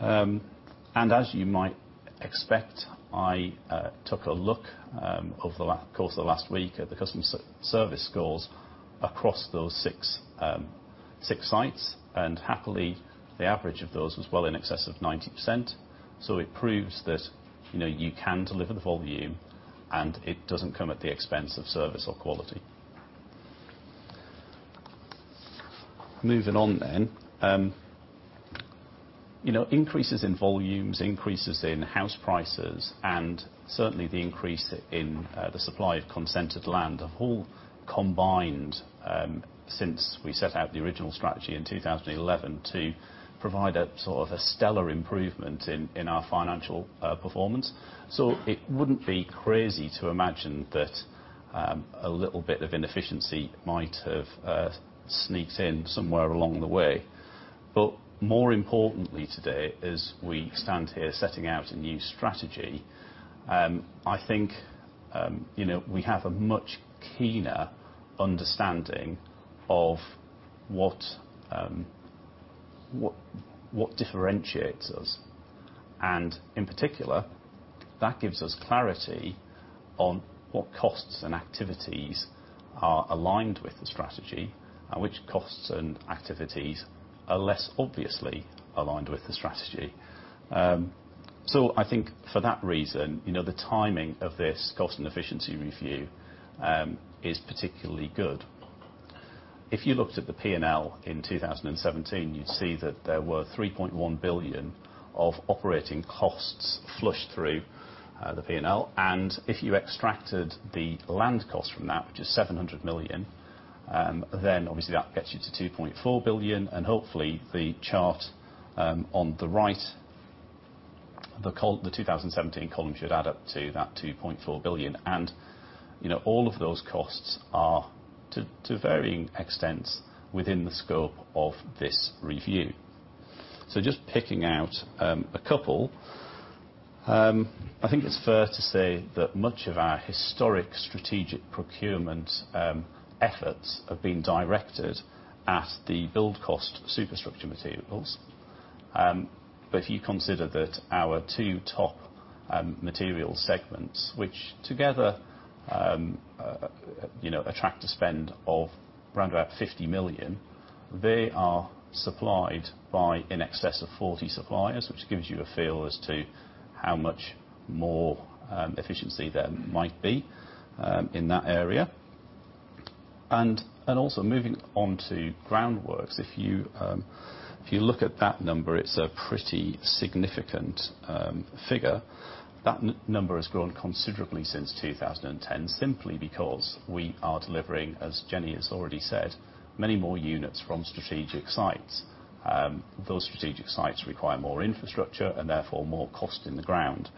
As you might expect, I took a look over the course of the last week at the customer service scores across those six sites. Happily, the average of those was well in excess of 90%. It proves that you can deliver the volume and it doesn't come at the expense of service or quality. Moving on. Increases in volumes, increases in house prices, certainly the increase in the supply of consented land have all combined since we set out the original strategy in 2011 to provide a stellar improvement in our financial performance. It wouldn't be crazy to imagine that a little bit of inefficiency might have sneaked in somewhere along the way. More importantly today, as we stand here setting out a new strategy, I think we have a much cleaner understanding of what differentiates us. In particular, that gives us clarity on what costs and activities are aligned with the strategy, which costs and activities are less obviously aligned with the strategy. I think for that reason, the timing of this cost and efficiency review is particularly good. If you looked at the P&L in 2017, you'd see that there were 3.1 billion of operating costs flushed through the P&L. If you extracted the land cost from that, which is 700 million, that gets you to 2.4 billion. Hopefully the chart on the right, the 2017 column should add up to that 2.4 billion. All of those costs are, to varying extents, within the scope of this review. Just picking out a couple. I think it's fair to say that much of our historic strategic procurement efforts have been directed at the build cost superstructure materials. If you consider that our two top materials segments, which together attract a spend of around about 50 million, they are supplied by in excess of 40 suppliers, which gives you a feel as to how much more efficiency there might be in that area. Also moving on to groundworks. If you look at that number, it's a pretty significant figure. That number has grown considerably since 2010 simply because we are delivering, as Jennie has already said, many more units from strategic sites. Those strategic sites require more infrastructure and therefore more cost in the ground.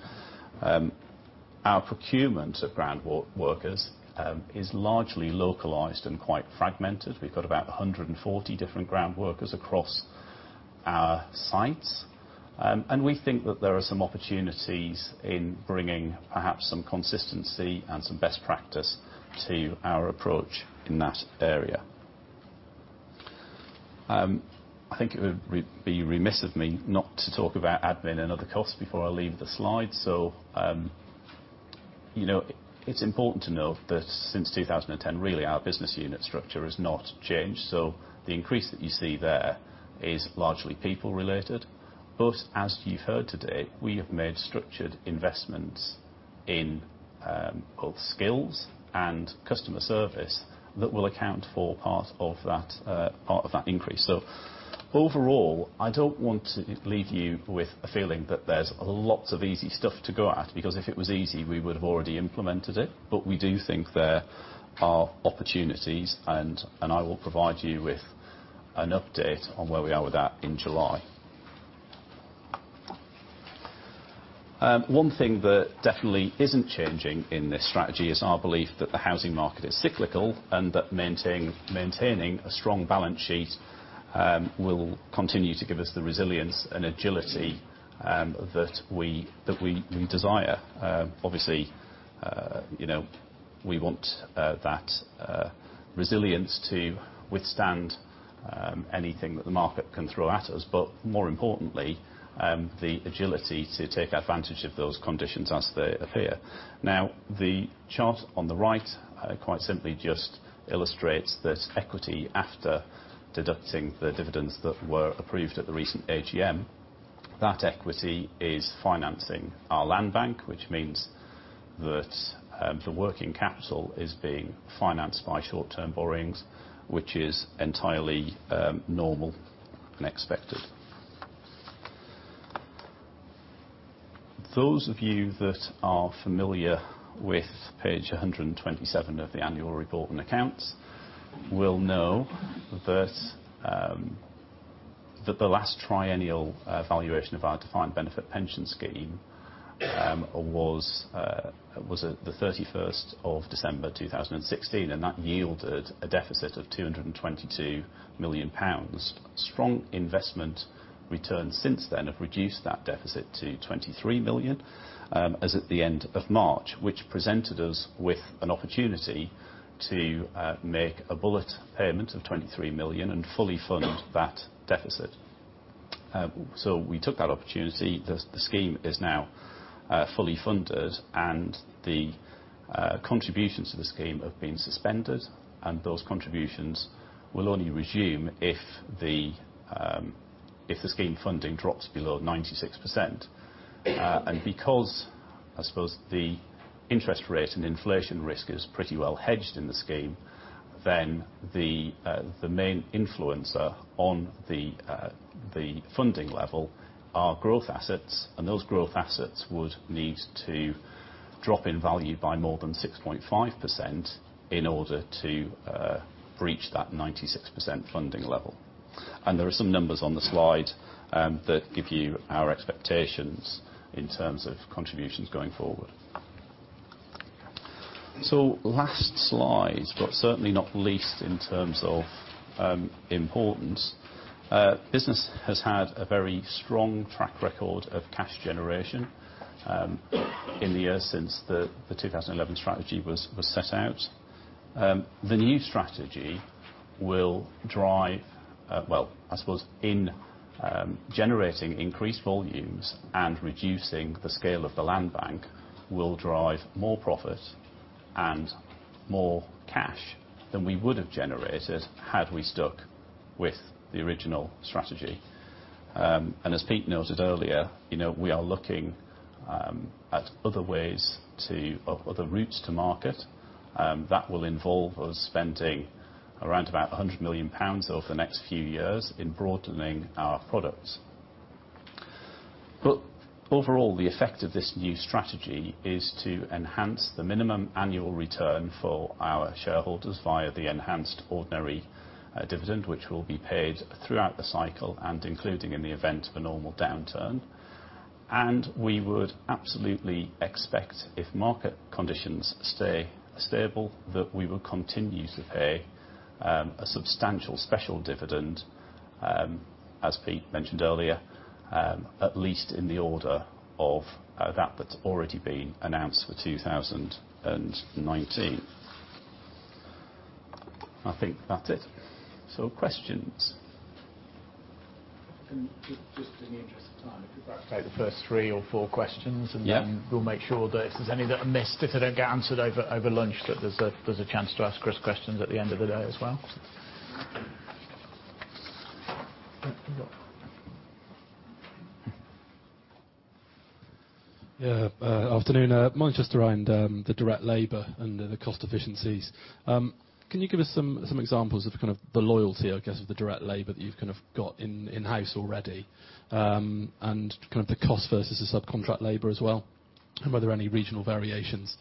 Our procurement of ground workers is largely localized and quite fragmented. We've got about 140 different ground workers across our sites. We think that there are some opportunities in bringing perhaps some consistency and some best practice to our approach in that area. I think it would be remiss of me not to talk about admin and other costs before I leave the slide. It's important to know that since 2010, really our business unit structure has not changed. The increase that you see there is largely people related. As you've heard today, we have made structured investments in both skills and customer service that will account for part of that increase. Overall, I don't want to leave you with a feeling that there's lots of easy stuff to go at, because if it was easy, we would have already implemented it. We do think there are opportunities, I will provide you with an update on where we are with that in July. One thing that definitely isn't changing in this strategy is our belief that the housing market is cyclical, that maintaining a strong balance sheet will continue to give us the resilience and agility that we desire. Obviously, we want that resilience to withstand anything that the market can throw at us. More importantly, the agility to take advantage of those conditions as they appear. The chart on the right quite simply just illustrates that equity after deducting the dividends that were approved at the recent AGM. That equity is financing our land bank, which means that the working capital is being financed by short-term borrowings, which is entirely normal and expected. Those of you that are familiar with page 127 of the annual report and accounts will know that the last triennial valuation of our defined benefit pension scheme was the 31st of December 2016, that yielded a deficit of 222 million pounds. Strong investment returns since then have reduced that deficit to 23 million as at the end of March, which presented us with an opportunity to make a bullet payment of 23 million and fully fund that deficit. We took that opportunity. The scheme is now fully funded, the contributions to the scheme have been suspended, those contributions will only resume if the scheme funding drops below 96%. Because I suppose the interest rate and inflation risk is pretty well hedged in the scheme, the main influencer on the funding level are growth assets, those growth assets would need to drop in value by more than 6.5% in order to breach that 96% funding level. There are some numbers on the slide that give you our expectations in terms of contributions going forward. Last slide, but certainly not least in terms of importance. Business has had a very strong track record of cash generation in the years since the 2011 strategy was set out. The new strategy will drive, well, I suppose in generating increased volumes and reducing the scale of the land bank, will drive more profit and more cash than we would have generated had we stuck with the original strategy. As Pete noted earlier, we are looking at other ways to, or other routes to market. That will involve us spending around about 100 million pounds over the next few years in broadening our products. Overall, the effect of this new strategy is to enhance the minimum annual return for our shareholders via the enhanced ordinary dividend, which will be paid throughout the cycle and including in the event of a normal downturn. We would absolutely expect, if market conditions stay stable, that we will continue to pay a substantial special dividend, as Pete mentioned earlier, at least in the order of that that's already been announced for 2019. I think that's it. Questions? Just in the interest of time, if you take the first three or four questions. Yeah We'll make sure that if there's any that are missed, if they don't get answered over lunch, that there's a chance to ask Chris questions at the end of the day as well. Afternoon. Manchester and the direct labor and the cost efficiencies. Can you give us some examples of kind of the loyalty, I guess, of the direct labor that you've kind of got in-house already, and kind of the cost versus the subcontract labor as well, and were there any regional variations?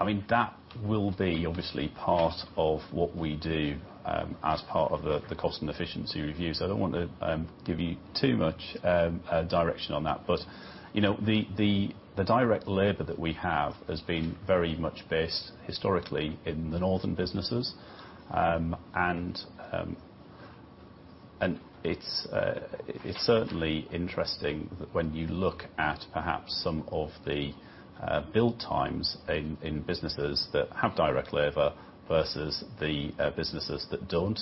I mean, that will be obviously part of what we do as part of the cost and efficiency review. I don't want to give you too much direction on that. The direct labor that we have has been very much based historically in the northern businesses. It's certainly interesting when you look at perhaps some of the build times in businesses that have direct labor versus the businesses that don't.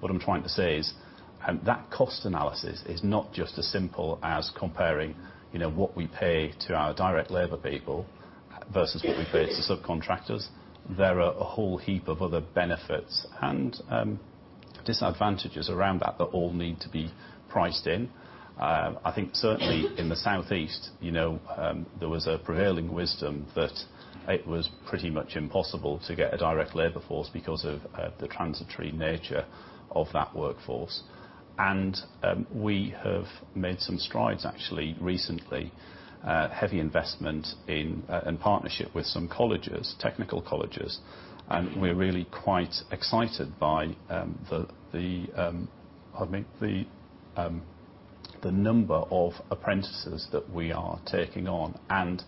What I'm trying to say is, that cost analysis is not just as simple as comparing what we pay to our direct labor people versus what we pay to subcontractors. There are a whole heap of other benefits and disadvantages around that all need to be priced in. I think certainly in the Southeast, there was a prevailing wisdom that it was pretty much impossible to get a direct labor force because of the transitory nature of that workforce. We have made some strides, actually, recently. Heavy investment in partnership with some colleges, technical colleges, and we're really quite excited by the, pardon me, the number of apprentices that we are taking on and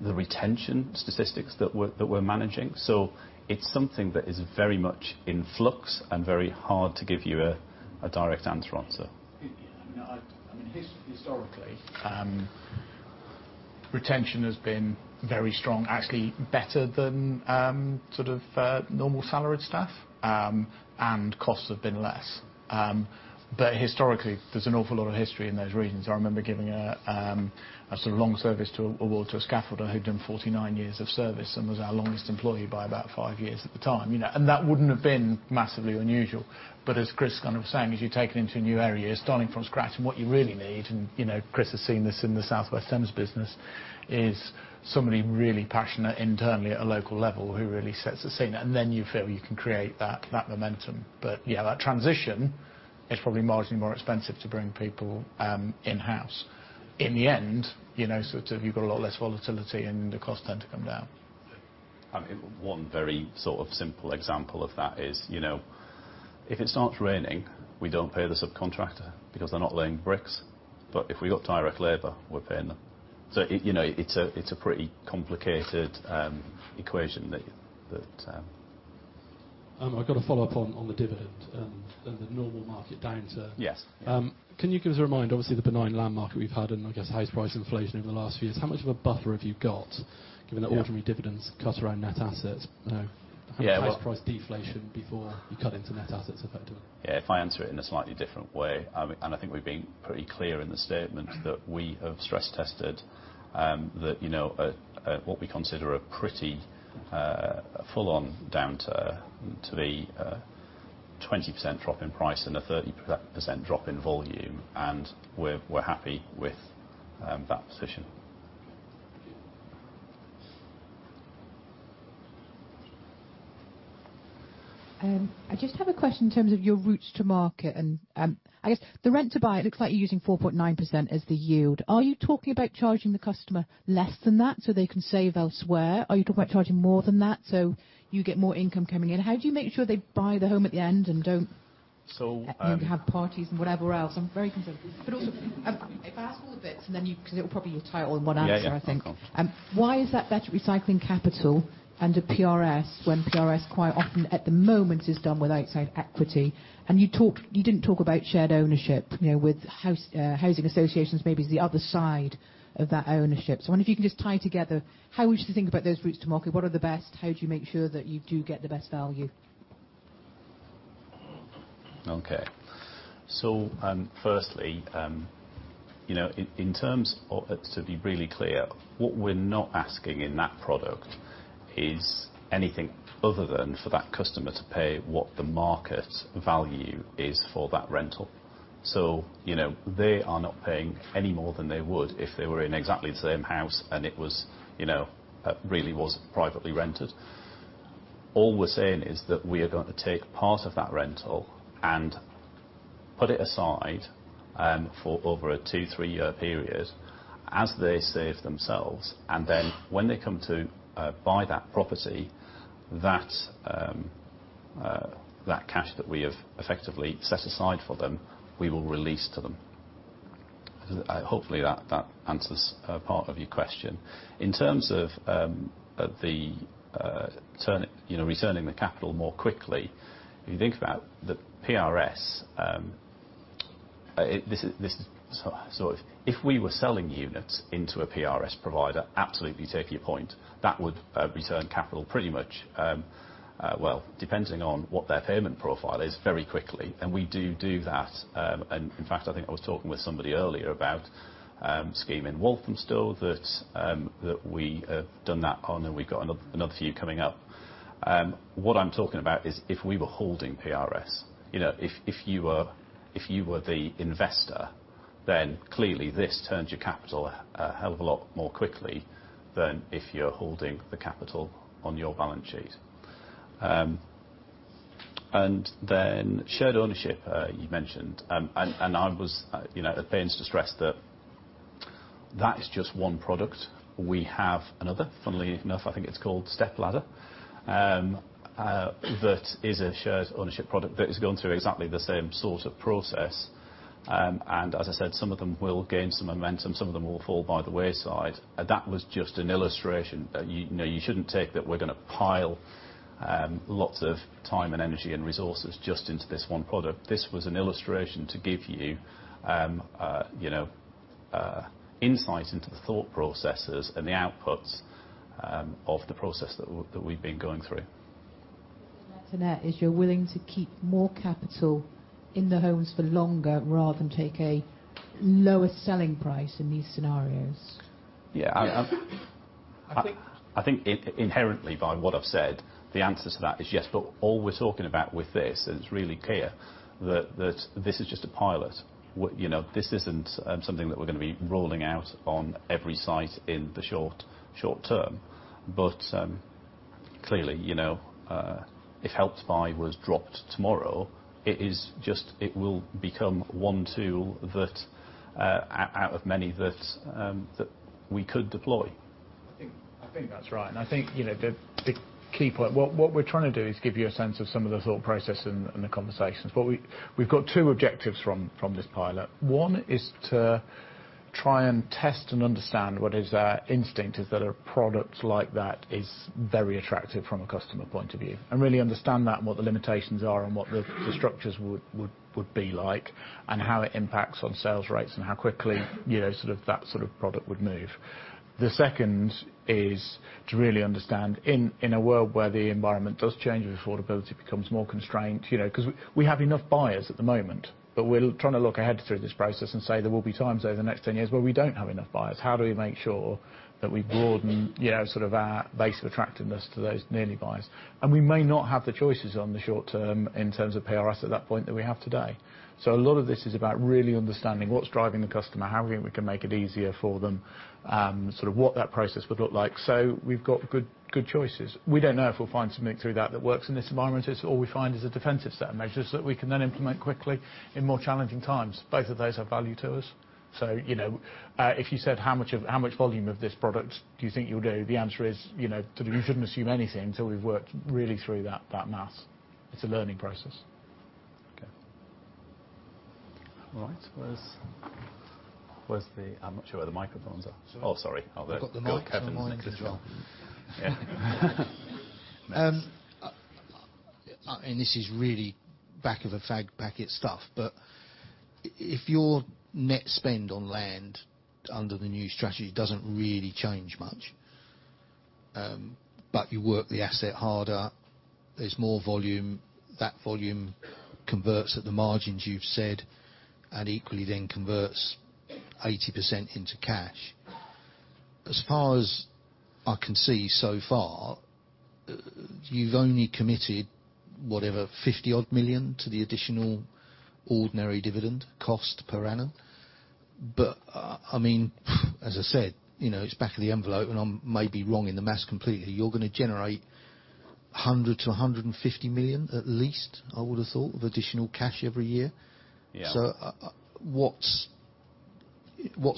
the retention statistics that we're managing. It's something that is very much in flux and very hard to give you a direct answer on. I mean, historically, retention has been very strong, actually better than sort of normal salaried staff, and costs have been less. Historically, there's an awful lot of history in those regions. I remember giving a sort of long service to an award, to a scaffolder who'd done 49 years of service and was our longest employee by about five years at the time. That wouldn't have been massively unusual. As Chris kind of was saying, as you take it into a new area, starting from scratch, and what you really need, and Chris has seen this in the South Thames business, is somebody really passionate internally at a local level who really sets the scene. Then you feel you can create that momentum. Yeah, that transition is probably marginally more expensive to bring people in-house. In the end, sort of you've got a lot less volatility and the costs tend to come down. I mean, one very sort of simple example of that is, if it starts raining, we don't pay the subcontractor because they're not laying bricks. If we've got direct labor, we're paying them. It's a pretty complicated equation that I've got a follow-up on the dividend and the normal market downturn. Yes. Can you give us a reminder? Obviously, the benign land market we've had I guess house price inflation over the last few years. How much of a buffer have you got, given that ordinary dividends cut around net assets? Yeah. House price deflation before you cut into net assets effectively. Yeah, if I answer it in a slightly different way, I think we're being pretty clear in the statement that we have stress tested that what we consider a pretty full-on downturn to be a 20% drop in price and a 30% drop in volume, we're happy with that position. I just have a question in terms of your routes to market. I guess the rent-to-buy, it looks like you're using 4.9% as the yield. Are you talking about charging the customer less than that so they can save elsewhere? Are you talking about charging more than that so you get more income coming in? How do you make sure they buy the home at the end? So- have parties and whatever else? I'm very concerned. Also, if I ask all the bits, because it will probably be a title in one answer, I think. Yeah. No, go on. Why is that better recycling capital under PRS, when PRS quite often at the moment is done without saving equity? You didn't talk about shared ownership, with housing associations maybe is the other side of that ownership. I wonder if you can just tie together how we should think about those routes to market. What are the best? How do you make sure that you do get the best value? Okay. Firstly, to be really clear, what we're not asking in that product is anything other than for that customer to pay what the market value is for that rental. They are not paying any more than they would if they were in exactly the same house and it really was privately rented. All we're saying is that we are going to take part of that rental and put it aside for over a two, three-year period as they save themselves, and then when they come to buy that property, that cash that we have effectively set aside for them, we will release to them. Hopefully that answers a part of your question. In terms of returning the capital more quickly, if you think about the PRS, if we were selling units into a PRS provider, absolutely take your point, that would return capital pretty much, well, depending on what their payment profile is, very quickly. We do that. In fact, I think I was talking with somebody earlier about a scheme in Walthamstow that we have done that on, and we've got another few coming up. What I'm talking about is if we were holding PRS. If you were the investor, then clearly this turns your capital a hell of a lot more quickly than if you're holding the capital on your balance sheet. Then shared ownership, you mentioned. I was at pains to stress that that is just one product. We have another, funnily enough, I think it's called Stepladder. That is a shared ownership product that is going through exactly the same sort of process. As I said, some of them will gain some momentum, some of them will fall by the wayside. That was just an illustration. You shouldn't take that we're going to pile lots of time and energy and resources just into this one product. This was an illustration to give you insight into the thought processes and the outputs of the process that we've been going through. Net-to-net, is you're willing to keep more capital in the homes for longer rather than take a lower selling price in these scenarios? Yeah. I think- Inherently by what I've said, the answer to that is yes. All we're talking about with this, and it's really clear, that this is just a pilot. This isn't something that we're going to be rolling out on every site in the short term. Clearly, if Help to Buy was dropped tomorrow, it will become one tool out of many that we could deploy. I think that's right. I think the key point, what we're trying to do is give you a sense of some of the thought process and the conversations. We've got two objectives from this pilot. One is to try and test and understand what is our instinct, is that a product like that is very attractive from a customer point of view. Really understand that and what the limitations are and what the structures would be like, and how it impacts on sales rates and how quickly that sort of product would move. The second is to really understand in a world where the environment does change, if affordability becomes more constrained, because we have enough buyers at the moment, we're trying to look ahead through this process and say there will be times over the next 10 years where we don't have enough buyers. How do we make sure that we broaden our base of attractiveness to those nearly buyers? We may not have the choices on the short term in terms of PRS at that point that we have today. A lot of this is about really understanding what's driving the customer, how we can make it easier for them, what that process would look like. We've got good choices. We don't know if we'll find something through that that works in this environment, if all we find is a defensive set of measures that we can then implement quickly in more challenging times. Both of those have value to us. If you said how much volume of this product do you think you'll do, the answer is, you shouldn't assume anything until we've worked really through that math. It's a learning process. Okay. All right. Where's the-- I'm not sure where the microphones are. Oh, sorry. Oh, there. We have the mic and the mic as well. Got Kevin and Christopher. Yeah. This is really back of a fag packet stuff. If your net spend on land under the new strategy doesn't really change much, but you work the asset harder, there's more volume, that volume converts at the margins you've said, and equally then converts 80% into cash. As far as I can see so far, you've only committed, whatever, 50-odd million to the additional ordinary dividend cost per annum. As I said, it's back of the envelope, and I may be wrong in the math completely. You're going to generate 100 million-150 million at least, I would've thought, of additional cash every year. Yeah. What's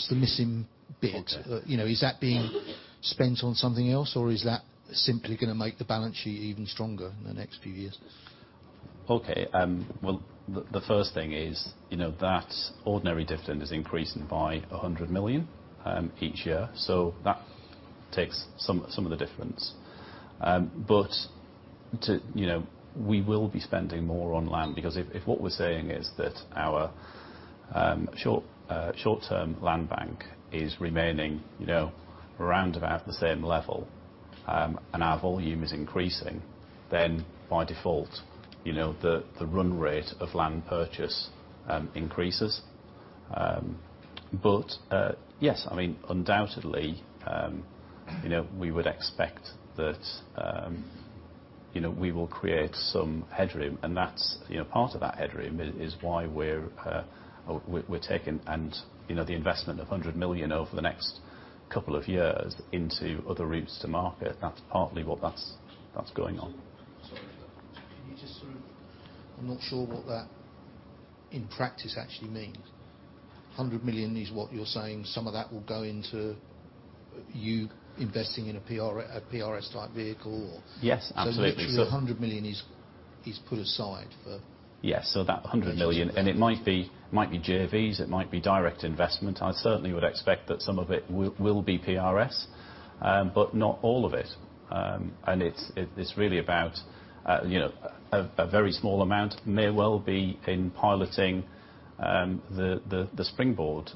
the missing bit? Okay. Is that being spent on something else, or is that simply going to make the balance sheet even stronger in the next few years? Well, the first thing is, that ordinary dividend is increasing by 100 million each year, that takes some of the difference. We will be spending more on land, because if what we're saying is that our short-term land bank is remaining around about the same level, and our volume is increasing, then by default, the run rate of land purchase increases. Yes, undoubtedly, we would expect that we will create some headroom and part of that headroom is why we're taking the investment of 100 million over the next couple of years into other routes to market. That's partly what's going on. Sorry, can you just sort of I'm not sure what that, in practice, actually means. 100 million is what you're saying, some of that will go into you investing in a PRS-type vehicle, or? Yes, absolutely. literally 100 million is put aside for- that 100 million, it might be JVs, it might be direct investment. I certainly would expect that some of it will be PRS, but not all of it. It is really about a very small amount may well be in piloting the Springboard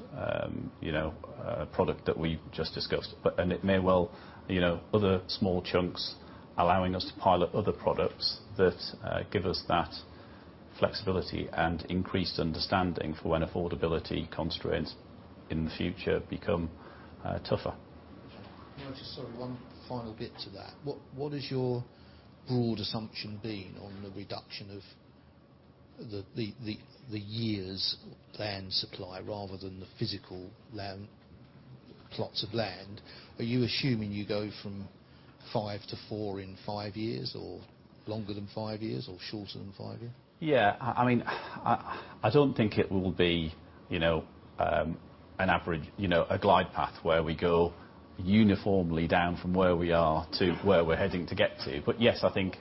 product that we just discussed. It may well, other small chunks allowing us to pilot other products that give us that flexibility and increased understanding for when affordability constraints in the future become tougher. Can I just, sorry, one final bit to that. What has your broad assumption been on the reduction of the years land supply rather than the physical plots of land? Are you assuming you go from five to four in five years, or longer than five years, or shorter than five years? I do not think it will be an average glide path where we go uniformly down from where we are to where we are heading to get to. Yes, I think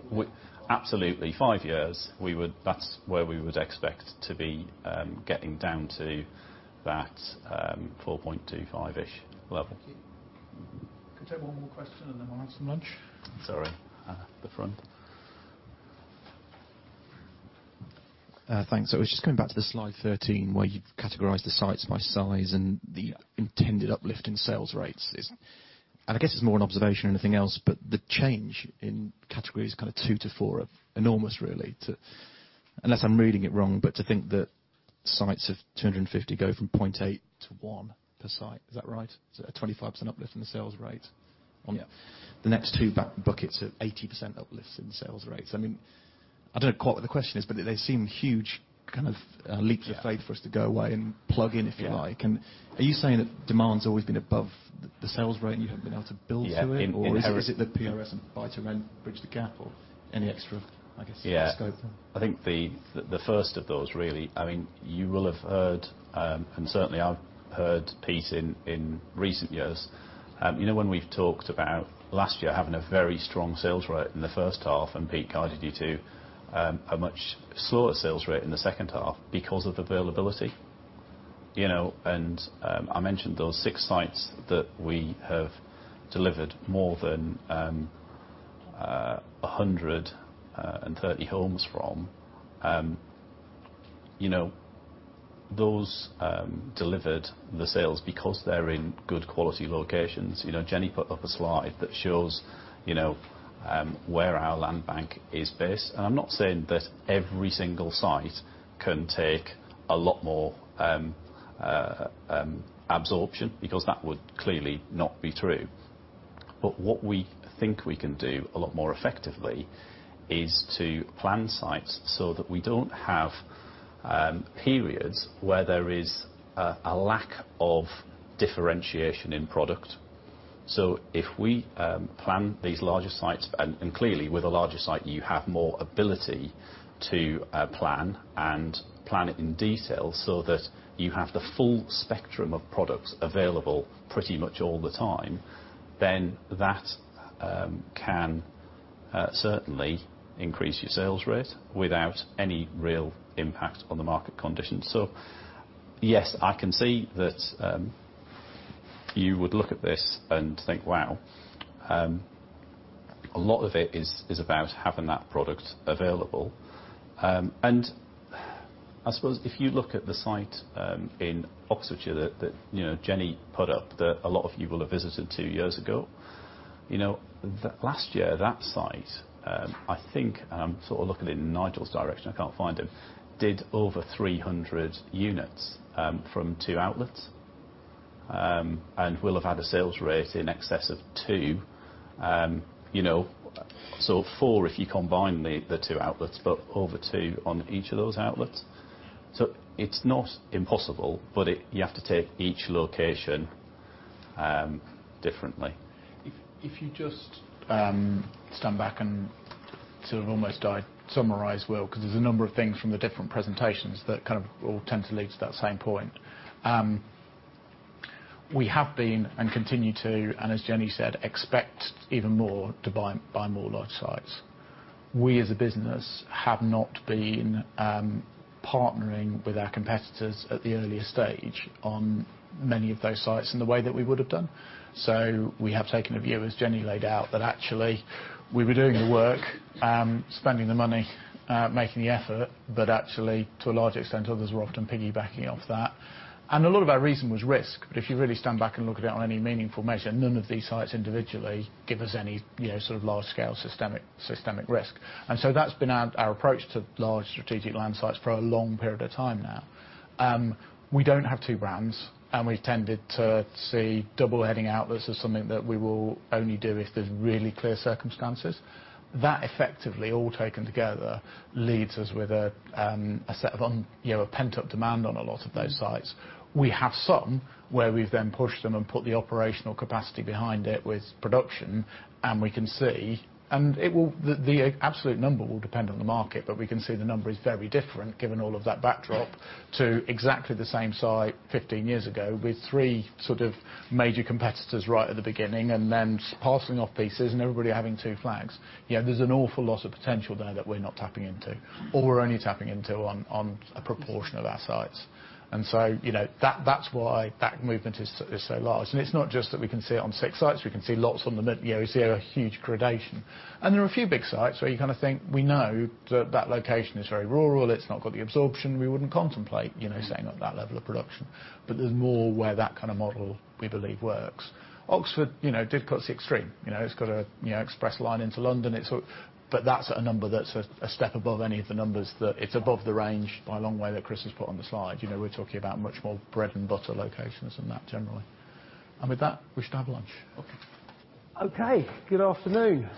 absolutely five years, that is where we would expect to be getting down to that 4.25-ish level. Thank you. Could take one more question, then we'll have some lunch. Sorry. At the front. Thanks. I was just coming back to the slide 13, where you've categorized the sites by size and the intended uplift in sales rates is. I guess it's more an observation than anything else, the change in categories kind of two to four are enormous, really. Unless I'm reading it wrong, to think that sites of 250 go from .8 to 1 per site, is that right? Is it a 25% uplift in the sales rate? Yeah the next two buckets of 80% uplifts in sales rates? I don't know quite what the question is, but they seem huge kind of leaps of faith. Yeah for us to go away and plug in, if you like. Yeah. Are you saying that demand's always been above the sales rate, and you haven't been able to build to it? Yeah. Is it the PRS and build-to-rent bridge the gap or any extra, I guess. Yeah scope there? I think the first of those, really. You will have heard, certainly I've heard, Pete, in recent years, when we've talked about last year having a very strong sales rate in the first half, Pete guided you to a much slower sales rate in the second half because of availability. I mentioned those six sites that we have delivered more than 130 homes from. Those delivered the sales because they're in good quality locations. Jennie put up a slide that shows where our land bank is based, I'm not saying that every single site can take a lot more absorption, because that would clearly not be true. What we think we can do a lot more effectively is to plan sites so that we don't have periods where there is a lack of differentiation in product. If we plan these larger sites, clearly with a larger site, you have more ability to plan and plan it in detail so that you have the full spectrum of products available pretty much all the time, that can certainly increase your sales rate without any real impact on the market conditions. Yes, I can see that you would look at this and think, wow. A lot of it is about having that product available. I suppose if you look at the site in Oxfordshire that Jennie put up, that a lot of you will have visited two years ago. Last year, that site, I think, looking in Nigel's direction, I can't find him, did over 300 units from two outlets, will have had a sales rate in excess of two. Four, if you combine the two outlets, over two on each of those outlets. It's not impossible, but you have to take each location differently. If you just stand back and to almost summarize, Will, because there's a number of things from the different presentations that all tend to lead to that same point. We have been, continue to, as Jennie said, expect even more to buy more large sites. We as a business have not been partnering with our competitors at the earlier stage on many of those sites in the way that we would have done. We have taken a view, as Jennie laid out, that actually we were doing the work, spending the money, making the effort, but actually, to a large extent, others were often piggybacking off that. A lot of our reason was risk. If you really stand back and look at it on any meaningful measure, none of these sites individually give us any large-scale systemic risk. That's been our approach to large strategic land sites for a long period of time now. We don't have two brands, and we've tended to see double-heading outlets as something that we will only do if there's really clear circumstances. That effectively, all taken together, leaves us with a set of a pent-up demand on a lot of those sites. We have some where we've then pushed them and put the operational capacity behind it with production, and we can see. The absolute number will depend on the market, but we can see the number is very different given all of that backdrop to exactly the same site 15 years ago, with three major competitors right at the beginning, and then parceling off pieces and everybody having two flags. There's an awful lot of potential there that we're not tapping into, or we're only tapping into on a proportion of our sites. That's why that movement is so large. It's not just that we can see it on six sites, we see a huge gradation. There are a few big sites where you think we know that that location is very rural, it's not got the absorption, we wouldn't contemplate setting up that level of production. There's more where that kind of model we believe works. Oxford did cut us extreme. It's got an express line into London, but that's a number that's a step above any of the numbers. It's above the range by a long way that Chris has put on the slide. We're talking about much more bread-and-butter locations than that generally. With that, we should have lunch. Okay. Good afternoon.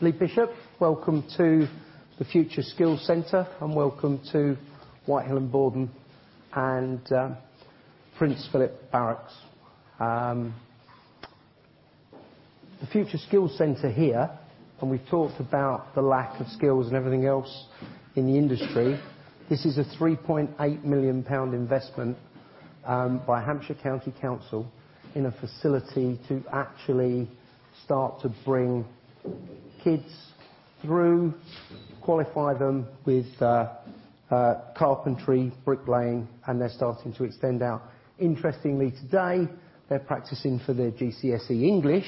Lee Bishop, welcome to the Future Skills Centre, and welcome to Whitehill and Bordon, and Prince Philip Barracks. The Future Skills Centre here, and we've talked about the lack of skills and everything else in the industry. This is a 3.8 million pound investment by Hampshire County Council in a facility to actually start to bring kids through, qualify them with carpentry, bricklaying, and they're starting to extend out. Interestingly, today, they're practicing for their GCSE English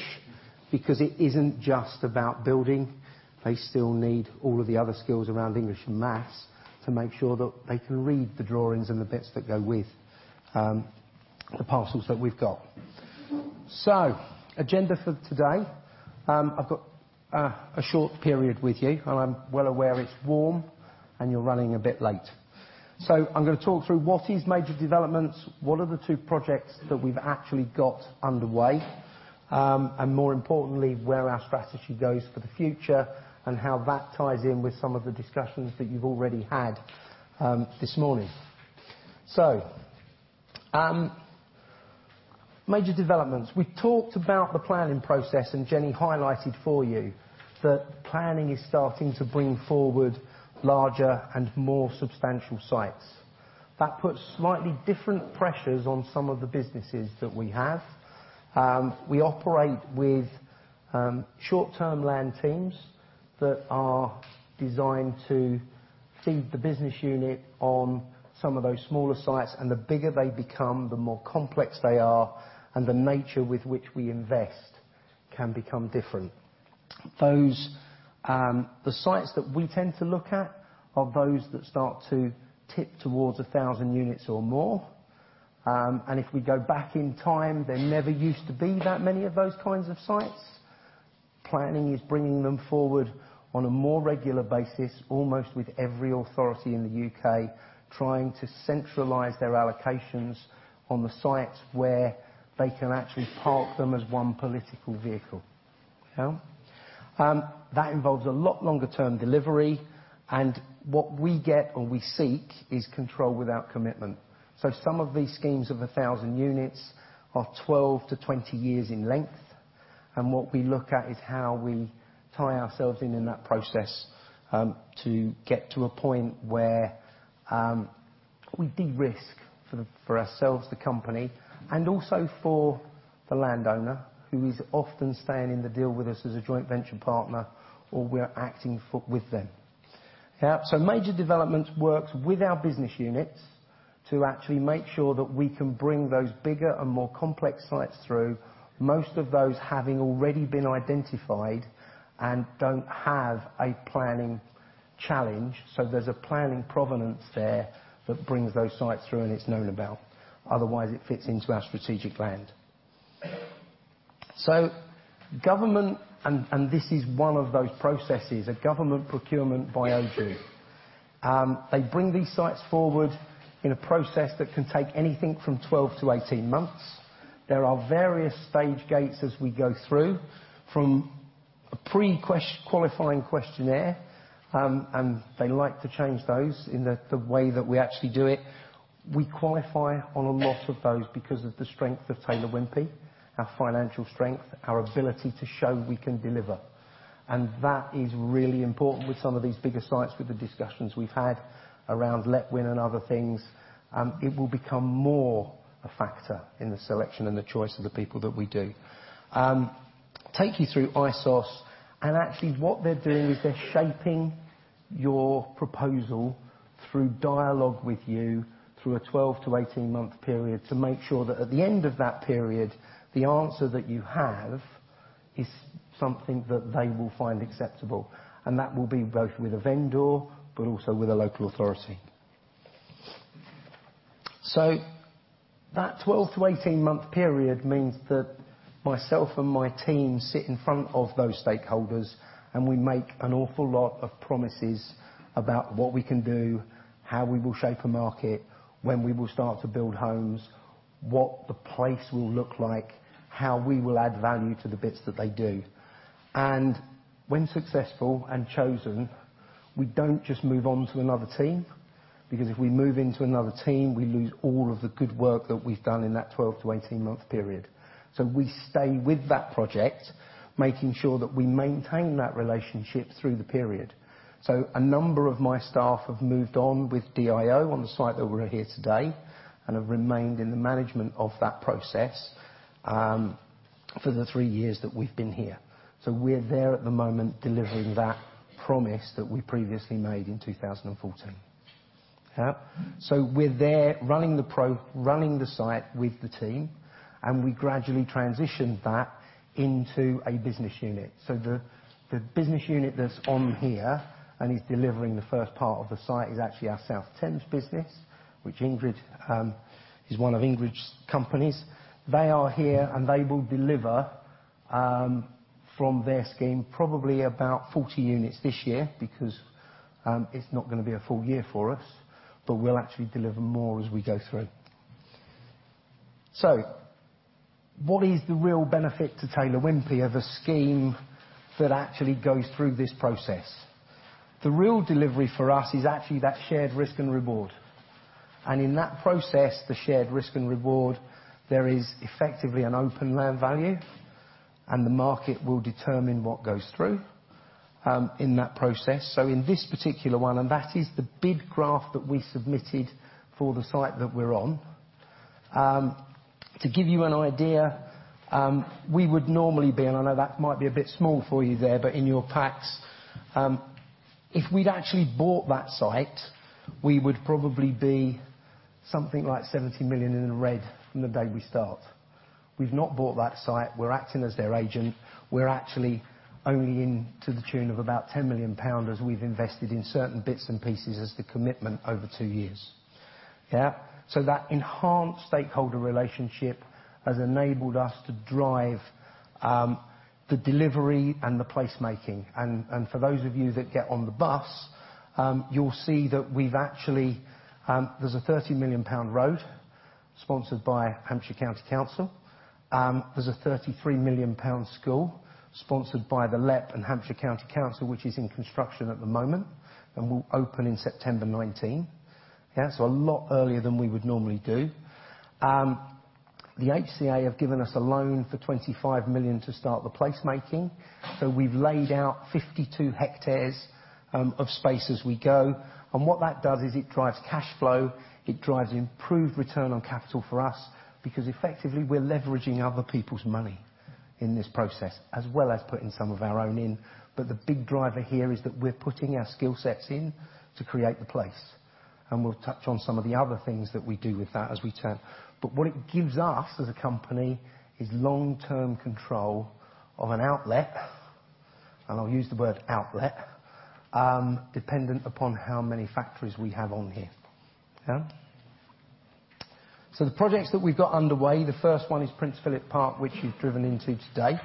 because it isn't just about building. They still need all of the other skills around English and maths to make sure that they can read the drawings and the bits that go with the parcels that we've got. Agenda for today, I've got a short period with you, and I'm well aware it's warm and you're running a bit late. I'm going to talk through what is major developments, what are the two projects that we've actually got underway. More importantly, where our strategy goes for the future and how that ties in with some of the discussions that you've already had this morning. Major developments. We've talked about the planning process. Jennie highlighted for you that planning is starting to bring forward larger and more substantial sites. That puts slightly different pressures on some of the businesses that we have. We operate with short-term land teams that are designed to feed the business unit on some of those smaller sites. The bigger they become, the more complex they are, and the nature with which we invest can become different. The sites that we tend to look at are those that start to tip towards 1,000 units or more. If we go back in time, there never used to be that many of those kinds of sites. Planning is bringing them forward on a more regular basis, almost with every authority in the U.K. trying to centralize their allocations on the sites where they can actually park them as one political vehicle. That involves a lot longer-term delivery. What we get or we seek is control without commitment. Some of these schemes of 1,000 units are 12 to 20 years in length. What we look at is how we tie ourselves in in that process, to get to a point where we de-risk for ourselves, the company, and also for the landowner, who is often staying in the deal with us as a joint venture partner, or we're acting with them. Major developments works with our business units to actually make sure that we can bring those bigger and more complex sites through, most of those having already been identified and don't have a planning Challenge. There's a planning provenance there that brings those sites through, and it's known about. Otherwise, it fits into our strategic land. Government, and this is one of those processes, a government procurement by OJEU. They bring these sites forward in a process that can take anything from 12 to 18 months. There are various stage gates as we go through, from a pre-qualifying questionnaire. They like to change those in the way that we actually do it. We qualify on a lot of those because of the strength of Taylor Wimpey, our financial strength, our ability to show we can deliver. That is really important with some of these bigger sites with the discussions we've had around Letwin and other things. It will become more a factor in the selection and the choice of the people that we do. Take you through ISOP and actually what they're doing is they're shaping your proposal through dialogue with you through a 12 to 18-month period to make sure that at the end of that period, the answer that you have is something that they will find acceptable, and that will be both with a vendor but also with a local authority. That 12 to 18-month period means that myself and my team sit in front of those stakeholders, we make an awful lot of promises about what we can do, how we will shape a market, when we will start to build homes, what the price will look like, how we will add value to the bits that they do. When successful and chosen, we don't just move on to another team, because if we move into another team, we lose all of the good work that we've done in that 12 to 18-month period. We stay with that project, making sure that we maintain that relationship through the period. A number of my staff have moved on with DIO on the site that we're here today and have remained in the management of that process for the three years that we've been here. We're there at the moment delivering that promise that we previously made in 2014. We're there running the site with the team, we gradually transition that into a business unit. The business unit that's on here and is delivering the first part of the site is actually our South Thames business, which is one of Ingrid's companies. They are here, they will deliver from their scheme probably about 40 units this year because it's not going to be a full year for us, but we'll actually deliver more as we go through. What is the real benefit to Taylor Wimpey of a scheme that actually goes through this process? The real delivery for us is actually that shared risk and reward. In that process, the shared risk and reward, there is effectively an open land value, the market will determine what goes through in that process. In this particular one, that is the bid graph that we submitted for the site that we're on. To give you an idea, we would normally be, I know that might be a bit small for you there, but in your packs, if we'd actually bought that site, we would probably be something like 70 million in red from the day we start. We've not bought that site. We're acting as their agent. We're actually only in to the tune of about 10 million as we've invested in certain bits and pieces as the commitment over two years. That enhanced stakeholder relationship has enabled us to drive the delivery and the placemaking. For those of you that get on the bus, you'll see there's a 30 million pound road sponsored by Hampshire County Council. There's a 33 million pound school sponsored by the LEP and Hampshire County Council, which is in construction at the moment, will open in September 2019. A lot earlier than we would normally do. The HCA have given us a loan for 25 million to start the placemaking. We've laid out 52 hectares of space as we go, what that does is it drives cash flow, it drives improved return on capital for us because effectively we're leveraging other people's money in this process, as well as putting some of our own in. The big driver here is that we're putting our skill sets in to create the place. We'll touch on some of the other things that we do with that as we turn. What it gives us as a company is long-term control of an outlet, and I'll use the word outlet, dependent upon how many factories we have on here. The projects that we've got underway, the first one is Prince Philip Park, which you've driven into today.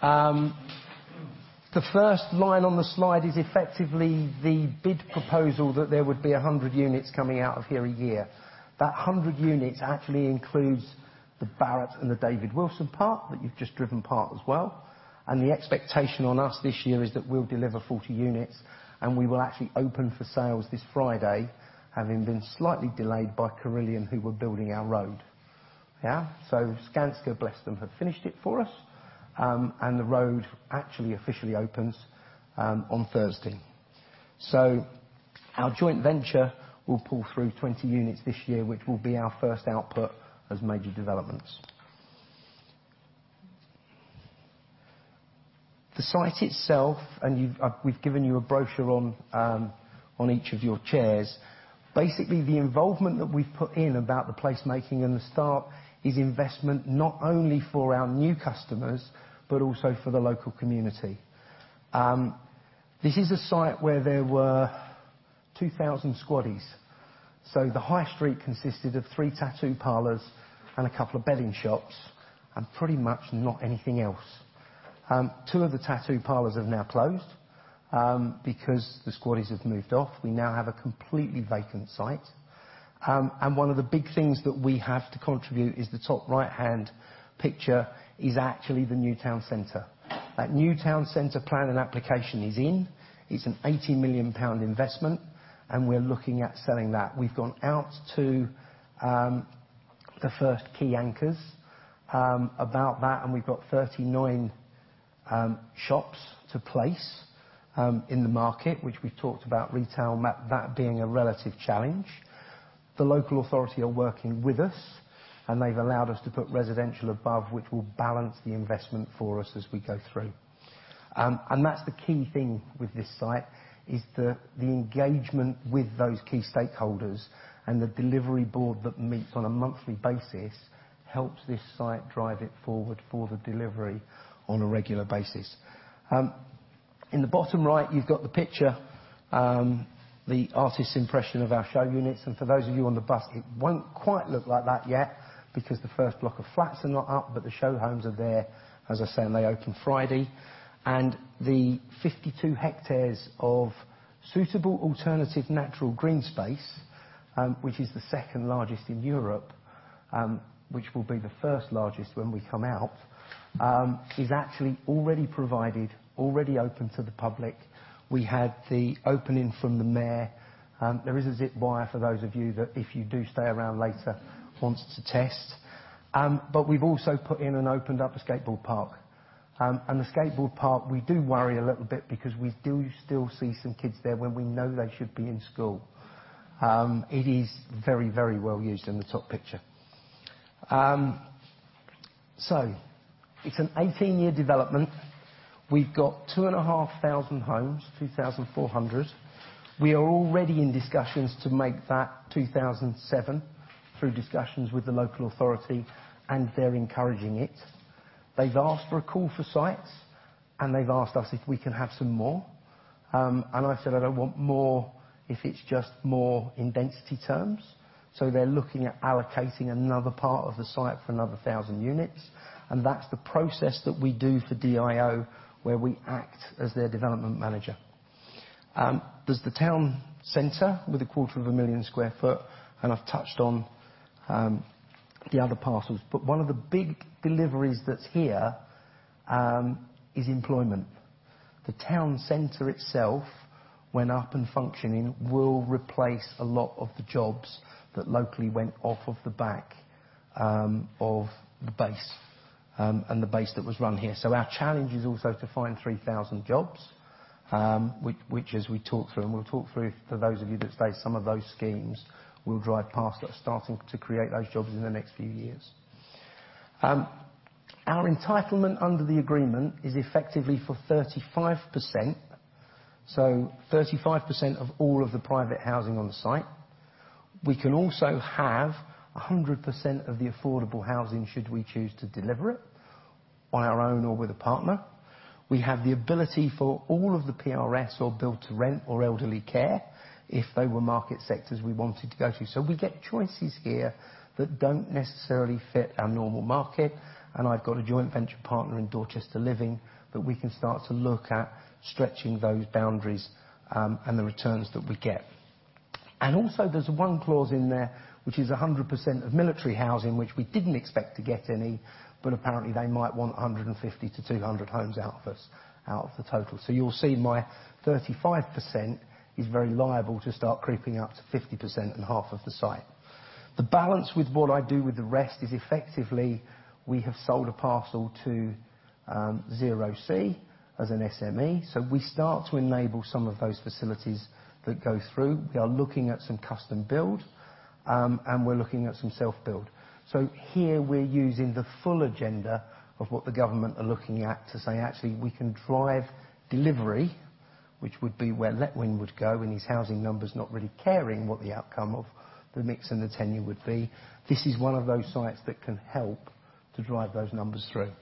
The first line on the slide is effectively the bid proposal that there would be 100 units coming out of here a year. That 100 units actually includes the Barratt and the David Wilson Park that you've just driven past as well. The expectation on us this year is that we'll deliver 40 units, and we will actually open for sales this Friday, having been slightly delayed by Carillion, who were building our road. Skanska, bless them, have finished it for us, and the road actually officially opens on Thursday. Our joint venture will pull through 20 units this year, which will be our first output as major developments. The site itself, and we've given you a brochure on each of your chairs. Basically, the involvement that we've put in about the place making and the start is investment not only for our new customers, but also for the local community. This is a site where there were 2,000 squaddies. The high street consisted of three tattoo parlors and a couple of betting shops, and pretty much not anything else. Two of the tattoo parlors have now closed, because the squaddies have moved off. We now have a completely vacant site. One of the big things that we have to contribute is the top right-hand picture is actually the new town center. That new town center plan and application is in. It's a 18 million pound investment, and we're looking at selling that. We've gone out to the first key anchors about that, and we've got 39 shops to place in the market, which we've talked about retail map, that being a relative challenge. The local authority are working with us, and they've allowed us to put residential above, which will balance the investment for us as we go through. That's the key thing with this site, is the engagement with those key stakeholders and the delivery board that meets on a monthly basis helps this site drive it forward for the delivery on a regular basis. In the bottom right, you've got the picture, the artist's impression of our show units. For those of you on the bus, it won't quite look like that yet, because the first block of flats are not up, but the show homes are there. As I said, they open Friday. The 52 hectares of suitable alternative natural green space, which is the second-largest in Europe, which will be the first-largest when we come out, is actually already provided, already open to the public. We had the opening from the mayor. There is a zip wire for those of you that if you do stay around later, wants to test. We've also put in and opened up a skateboard park. The skateboard park, we do worry a little bit because we do still see some kids there when we know they should be in school. It is very well used in the top picture. It's an 18-year development. We've got 2,500 homes, 2,400. We are already in discussions to make that 2,700 through discussions with the local authority. They're encouraging it. They've asked for a call for sites. They've asked us if we can have some more. I said I don't want more if it's just more in density terms. They're looking at allocating another part of the site for another 1,000 units. That's the process that we do for DIO, where we act as their development manager. There's the town center with a quarter of a million square foot. I've touched on the other parcels. One of the big deliveries that's here, is employment. The town center itself, when up and functioning, will replace a lot of the jobs that locally went off of the back of the base. The base that was run here. Our challenge is also to find 3,000 jobs, which as we talk through, we'll talk through for those of you that stay, some of those schemes we'll drive past that are starting to create those jobs in the next few years. Our entitlement under the agreement is effectively for 35%. 35% of all of the private housing on the site. We can also have 100% of the affordable housing should we choose to deliver it on our own or with a partner. We have the ability for all of the PRS or build-to-rent or elderly care if they were market sectors we wanted to go to. We get choices here that don't necessarily fit our normal market. I've got a joint venture partner in Dorchester Living that we can start to look at stretching those boundaries, and the returns that we get. There's one clause in there, which is 100% of military housing, which we didn't expect to get any, but apparently they might want 150 to 200 homes out of the total. You'll see my 35% is very liable to start creeping up to 50% and half of the site. The balance with what I do with the rest is effectively, we have sold a parcel to Zero C as an SME. We start to enable some of those facilities that go through. We are looking at some custom build. We're looking at some self-build. Here we're using the full agenda of what the government are looking at to say, actually, we can drive delivery, which would be where Letwin would go in his housing numbers, not really caring what the outcome of the mix and the tenure would be. This is one of those sites that can help to drive those numbers through.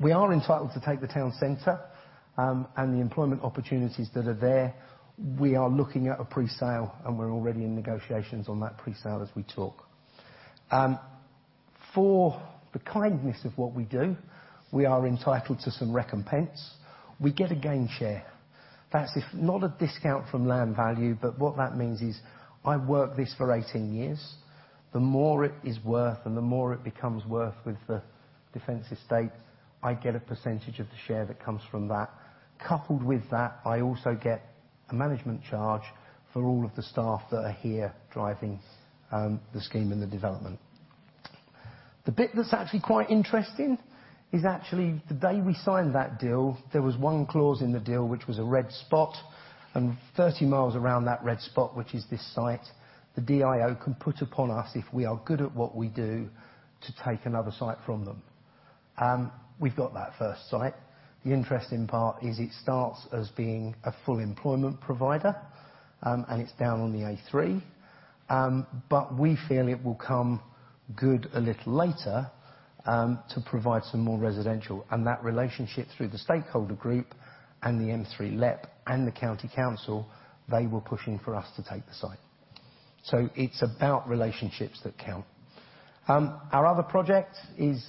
We are entitled to take the town center. The employment opportunities that are there. We are looking at a pre-sale. We're already in negotiations on that pre-sale as we talk. For the kindness of what we do, we are entitled to some recompense. We get a gain share. That's if not a discount from land value. What that means is I work this for 18 years. The more it is worth and the more it becomes worth with the Defence estate, I get a percentage of the share that comes from that. Coupled with that, I also get a management charge for all of the staff that are here driving the scheme and the development. The bit that is actually quite interesting is actually the day we signed that deal, there was one clause in the deal, which was a red spot, and 30 miles around that red spot, which is this site, the DIO can put upon us if we are good at what we do to take another site from them. We have got that first site. The interesting part is it starts as being a full employment provider, and it is down on the A3. We feel it will come good a little later to provide some more residential. That relationship through the stakeholder group and the M3 LEP and the county council, they were pushing for us to take the site. It is about relationships that count. Our other project is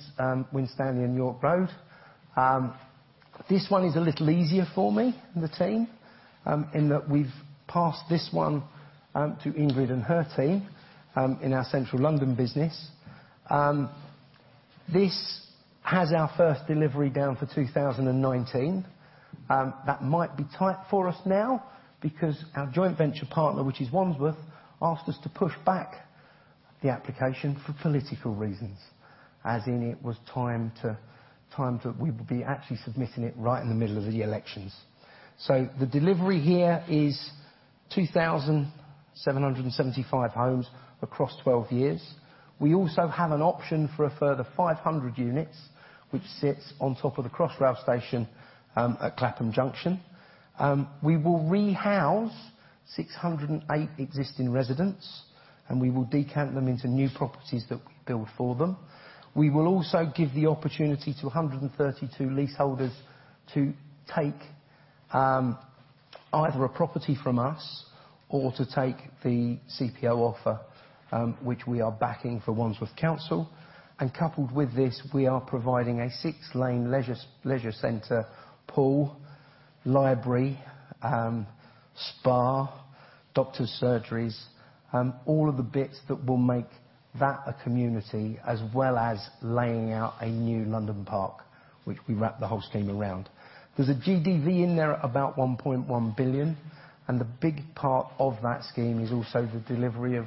Winstanley and York Road. This one is a little easier for me and the team, in that we have passed this one to Ingrid and her team in our Central London business. This has our first delivery down for 2019. That might be tight for us now because our joint venture partner, which is Wandsworth, asked us to push back the application for political reasons, as in it was time that we would be actually submitting it right in the middle of the elections. The delivery here is 2,775 homes across 12 years. We also have an option for a further 500 units, which sits on top of the Crossrail station at Clapham Junction. We will rehouse 608 existing residents, and we will decant them into new properties that we build for them. We will also give the opportunity to 132 leaseholders to take either a property from us or to take the CPO offer, which we are backing for Wandsworth Council. Coupled with this, we are providing a six-lane leisure center, pool, library, spa, doctor surgeries, all of the bits that will make that a community, as well as laying out a new London park, which we wrap the whole scheme around. There is a GDV in there at about 1.1 billion, and the big part of that scheme is also the delivery of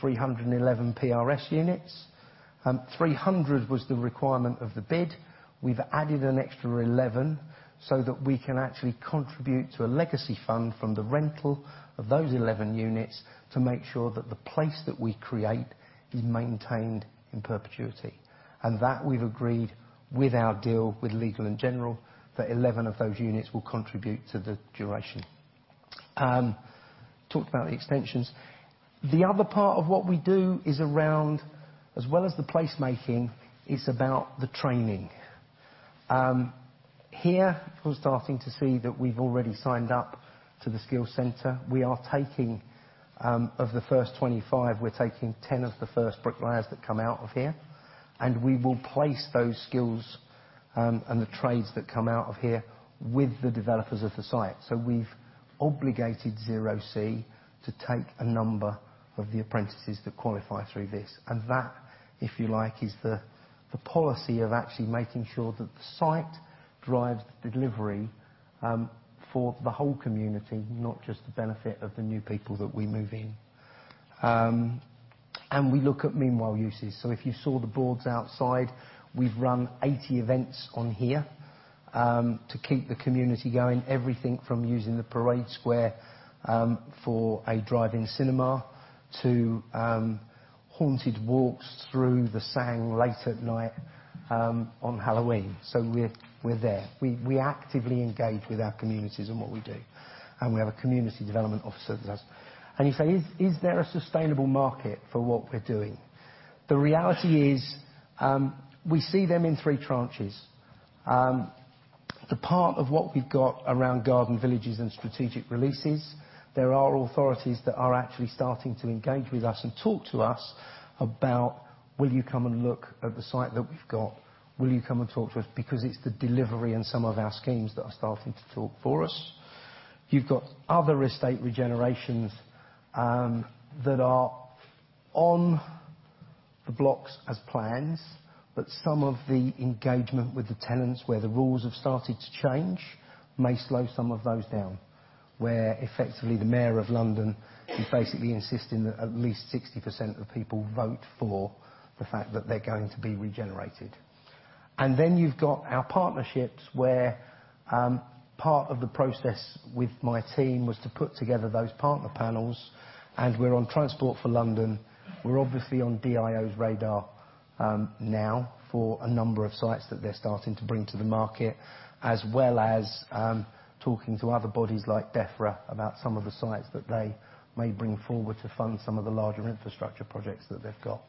311 PRS units. 300 was the requirement of the bid. We have added an extra 11 so that we can actually contribute to a legacy fund from the rental of those 11 units to make sure that the place that we create is maintained in perpetuity. That we have agreed with our deal with Legal & General, that 11 of those units will contribute to the duration. Talked about the extensions. The other part of what we do is around, as well as the place making, it is about the training. Here, we are starting to see that we have already signed up to the skill center. We are taking, of the first 25, we are taking 10 of the first bricklayers that come out of here, and we will place those skills and the trades that come out of here with the developers of the site. We have obligated Zero C to take a number of the apprentices that qualify through this. That, if you like, is the policy of actually making sure that the site drives the delivery for the whole community, not just the benefit of the new people that we move in. We look at meanwhile uses. If you saw the boards outside, we've run 80 events on here, to keep the community going. Everything from using the parade square for a drive-in cinema to haunted walks through the SANG late at night on Halloween. We're there. We actively engage with our communities in what we do. We have a community development officer with us. You say, "Is there a sustainable market for what we're doing?" The reality is, we see them in three tranches. The part of what we've got around garden villages and strategic releases, there are authorities that are actually starting to engage with us and talk to us about, "Will you come and look at the site that we've got? Will you come and talk to us?" Because it's the delivery and some of our schemes that are starting to talk for us. You've got other estate regenerations that are on the blocks as plans, but some of the engagement with the tenants where the rules have started to change may slow some of those down, where effectively the mayor of London is basically insisting that at least 60% of people vote for the fact that they're going to be regenerated. Then you've got our partnerships, where part of the process with my team was to put together those partner panels, and we're on Transport for London. We're obviously on DIO's radar now for a number of sites that they're starting to bring to the market, as well as talking to other bodies like DEFRA about some of the sites that they may bring forward to fund some of the larger infrastructure projects that they've got.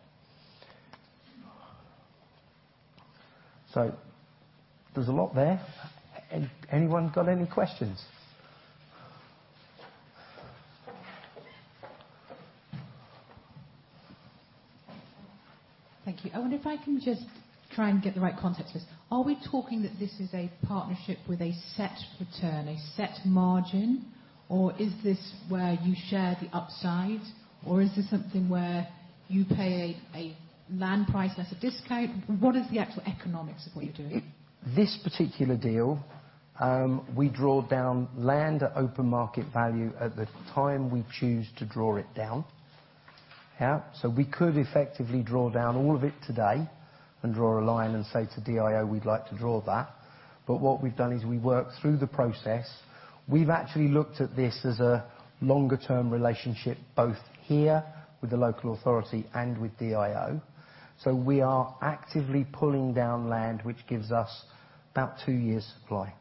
There's a lot there. Anyone got any questions? Thank you. I wonder if I can just try and get the right context for this. Are we talking that this is a partnership with a set return, a set margin, or is this where you share the upside, or is this something where you pay a land price less a discount? What is the actual economics of what you're doing? This particular deal, we draw down land at open market value at the time we choose to draw it down. Yeah. We could effectively draw down all of it today and draw a line and say to DIO, "We'd like to draw that." What we've done is we worked through the process. We've actually looked at this as a longer-term relationship, both here with the local authority and with DIO. We are actively pulling down land, which gives us about two years supply.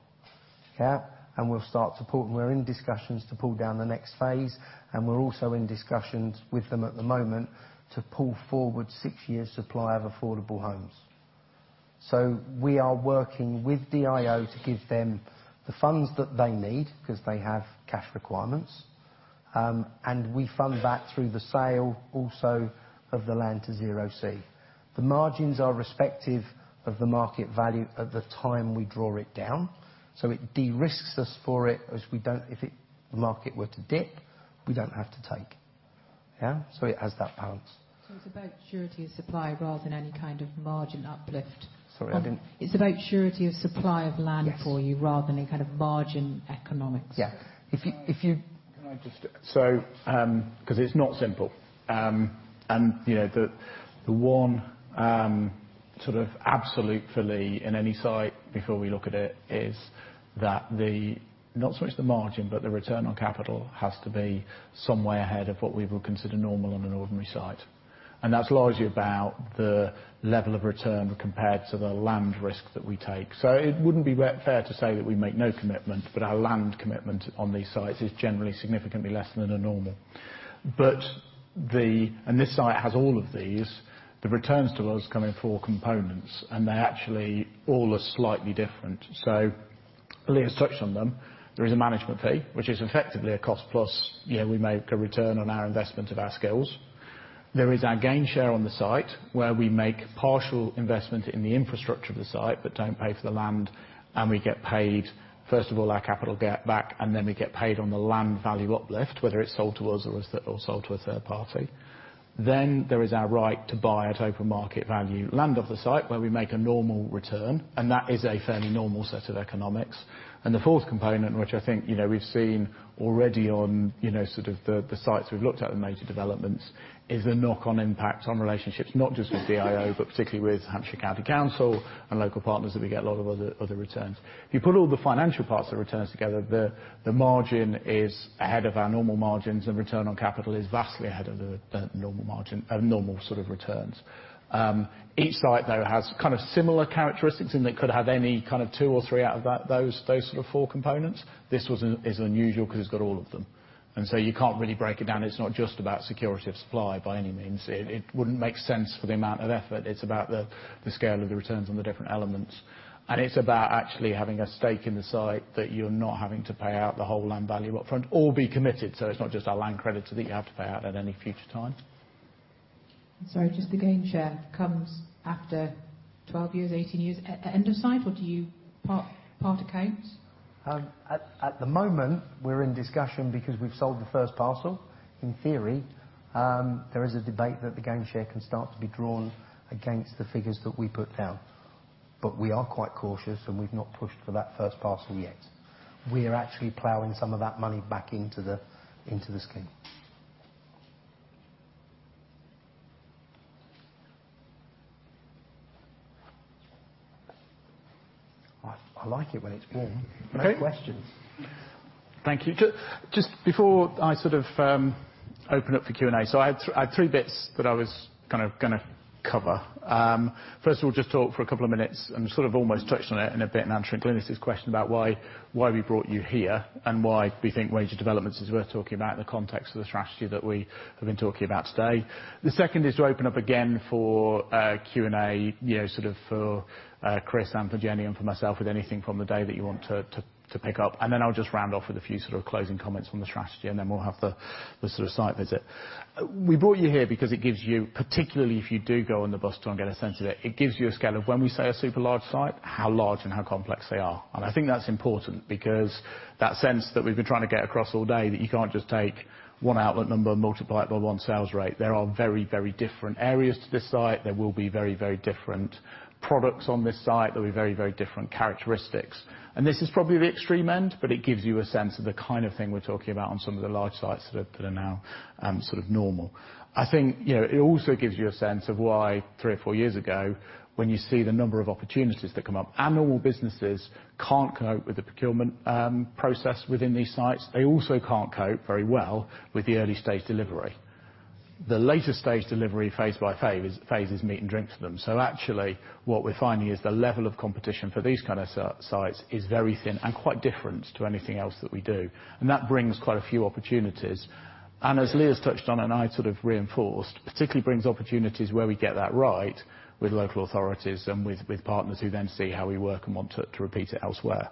Yeah. We'll start to pull, and we're in discussions to pull down the next phase, and we're also in discussions with them at the moment to pull forward six years supply of affordable homes. We are working with DIO to give them the funds that they need, because they have cash requirements, and we fund that through the sale also of the land to Zero C. The margins are respective of the market value at the time we draw it down, it de-risks us for it, as if the market were to dip, we don't have to take. Yeah. It has that balance. It's about surety of supply rather than any kind of margin uplift. Sorry, I didn't- It's about surety of supply of land for. Yes rather than any kind of margin economics. Yeah. Can I just, because it's not simple. The one sort of absolute for Lee in any site before we look at it is that the, not so much the margin, but the return on capital has to be somewhere ahead of what we would consider normal on an ordinary site. That's largely about the level of return compared to the land risk that we take. It wouldn't be fair to say that we make no commitment, but our land commitment on these sites is generally significantly less than a normal. This site has all of these. The returns to us come in four components, and they actually all are slightly different. Lee has touched on them. There is a management fee, which is effectively a cost plus, we make a return on our investment of our skills. There is our gain share on the site, where we make partial investment in the infrastructure of the site, but don't pay for the land, and we get paid, first of all, our capital back, and then we get paid on the land value uplift, whether it's sold to us or sold to a third party. Then there is our right to buy at open market value land of the site where we make a normal return, and that is a fairly normal set of economics. The fourth component, which I think we've seen already on the sites we've looked at in major developments, is the knock-on impact on relationships, not just with DIO, but particularly with Hampshire County Council and local partners that we get a lot of other returns. If you put all the financial parts of the returns together, the margin is ahead of our normal margins, and return on capital is vastly ahead of the normal sort of returns. Each site, though, has kind of similar characteristics in they could have any two or three out of those four components. This is unusual because it's got all of them. You can't really break it down. It's not just about security of supply by any means. It wouldn't make sense for the amount of effort. It's about the scale of the returns on the different elements. It's about actually having a stake in the site that you're not having to pay out the whole land value up front or be committed. It's not just a land credit that you have to pay out at any future time. Sorry, just the gain share comes after 12 years, 18 years at end of site, or do you part accounts? At the moment, we're in discussion because we've sold the first parcel. In theory, there is a debate that the gain share can start to be drawn against the figures that we put down. We are quite cautious, and we've not pushed for that first parcel yet. We are actually plowing some of that money back into the scheme. I like it when it's warm. Okay. Any questions? Thank you. Just before I open up for Q&A, I had three bits that I was going to cover. First of all, just talk for a couple of minutes and sort of almost touched on it in a bit in answering Glynis's question about why we brought you here and why we think major developments is worth talking about in the context of the strategy that we have been talking about today. The second is to open up again for Q&A, sort of for Chris and for Jennie and for myself with anything from the day that you want to pick up. Then I'll just round off with a few sort of closing comments on the strategy, then we'll have the site visit. We brought you here because it gives you, particularly if you do go on the bus tour and get a sense of it gives you a scale of when we say a super large site, how large and how complex they are. I think that's important because that sense that we've been trying to get across all day, that you can't just take one outlet number and multiply it by one sales rate. There are very different areas to this site. There will be very different products on this site. There'll be very different characteristics. This is probably the extreme end, but it gives you a sense of the kind of thing we're talking about on some of the large sites that are now sort of normal. I think it also gives you a sense of why three or four years ago, when you see the number of opportunities that come up, normal businesses can't cope with the procurement process within these sites. They also can't cope very well with the early stage delivery. The later stage delivery phase by phase is meat and drink to them. Actually, what we're finding is the level of competition for these kind of sites is very thin and quite different to anything else that we do. That brings quite a few opportunities. As Lee has touched on and I sort of reinforced, particularly brings opportunities where we get that right with local authorities and with partners who then see how we work and want to repeat it elsewhere.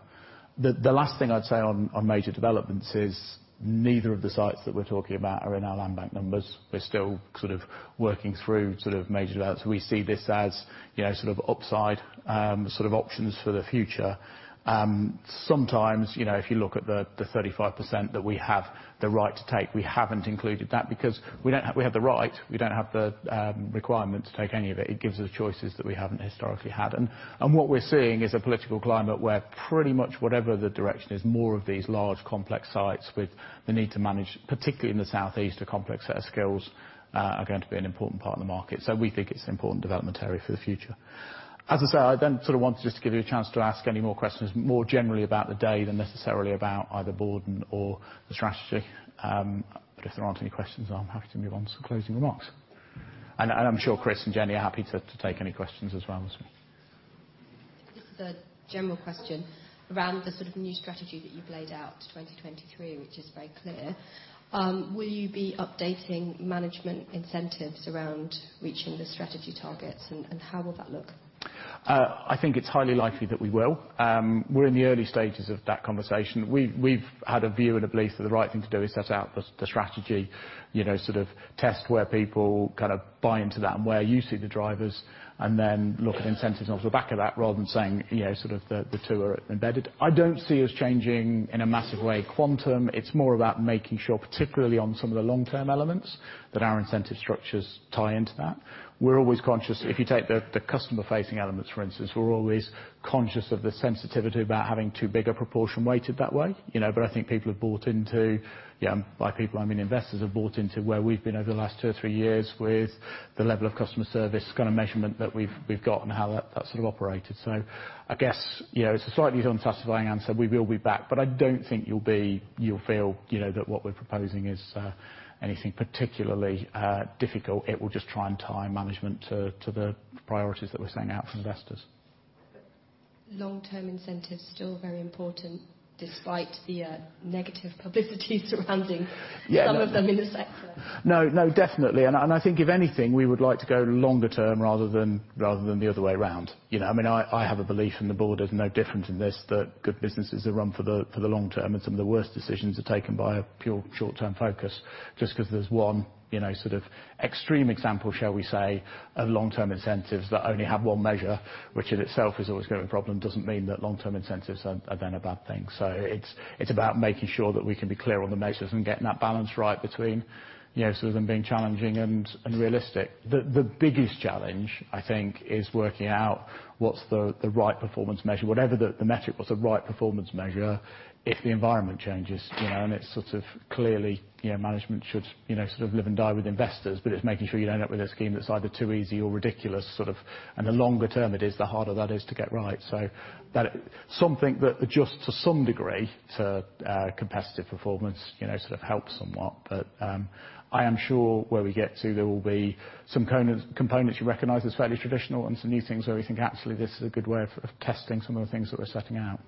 The last thing I'd say on major developments is neither of the sites that we're talking about are in our land bank numbers. We're still sort of working through major developments. We see this as sort of upside, options for the future. Sometimes, if you look at the 35% that we have the right to take, we haven't included that because we have the right, we don't have the requirement to take any of it. It gives us choices that we haven't historically had. What we're seeing is a political climate where pretty much whatever the direction is, more of these large complex sites with the need to manage, particularly in the South East, a complex set of skills, are going to be an important part of the market. We think it's an important development area for the future. As I said, I sort of wanted just to give you a chance to ask any more questions more generally about the day than necessarily about either Bordon or the strategy. If there aren't any questions, I'm happy to move on to some closing remarks. I'm sure Chris and Jennie are happy to take any questions as well as me. Just as a general question, around the sort of new strategy that you've laid out to 2023, which is very clear, will you be updating management incentives around reaching the strategy targets and how will that look? I think it's highly likely that we will. We're in the early stages of that conversation. We've had a view and a belief that the right thing to do is set out the strategy, you know, sort of test where people kind of buy into that and where you see the drivers, and then look at incentives off the back of that rather than saying, you know, sort of the two are embedded. I don't see us changing in a massive way quantum. It's more about making sure, particularly on some of the long-term elements, that our incentive structures tie into that. We're always conscious If you take the customer-facing elements, for instance, we're always conscious of the sensitivity about having too big a proportion weighted that way, you know. I think people have bought into, by people, I mean investors, have bought into where we've been over the last two or three years with the level of customer service kind of measurement that we've got and how that's sort of operated. I guess, you know, it's a slightly unsatisfying answer. We will be back, but I don't think you'll be, you'll feel, you know, that what we're proposing is anything particularly difficult. It will just try and tie management to the priorities that we're setting out for investors. Long-term incentives still very important despite the negative publicity surrounding Yeah. some of them in the sector. Definitely. I think if anything, we would like to go longer term rather than the other way around. You know what I mean? I have a belief, and the board is no different in this, that good businesses are run for the long term, and some of the worst decisions are taken by a pure short-term focus. Just 'cause there's one, you know, sort of extreme example, shall we say, of long-term incentives that only have one measure, which in itself is always gonna be a problem, doesn't mean that long-term incentives are then a bad thing. It's about making sure that we can be clear on the measures and getting that balance right between, you know, sort of them being challenging and realistic. The biggest challenge, I think, is working out what's the right performance measure. Whatever the metric, what's the right performance measure if the environment changes, you know? Clearly, you know, management should, you know, live and die with investors, but it's making sure you don't end up with a scheme that's either too easy or ridiculous. The longer term it is, the harder that is to get right. So that something that adjusts to some degree to competitive performance, you know, helps somewhat. I am sure where we get to, there will be some components you recognize as fairly traditional and some new things where we think, "Actually, this is a good way of testing some of the things that we're setting out."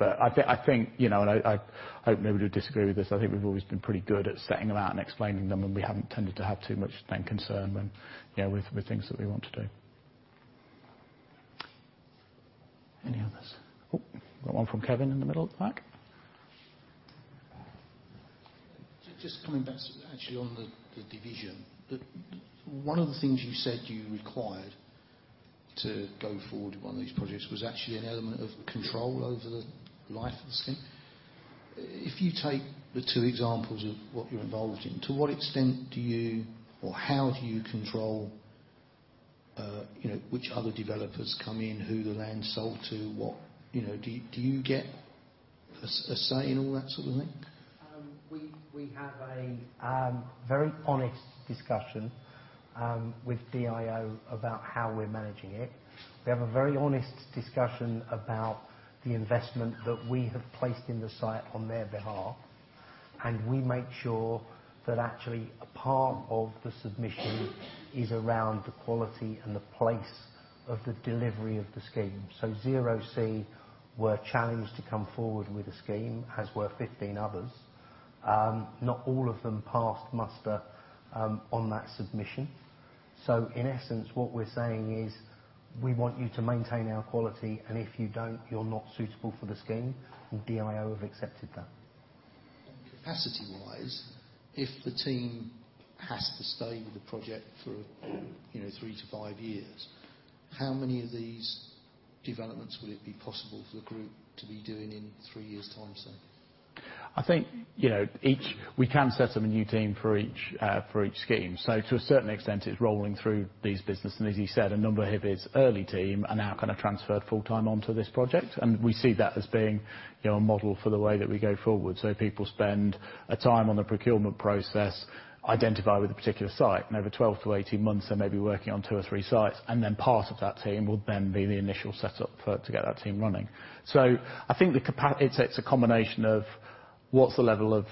I think, you know, and I hope nobody would disagree with this, I think we've always been pretty good at setting them out and explaining them, and we haven't tended to have too much concern when, you know, with things that we want to do. Any others? Got one from Kevin in the middle at the back. Just coming back actually on the division. One of the things you said you required to go forward with one of these projects was actually an element of control over the life of the scheme. If you take the two examples of what you're involved in, to what extent do you or how do you control, you know, which other developers come in, who the land's sold to, what You know, do you get a say in all that sort of thing? We have a very honest discussion with DIO about how we're managing it. We have a very honest discussion about the investment that we have placed in the site on their behalf, and we make sure that actually a part of the submission is around the quality and the place of the delivery of the scheme. Zero C were challenged to come forward with a scheme, as were 15 others. Not all of them passed muster on that submission. In essence, what we're saying is, "We want you to maintain our quality, and if you don't, you're not suitable for the scheme," and DIO have accepted that. Capacity-wise, if the team has to stay with the project for, you know, three to five years, how many of these developments will it be possible for the group to be doing in three years' time, say? I think, you know, each, we can set up a new team for each scheme. To a certain extent, it's rolling through these business. As you said, a number of Lee's early team are now kind of transferred full-time onto this project, and we see that as being, you know, a model for the way that we go forward. People spend a time on the procurement process, identify with a particular site, and over 12 to 18 months, they may be working on two or three sites. Then part of that team will then be the initial setup for, to get that team running. I think the It's a combination of what's the level of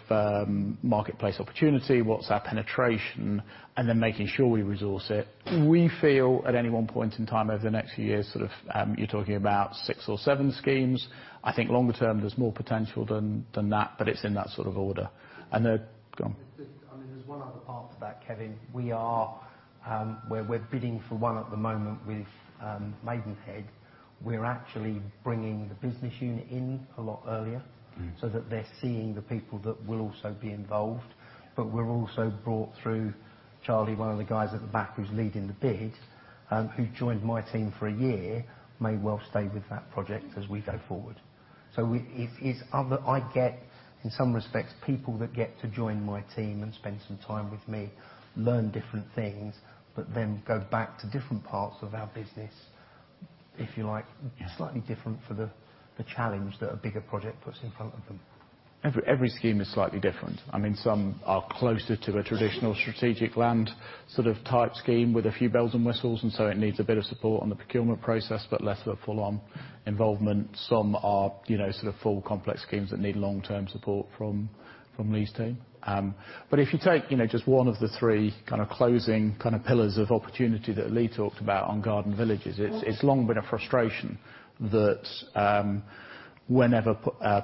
marketplace opportunity, what's our penetration, and then making sure we resource it. We feel at any one point in time over the next few years, sort of, you're talking about six or seven schemes. I think longer term there's more potential than that, but it's in that sort of order. The Go on. There's, I mean, there's one other part to that, Kevin. We are, we're bidding for one at the moment with Maidenhead. We're actually bringing the business unit in a lot earlier. They're seeing the people that will also be involved. We're also brought through Charlie, one of the guys at the back who's leading the bid, who joined my team for a year, may well stay with that project as we go forward. We get, in some respects, people that get to join my team and spend some time with me, learn different things, but then go back to different parts of our business, if you like. Yeah. Slightly different for the challenge that a bigger project puts in front of them. Every scheme is slightly different. Some are closer to a traditional strategic land type scheme with a few bells and whistles, it needs a bit of support on the procurement process, but less of a full-on involvement. Some are full complex schemes that need long-term support from Lee's team. If you take just one of the three closing pillars of opportunity that Lee talked about on Garden Villages, it's long been a frustration that whenever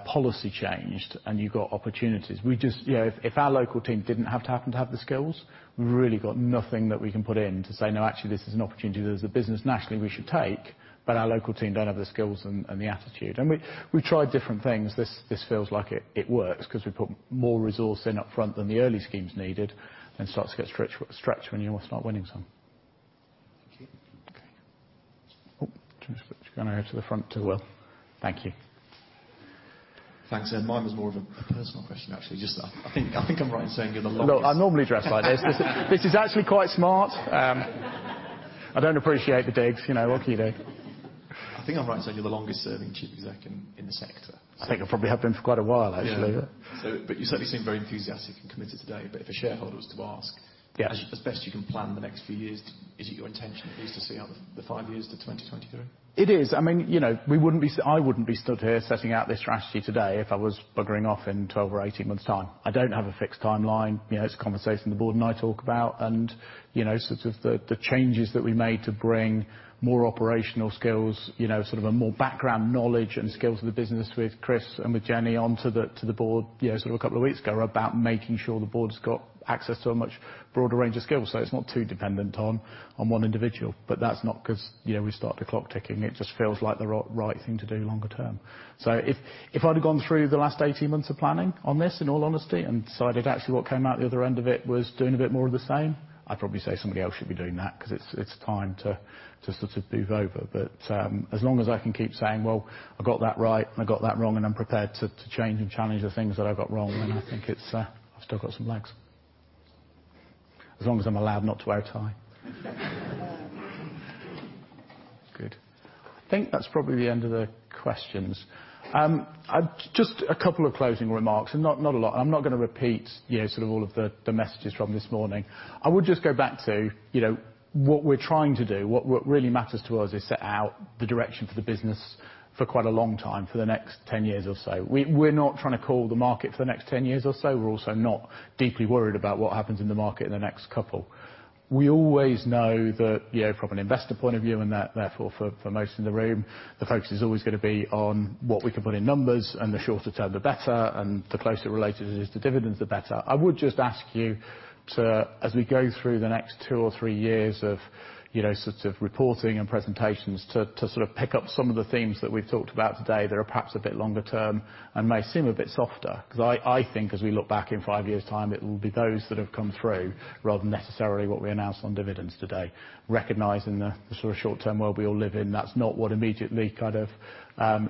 policy changed and you got opportunities, if our local team didn't happen to have the skills, we've really got nothing that we can put in to say, "No, actually, this is an opportunity that as a business nationally we should take," but our local team don't have the skills and the attitude. We've tried different things. This feels like it works because we put more resource in upfront than the early schemes needed, it starts to get stretched when you almost start winning some. Thank you. Just going over to the front to Will. Thank you. Thanks and Mine was more of a personal question, actually. I think I'm right in saying you're the longest- Look, I normally dress like this. This is actually quite smart. I don't appreciate the digs. What can you do? I think I'm right in saying you're the longest serving chief exec in the sector. I think I probably have been for quite a while, actually. Yeah. You certainly seem very enthusiastic and committed today. If a shareholder was to ask- Yeah As best you can plan the next few years, is it your intention, at least, to see out the 5 years to 2023? It is. I wouldn't be stood here setting out this strategy today if I was buggering off in 12 or 18 months' time. I don't have a fixed timeline. It's a conversation the board and I talk about, and the changes that we made to bring more operational skills, a more background knowledge and skills of the business with Chris and with Jennie onto the board a couple of weeks ago are about making sure the board's got access to a much broader range of skills, so it's not too dependent on one individual. That's not because we start the clock ticking. It just feels like the right thing to do longer term. If I'd have gone through the last 18 months of planning on this, in all honesty, and decided actually what came out the other end of it was doing a bit more of the same, I'd probably say somebody else should be doing that because it's time to move over. As long as I can keep saying, "Well, I got that right and I got that wrong, and I'm prepared to change and challenge the things that I got wrong," then I think I've still got some legs. As long as I'm allowed not to wear a tie. Good. I think that's probably the end of the questions. Just a couple of closing remarks, not a lot. I'm not going to repeat all of the messages from this morning. I would just go back to what we're trying to do. What really matters to us is set out the direction for the business for quite a long time, for the next 10 years or so. We're not trying to call the market for the next 10 years or so. We're also not deeply worried about what happens in the market in the next couple. We always know that from an investor point of view, and therefore for most in the room, the focus is always going to be on what we can put in numbers, and the shorter term, the better, and the closer it relates it is to dividends, the better. I would just ask you to, as we go through the next two or three years of reporting and presentations, to pick up some of the themes that we've talked about today that are perhaps a bit longer term and may seem a bit softer. I think as we look back in five years' time, it will be those that have come through rather than necessarily what we announce on dividends today. Recognizing the short term world we all live in, that's not what immediately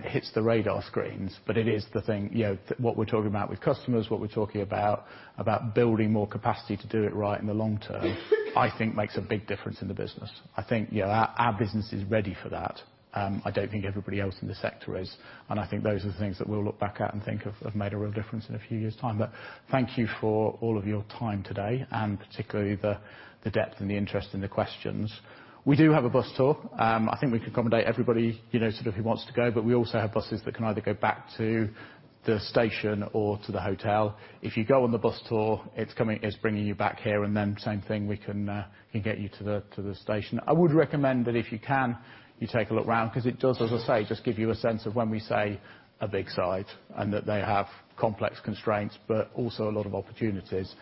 hits the radar screens, but it is the thing. What we're talking about with customers, what we're talking about building more capacity to do it right in the long term, I think makes a big difference in the business. I think our business is ready for that. I don't think everybody else in the sector is. I think those are the things that we'll look back at and think have made a real difference in a few years' time. Thank you for all of your time today, and particularly the depth and the interest in the questions. We do have a bus tour. I think we can accommodate everybody who wants to go, but we also have buses that can either go back to the station or to the hotel. If you go on the bus tour, it's bringing you back here, and then same thing, we can get you to the station. I would recommend that if you can, you take a look around, because it does, as I say, just give you a sense of when we say a big site and that they have complex constraints, but also a lot of opportunities.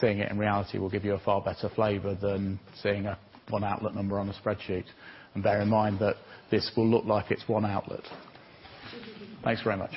Seeing it in reality will give you a far better flavor than seeing a one outlet number on a spreadsheet. Bear in mind that this will look like it's one outlet. Thanks very much.